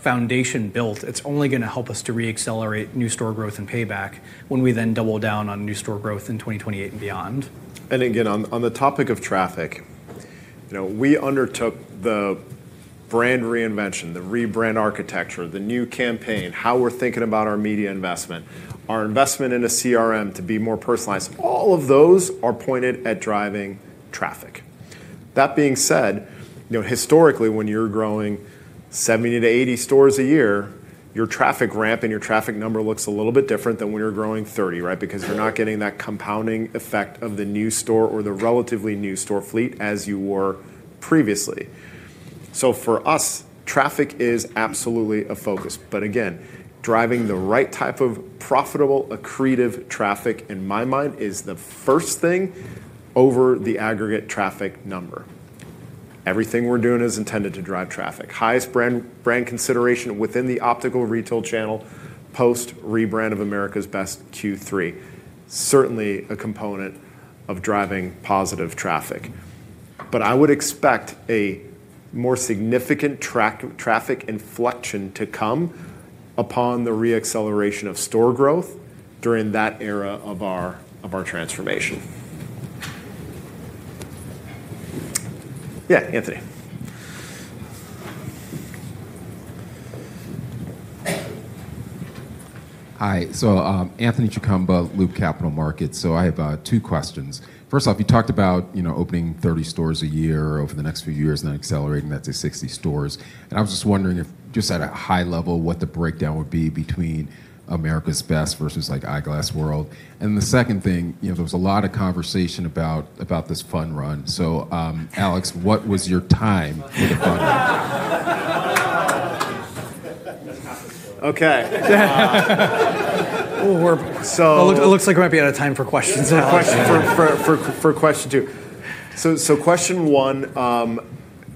foundation built, it's only going to help us to reaccelerate new store growth and payback when we then double down on new store growth in 2028 and beyond. Again, on the topic of traffic, we undertook the brand reinvention, the rebrand architecture, the new campaign, how we're thinking about our media investment, our investment in a CRM to be more personalized. All of those are pointed at driving traffic. That being said, historically, when you're growing 70-80 stores a year, your traffic ramp and your traffic number looks a little bit different than when you're growing 30, right? Because you're not getting that compounding effect of the new store or the relatively new store fleet as you were previously. For us, traffic is absolutely a focus. Again, driving the right type of profitable, accretive traffic in my mind is the first thing over the aggregate traffic number. Everything we're doing is intended to drive traffic. Highest brand consideration within the optical retail channel post-rebrand of America's Best Q3, certainly a component of driving positive traffic. I would expect a more significant traffic inflection to come upon the reacceleration of store growth during that era of our transformation. Yeah, Anthony. Hi. Anthony Chukumba, Loop Capital Markets. I have two questions. First off, you talked about opening 30 stores a year over the next few years and then accelerating, that's 60 stores. I was just wondering if, just at a high level, what the breakdown would be between America's Best versus Eyeglass World. The second thing, there was a lot of conversation about this fun run. Alex, what was your time with the fun run? Okay. Oh, horrible. It looks like we might be out of time for questions now. Question for question two. Question one,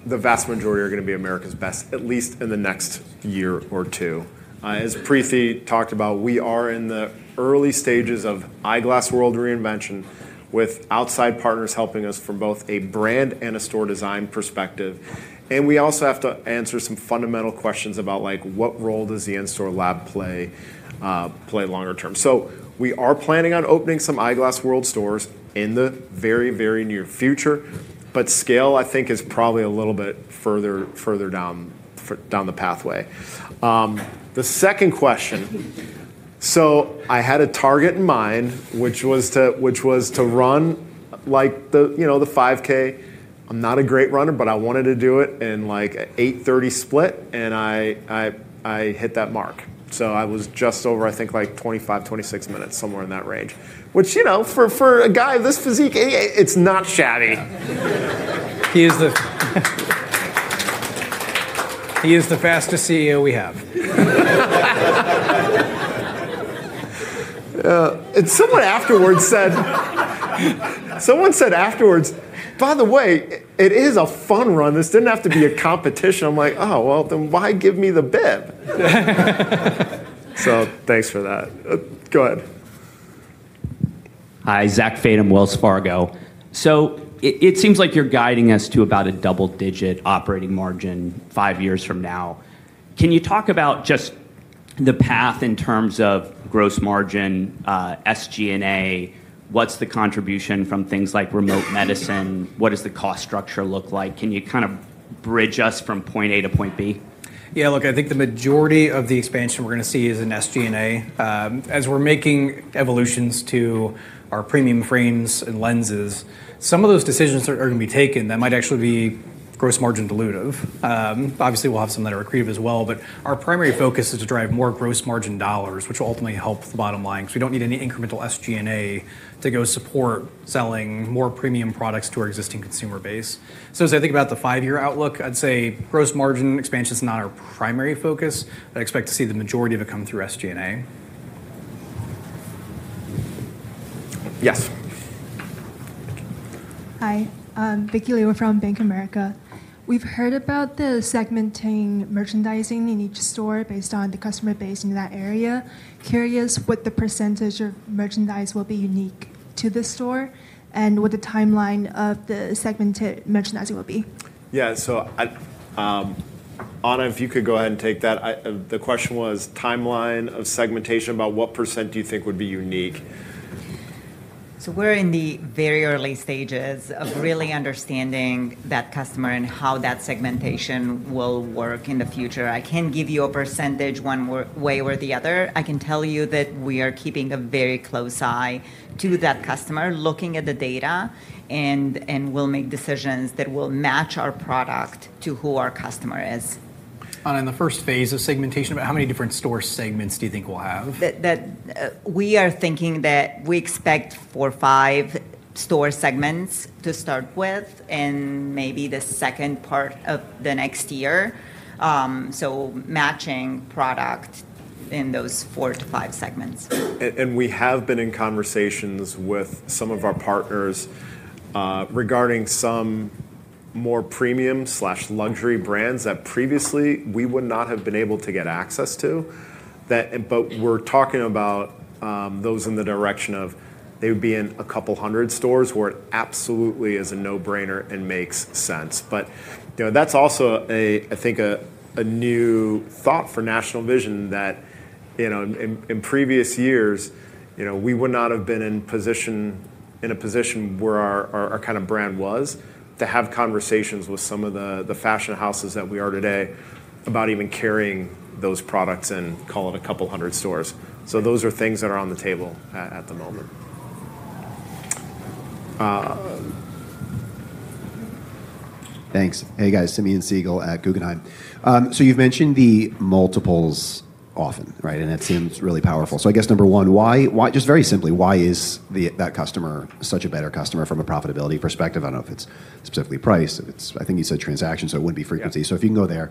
the vast majority are going to be America's Best, at least in the next year or two. As Priti talked about, we are in the early stages of Eyeglass World reinvention with outside partners helping us from both a brand and a store design perspective. We also have to answer some fundamental questions about what role does the in-store lab play longer term. We are planning on opening some Eyeglass World stores in the very, very near future. But scale, I think, is probably a little bit further down the pathway. The second question, I had a target in mind, which was to run the 5K. I'm not a great runner, but I wanted to do it in an 8:30 split. And I hit that mark. I was just over, I think, like 25, 26 minutes, somewhere in that range, which for a guy of this physique, it's not shabby. He is the fastest CEO we have. Someone said afterwards, "By the way, it is a fun run. This didn't have to be a competition." I'm like, "Oh, then why give me the bib?" Thanks for that. Go ahead. Hi, Zach Fadem, Wells Fargo. It seems like you're guiding us to about a double-digit operating margin five years from now. Can you talk about just the path in terms of gross margin, SG&A? What's the contribution from things like remote medicine? What does the cost structure look like? Can you kind of bridge us from point A to point B? Yeah. Look, I think the majority of the expansion we're going to see is in SG&A. As we're making evolutions to our premium frames and lenses, some of those decisions that are going to be taken that might actually be gross margin dilutive. Obviously, we'll have some that are accretive as well. Our primary focus is to drive more gross margin dollars, which will ultimately help the bottom line because we do not need any incremental SG&A to go support selling more premium products to our existing consumer base. As I think about the five-year outlook, I'd say gross margin expansion is not our primary focus.I expect to see the majority of it come through SG&A. Yes. Hi. Rebecca Liu from Bank of America. We've heard about the segmenting merchandising in each store based on the customer base in that area. Curious what the percentage of merchandise will be unique to the store and what the timeline of the segmented merchandising will be. Yeah. So Ana, if you could go ahead and take that. The question was timeline of segmentation, about what percent do you think would be unique? So we're in the very early stages of really understanding that customer and how that segmentation will work in the future. I can't give you a percentage one way or the other. I can tell you that we are keeping a very close eye to that customer, looking at the data, and will make decisions that will match our product to who our customer is. On the first phase of segmentation, about how many different store segments do you think we'll have? We are thinking that we expect four or five store segments to start with and maybe the second part of the next year. Matching product in those four to five segments. We have been in conversations with some of our partners regarding some more premium/luxury brands that previously we would not have been able to get access to. We're talking about those in the direction of they would be in a couple hundred stores where it absolutely is a no-brainer and makes sense. That is also, I think, a new thought for National Vision that in previous years, we would not have been in a position where our kind of brand was to have conversations with some of the fashion houses that we are today about even carrying those products in, call it, a couple hundred stores. Those are things that are on the table at the moment. Thanks. Hey, guys. Simeon Siegel at Guggenheim. You have mentioned the multiples often, right? That seems really powerful. I guess number one, just very simply, why is that customer such a better customer from a profitability perspective? I do not know if it is specifically price. I think you said transactions, so it would not be frequency. If you can go there.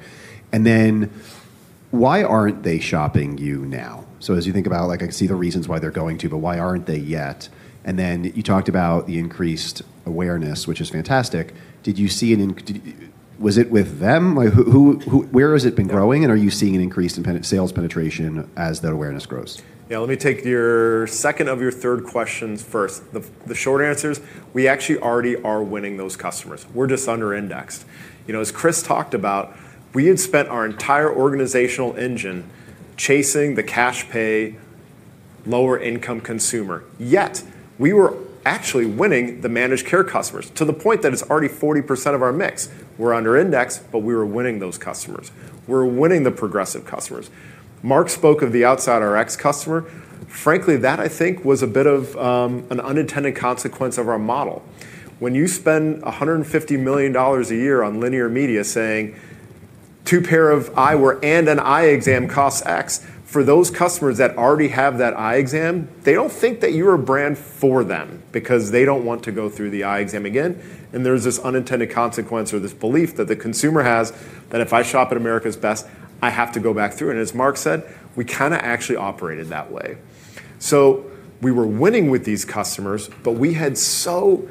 Why are they not shopping you now? As you think about, I can see the reasons why they're going to, but why aren't they yet? You talked about the increased awareness, which is fantastic. Did you see an, was it with them? Where has it been growing? Are you seeing an increase in sales penetration as that awareness grows? Yeah. Let me take your second of your third questions first. The short answer is we actually already are winning those customers. We're just underindexed. As Chris talked about, we had spent our entire organizational engine chasing the cash-pay, lower-income consumer. Yet we were actually winning the Managed Care customers to the point that it's already 40% of our mix. We're underindexed, but we were winning those customers. We're winning the progressive customers. Mark spoke of Outside Rx customer. Frankly, that, I think, was a bit of an unintended consequence of our model. When you spend $150 million a year on linear media saying, "Two pair of eyewear and an eye exam costs X," for those customers that already have that eye exam, they do not think that you are a brand for them because they do not want to go through the eye exam again. There is this unintended consequence or this belief that the consumer has that if I shop at America's Best, I have to go back through it. As Mark said, we kind of actually operated that way. We were winning with these customers, but we had so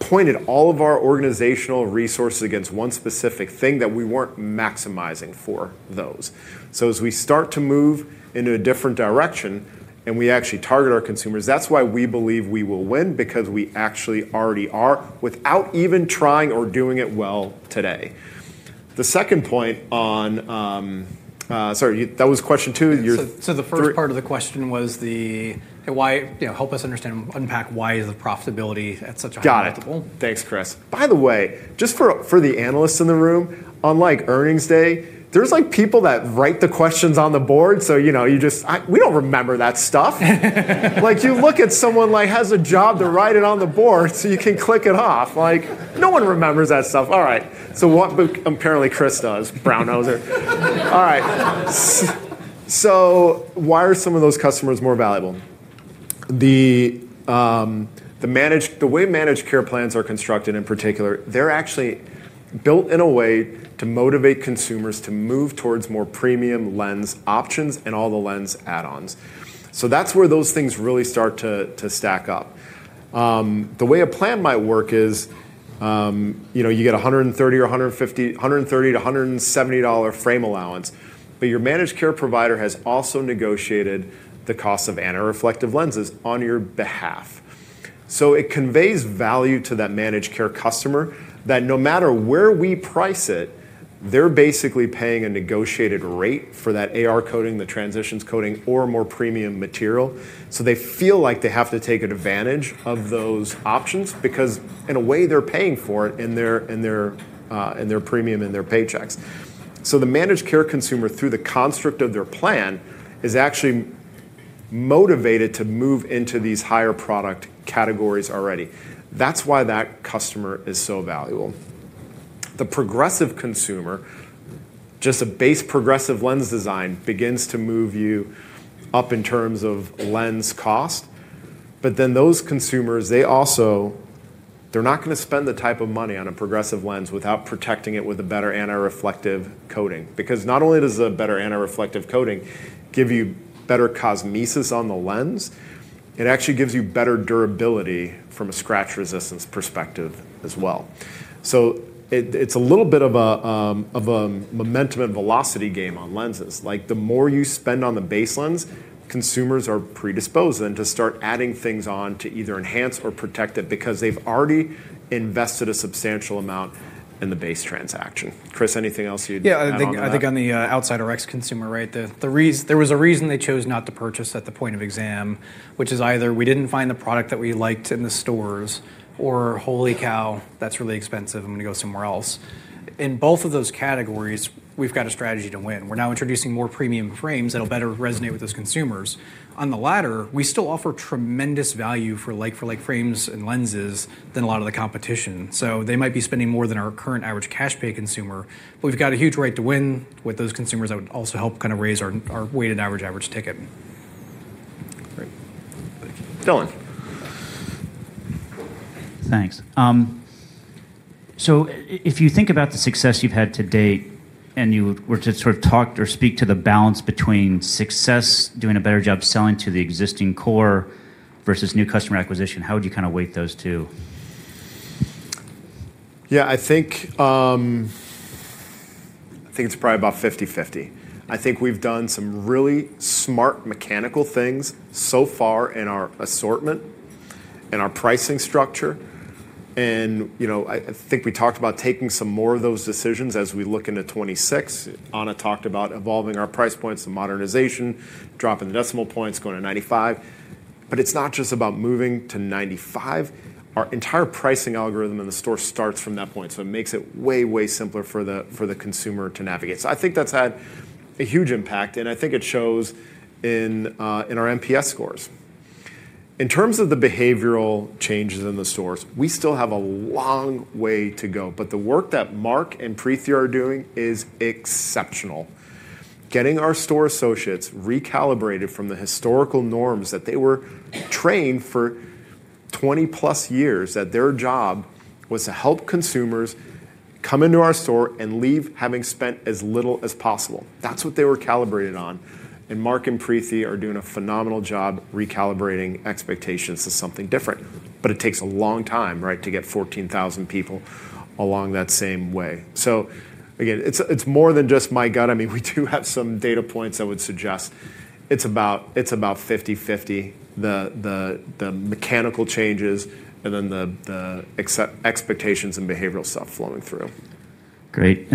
pointed all of our organizational resources against one specific thing that we were not maximizing for those. As we start to move into a different direction and we actually target our consumers, that's why we believe we will win because we actually already are without even trying or doing it well today. The second point on, sorry, that was question two. The first part of the question was the, "Help us understand, unpack why is the profitability at such a high multiple?" Got it. Thanks, Chris. By the way, just for the analysts in the room, unlike earnings day, there are people that write the questions on the board. You just, "We don't remember that stuff." You look at someone that has a job to write it on the board so you can click it off. No one remembers that stuff. All right. Apparently Chris does, brown noser. All right. Why are some of those customers more valuable? The way Managed Care plans are constructed in particular, they're actually built in a way to motivate consumers to move towards more premium lens options and all the lens add-ons. That is where those things really start to stack up. The way a plan might work is you get a $130-$170 frame allowance. Your Managed Care provider has also negotiated the cost of anti-reflective lenses on your behalf. It conveys value to that Managed Care customer that no matter where we price it, they're basically paying a negotiated rate for that AR coating, the transitions coating, or more premium material. They feel like they have to take advantage of those options because in a way, they're paying for it in their premium and their paychecks. The Managed Care consumer, through the construct of their plan, is actually motivated to move into these higher product categories already. That's why that customer is so valuable. The progressive consumer, just a base progressive lens design, begins to move you up in terms of lens cost. But then those consumers, they're not going to spend the type of money on a progressive lens without protecting it with a better anti-reflective coating. Because not only does a better anti-reflective coating give you better cosmesis on the lens, it actually gives you better durability from a scratch resistance perspective as well. It is a little bit of a momentum and velocity game on lenses. The more you spend on the base lens, consumers are predisposed then to start adding things on to either enhance or protect it because they've already invested a substantial amount in the base transaction. Chris, anything else you'd like to add? Yeah. I think on Outside Rx consumer, right, there was a reason they chose not to purchase at the point of exam, which is either we did not find the product that we liked in the stores or, "Holy cow, that's really expensive. I'm going to go somewhere else." In both of those categories, we've got a strategy to win. We're now introducing more premium frames that'll better resonate with those consumers. On the latter, we still offer tremendous value for like-for-like frames and lenses than a lot of the competition. They might be spending more than our current average cash-pay consumer. We've got a huge right to win with those consumers that would also help kind of raise our weighted average ticket. Dylan. Thanks. If you think about the success you've had to date and you were to sort of talk or speak to the balance between success, doing a better job selling to the existing core versus new customer acquisition, how would you kind of weight those two? Yeah. I think it's probably about 50/50. I think we've done some really smart mechanical things so far in our assortment and our pricing structure. I think we talked about taking some more of those decisions as we look into 2026. Ana talked about evolving our price points, the modernization, dropping the decimal points, going to 95. It's not just about moving to 95. Our entire pricing algorithm in the store starts from that point. It makes it way, way simpler for the consumer to navigate. I think that's had a huge impact. I think it shows in our MPS scores. In terms of the behavioral changes in the stores, we still have a long way to go. The work that Mark and Priti are doing is exceptional. Getting our store associates recalibrated from the historical norms that they were trained for 20+ years that their job was to help consumers come into our store and leave having spent as little as possible. That is what they were calibrated on. Mark and Priti are doing a phenomenal job recalibrating expectations to something different. It takes a long time, right, to get 14,000 people along that same way. Again, it is more than just my gut. I mean, we do have some data points I would suggest. It is about 50/50, the mechanical changes, and then the expectations and behavioral stuff flowing through. Great.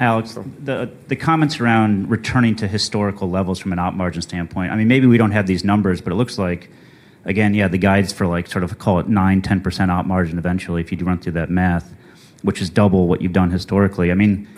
Alex, the comments around returning to historical levels from an op margin standpoint, I mean, maybe we do not have these numbers, but it looks like, again, yeah, the guides for sort of, call it, 9%-10% op margin eventually if you run through that math, which is double what you have done historically. I mean,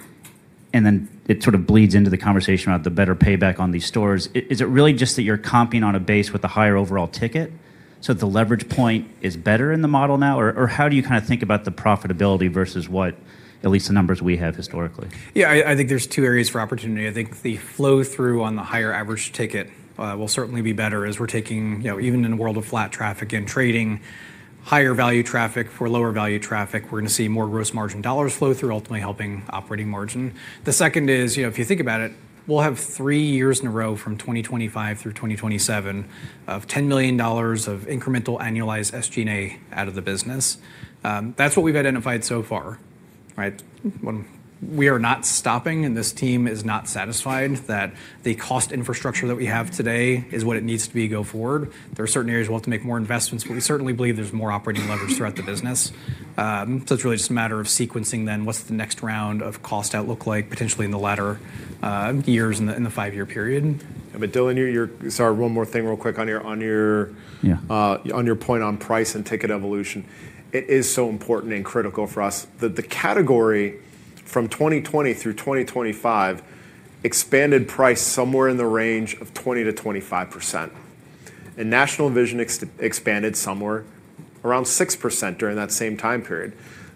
and then it sort of bleeds into the conversation about the better payback on these stores. Is it really just that you are comping on a base with a higher overall ticket so that the leverage point is better in the model now? How do you kind of think about the profitability versus what at least the numbers we have historically? Yeah. I think there are two areas for opportunity. I think the flow-through on the higher average ticket will certainly be better as we're taking, even in a world of flat traffic and trading, higher value traffic for lower value traffic. We're going to see more gross margin dollars flow through, ultimately helping operating margin. The second is, if you think about it, we'll have three years in a row from 2025 through 2027 of $10 million of incremental annualized SG&A out of the business. That's what we've identified so far, right? We are not stopping, and this team is not satisfied that the cost infrastructure that we have today is what it needs to be go forward. There are certain areas we'll have to make more investments, but we certainly believe there's more operating leverage throughout the business. It is really just a matter of sequencing then what is the next round of cost outlook like, potentially in the latter years in the five-year period. Dylan, sorry, one more thing real quick on your point on price and ticket evolution. It is so important and critical for us that the category from 2020 through 2025 expanded price somewhere in the range of 20%-25%. National Vision expanded somewhere around 6% during that same time period.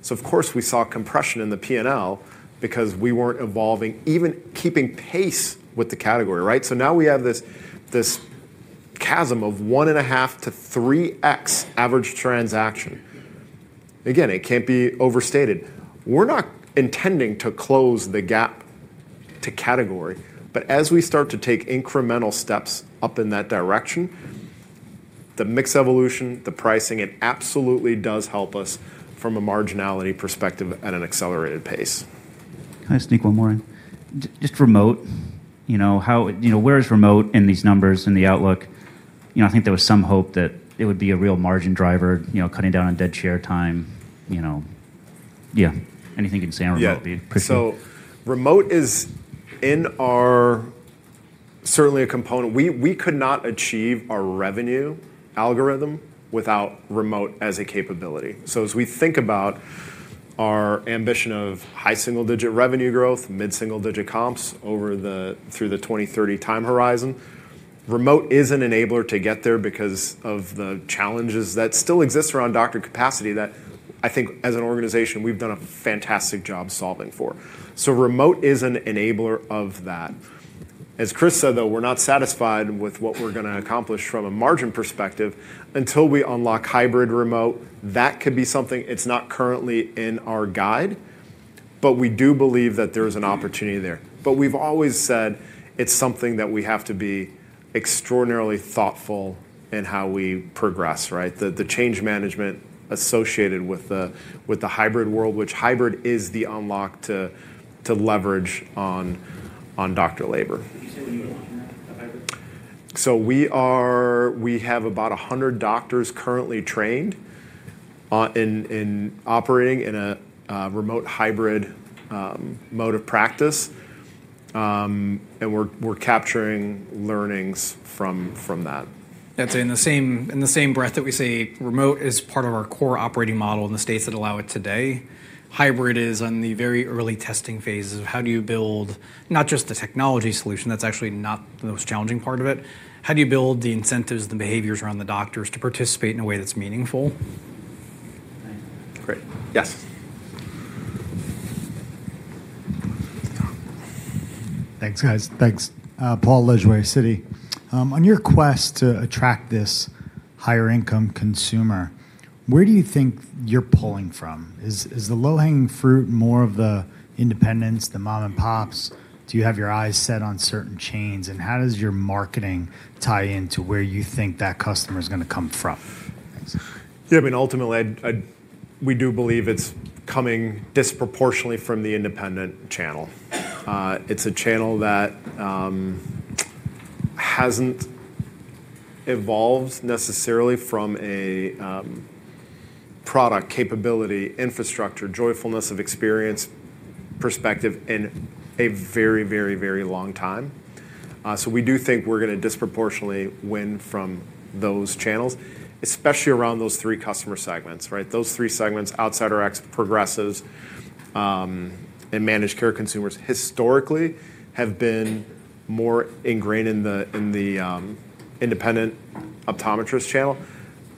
Of course, we saw compression in the P&L because we were not evolving, even keeping pace with the category, right? Now we have this chasm of one and a half to three X average transaction. Again, it cannot be overstated. We are not intending to close the gap to category. As we start to take incremental steps up in that direction, the mix evolution, the pricing, it absolutely does help us from a marginality perspective at an accelerated pace. Can I sneak one more in? Just remote, where is remote in these numbers and the outlook? I think there was some hope that it would be a real margin driver, cutting down on dead share time. Yeah. Anything you can say on remote would be appreciated. Yeah. Remote is certainly a component. We could not achieve our revenue algorithm without remote as a capability. As we think about our ambition of high single-digit revenue growth, mid-single-digit comps through the 2030 time horizon, remote is an enabler to get there because of the challenges that still exist around doctor capacity that I think as an organization, we've done a fantastic job solving for. Remote is an enabler of that. As Chris said, though, we're not satisfied with what we're going to accomplish from a margin perspective until we unlock hybrid remote. That could be something. It's not currently in our guide, but we do believe that there is an opportunity there. We've always said it's something that we have to be extraordinarily thoughtful in how we progress, right? The change management associated with the hybrid world, which hybrid is the unlock to leverage on doctor labor. We have about 100 doctors currently trained in operating in a remote hybrid mode of practice. We're capturing learnings from that. I'd say in the same breath that we say remote is part of our core operating model in the states that allow it today, hybrid is on the very early testing phases of how do you build not just the technology solution. That's actually not the most challenging part of it. How do you build the incentives and the behaviors around the doctors to participate in a way that's meaningful? Great. Yes. Thanks, guys. Thanks. Paul Lejuez, Citi. On your quest to attract this higher-income consumer, where do you think you're pulling from? Is the low-hanging fruit more of the independents, the mom-and-pops? Do you have your eyes set on certain chains? How does your marketing tie into where you think that customer is going to come from? Yeah. I mean, ultimately, we do believe it's coming disproportionately from the independent channel. It's a channel that hasn't evolved necessarily from a product capability, infrastructure, joyfulness of experience perspective in a very, very, very long time. We do think we're going to disproportionately win from those channels, especially around those three customer segments, right? Those three segments, Outside Rx, progressives, and Managed Care consumers historically have been more ingrained in the independent optometrist channel.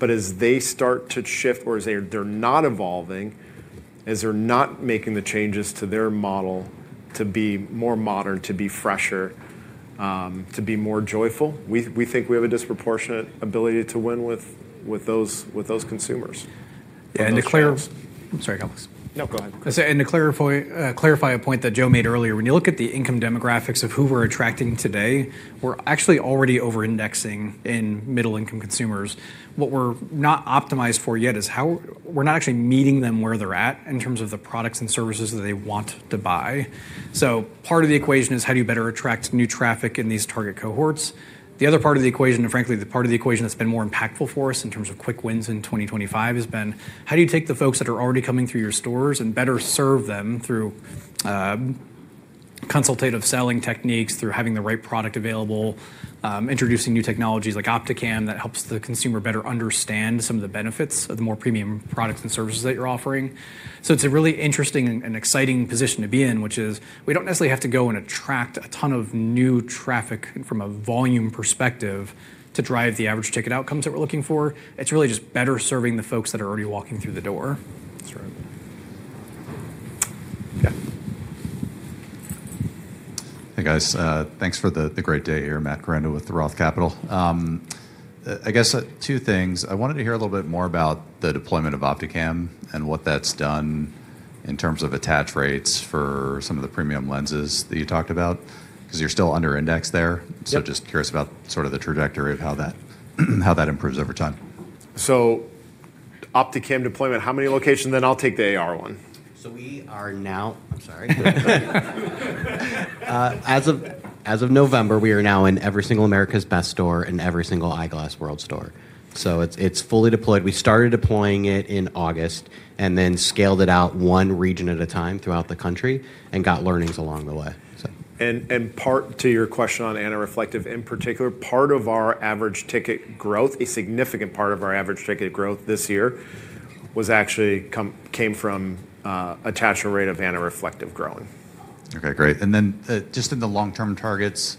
As they start to shift or as they're not evolving, as they're not making the changes to their model to be more modern, to be fresher, to be more joyful, we think we have a disproportionate ability to win with those consumers. Yeah. To clarify, I'm sorry, Alex. No, go ahead. I was saying to clarify a point that Joe made earlier. When you look at the income demographics of who we're attracting today, we're actually already over-indexing in middle-income consumers. What we're not optimized for yet is how we're not actually meeting them where they're at in terms of the products and services that they want to buy. Part of the equation is how do you better attract new traffic in these target cohorts? The other part of the equation, and frankly, the part of the equation that's been more impactful for us in terms of quick wins in 2025, has been, how do you take the folks that are already coming through your stores and better serve them through consultative selling techniques, through having the right product available, introducing new technologies like Optikam that helps the consumer better understand some of the benefits of the more premium products and services that you're offering? It's a really interesting and exciting position to be in, which is we don't necessarily have to go and attract a ton of new traffic from a volume perspective to drive the average ticket outcomes that we're looking for. It's really just better serving the folks that are already walking through the door. That's right. Yeah. Hey, guys. Thanks for the great day here, Matt Koranda with Roth Capital. I guess two things. I wanted to hear a little bit more about the deployment of Optikam and what that's done in terms of attach rates for some of the premium lenses that you talked about because you're still under-indexed there. Just curious about sort of the trajectory of how that improves over time. Optikam deployment, how many locations? I'll take the AR one. We are now, I'm sorry. As of November, we are now in every single America's Best store and every single Eyeglass World store. It is fully deployed. We started deploying it in August and then scaled it out one region at a time throughout the country and got learnings along the way. Part to your question on anti-reflective in particular, part of our average ticket growth, a significant part of our average ticket growth this year, actually came from attach rate of anti-reflective growing. Okay. Great. In the long-term targets,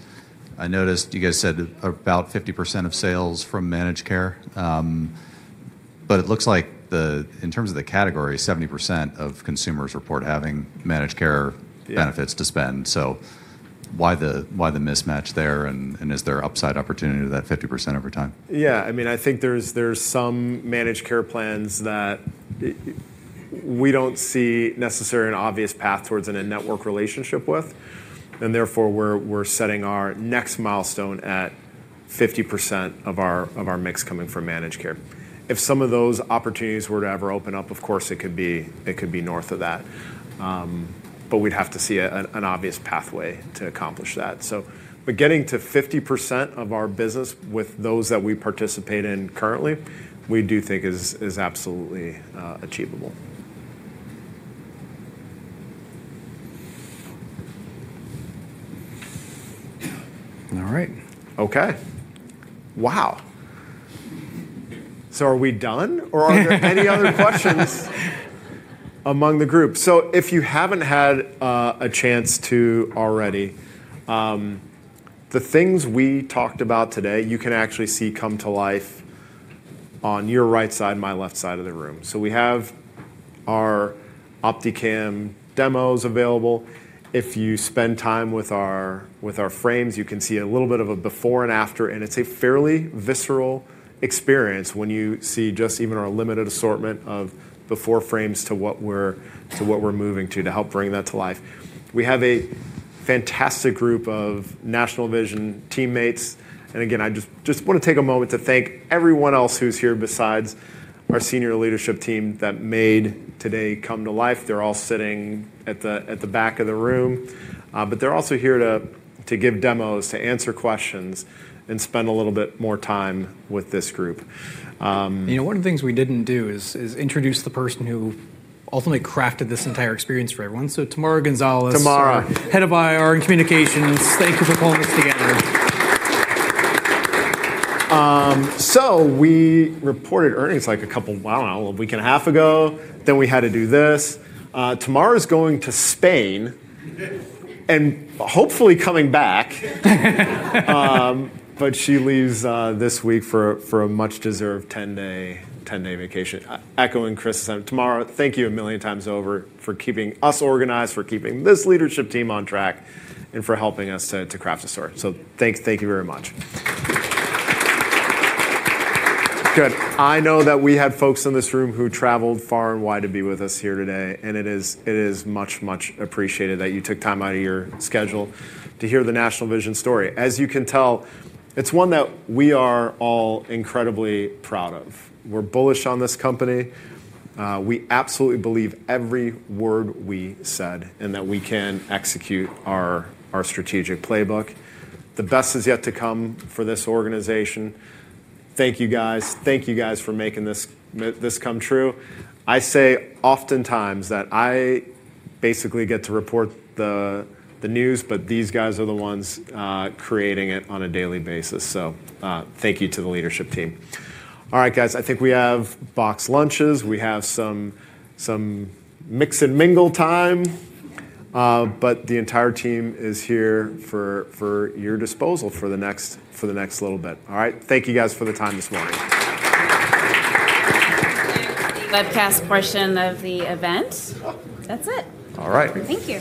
I noticed you guys said about 50% of sales from Managed Care. It looks like in terms of the category, 70% of consumers report having Managed Care benefits to spend. Why the mismatch there? Is there upside opportunity to that 50% over time? Yeah. I mean, I think there's some Managed Care plans that we don't see necessarily an obvious path towards in a network relationship with. Therefore, we're setting our next milestone at 50% of our mix coming from Managed Care. If some of those opportunities were to ever open up, of course, it could be north of that. We'd have to see an obvious pathway to accomplish that. Getting to 50% of our business with those that we participate in currently, we do think is absolutely achievable. All right. Okay. Wow. Are we done? Or are there any other questions among the group? If you haven't had a chance to already, the things we talked about today, you can actually see come to life on your right side, my left side of the room. We have our Optikam demos available. If you spend time with our frames, you can see a little bit of a before and after. It is a fairly visceral experience when you see just even our limited assortment of before frames to what we are moving to to help bring that to life. We have a fantastic group of National Vision teammates. I just want to take a moment to thank everyone else who is here besides our senior leadership team that made today come to life. They are all sitting at the back of the room. They are also here to give demos, to answer questions, and spend a little bit more time with this group. One of the things we did not do is introduce the person who ultimately crafted this entire experience for everyone. Tamara Gonzalez. Tamara headed up our communications. Thank you for pulling this together. We reported earnings like a couple of weeks and a half ago. Then we had to do this. Tamara's going to Spain and hopefully coming back. She leaves this week for a much-deserved 10-day vacation. Echoing Chris's, Tamara, thank you a million times over for keeping us organized, for keeping this leadership team on track, and for helping us to craft a story. Thank you very much. Good. I know that we had folks in this room who traveled far and wide to be with us here today. It is much, much appreciated that you took time out of your schedule to hear the National Vision story. As you can tell, it is one that we are all incredibly proud of. We are bullish on this company. We absolutely believe every word we said and that we can execute our strategic playbook. The best is yet to come for this organization. Thank you, guys. Thank you, guys, for making this come true. I say oftentimes that I basically get to report the news, but these guys are the ones creating it on a daily basis. So thank you to the leadership team. All right, guys. I think we have box lunches. We have some mix and mingle time. But the entire team is here for your disposal for the next little bit. All right. Thank you, guys, for the time this morning. Thank you. Webcast portion of the event. That's it. All right. Thank you.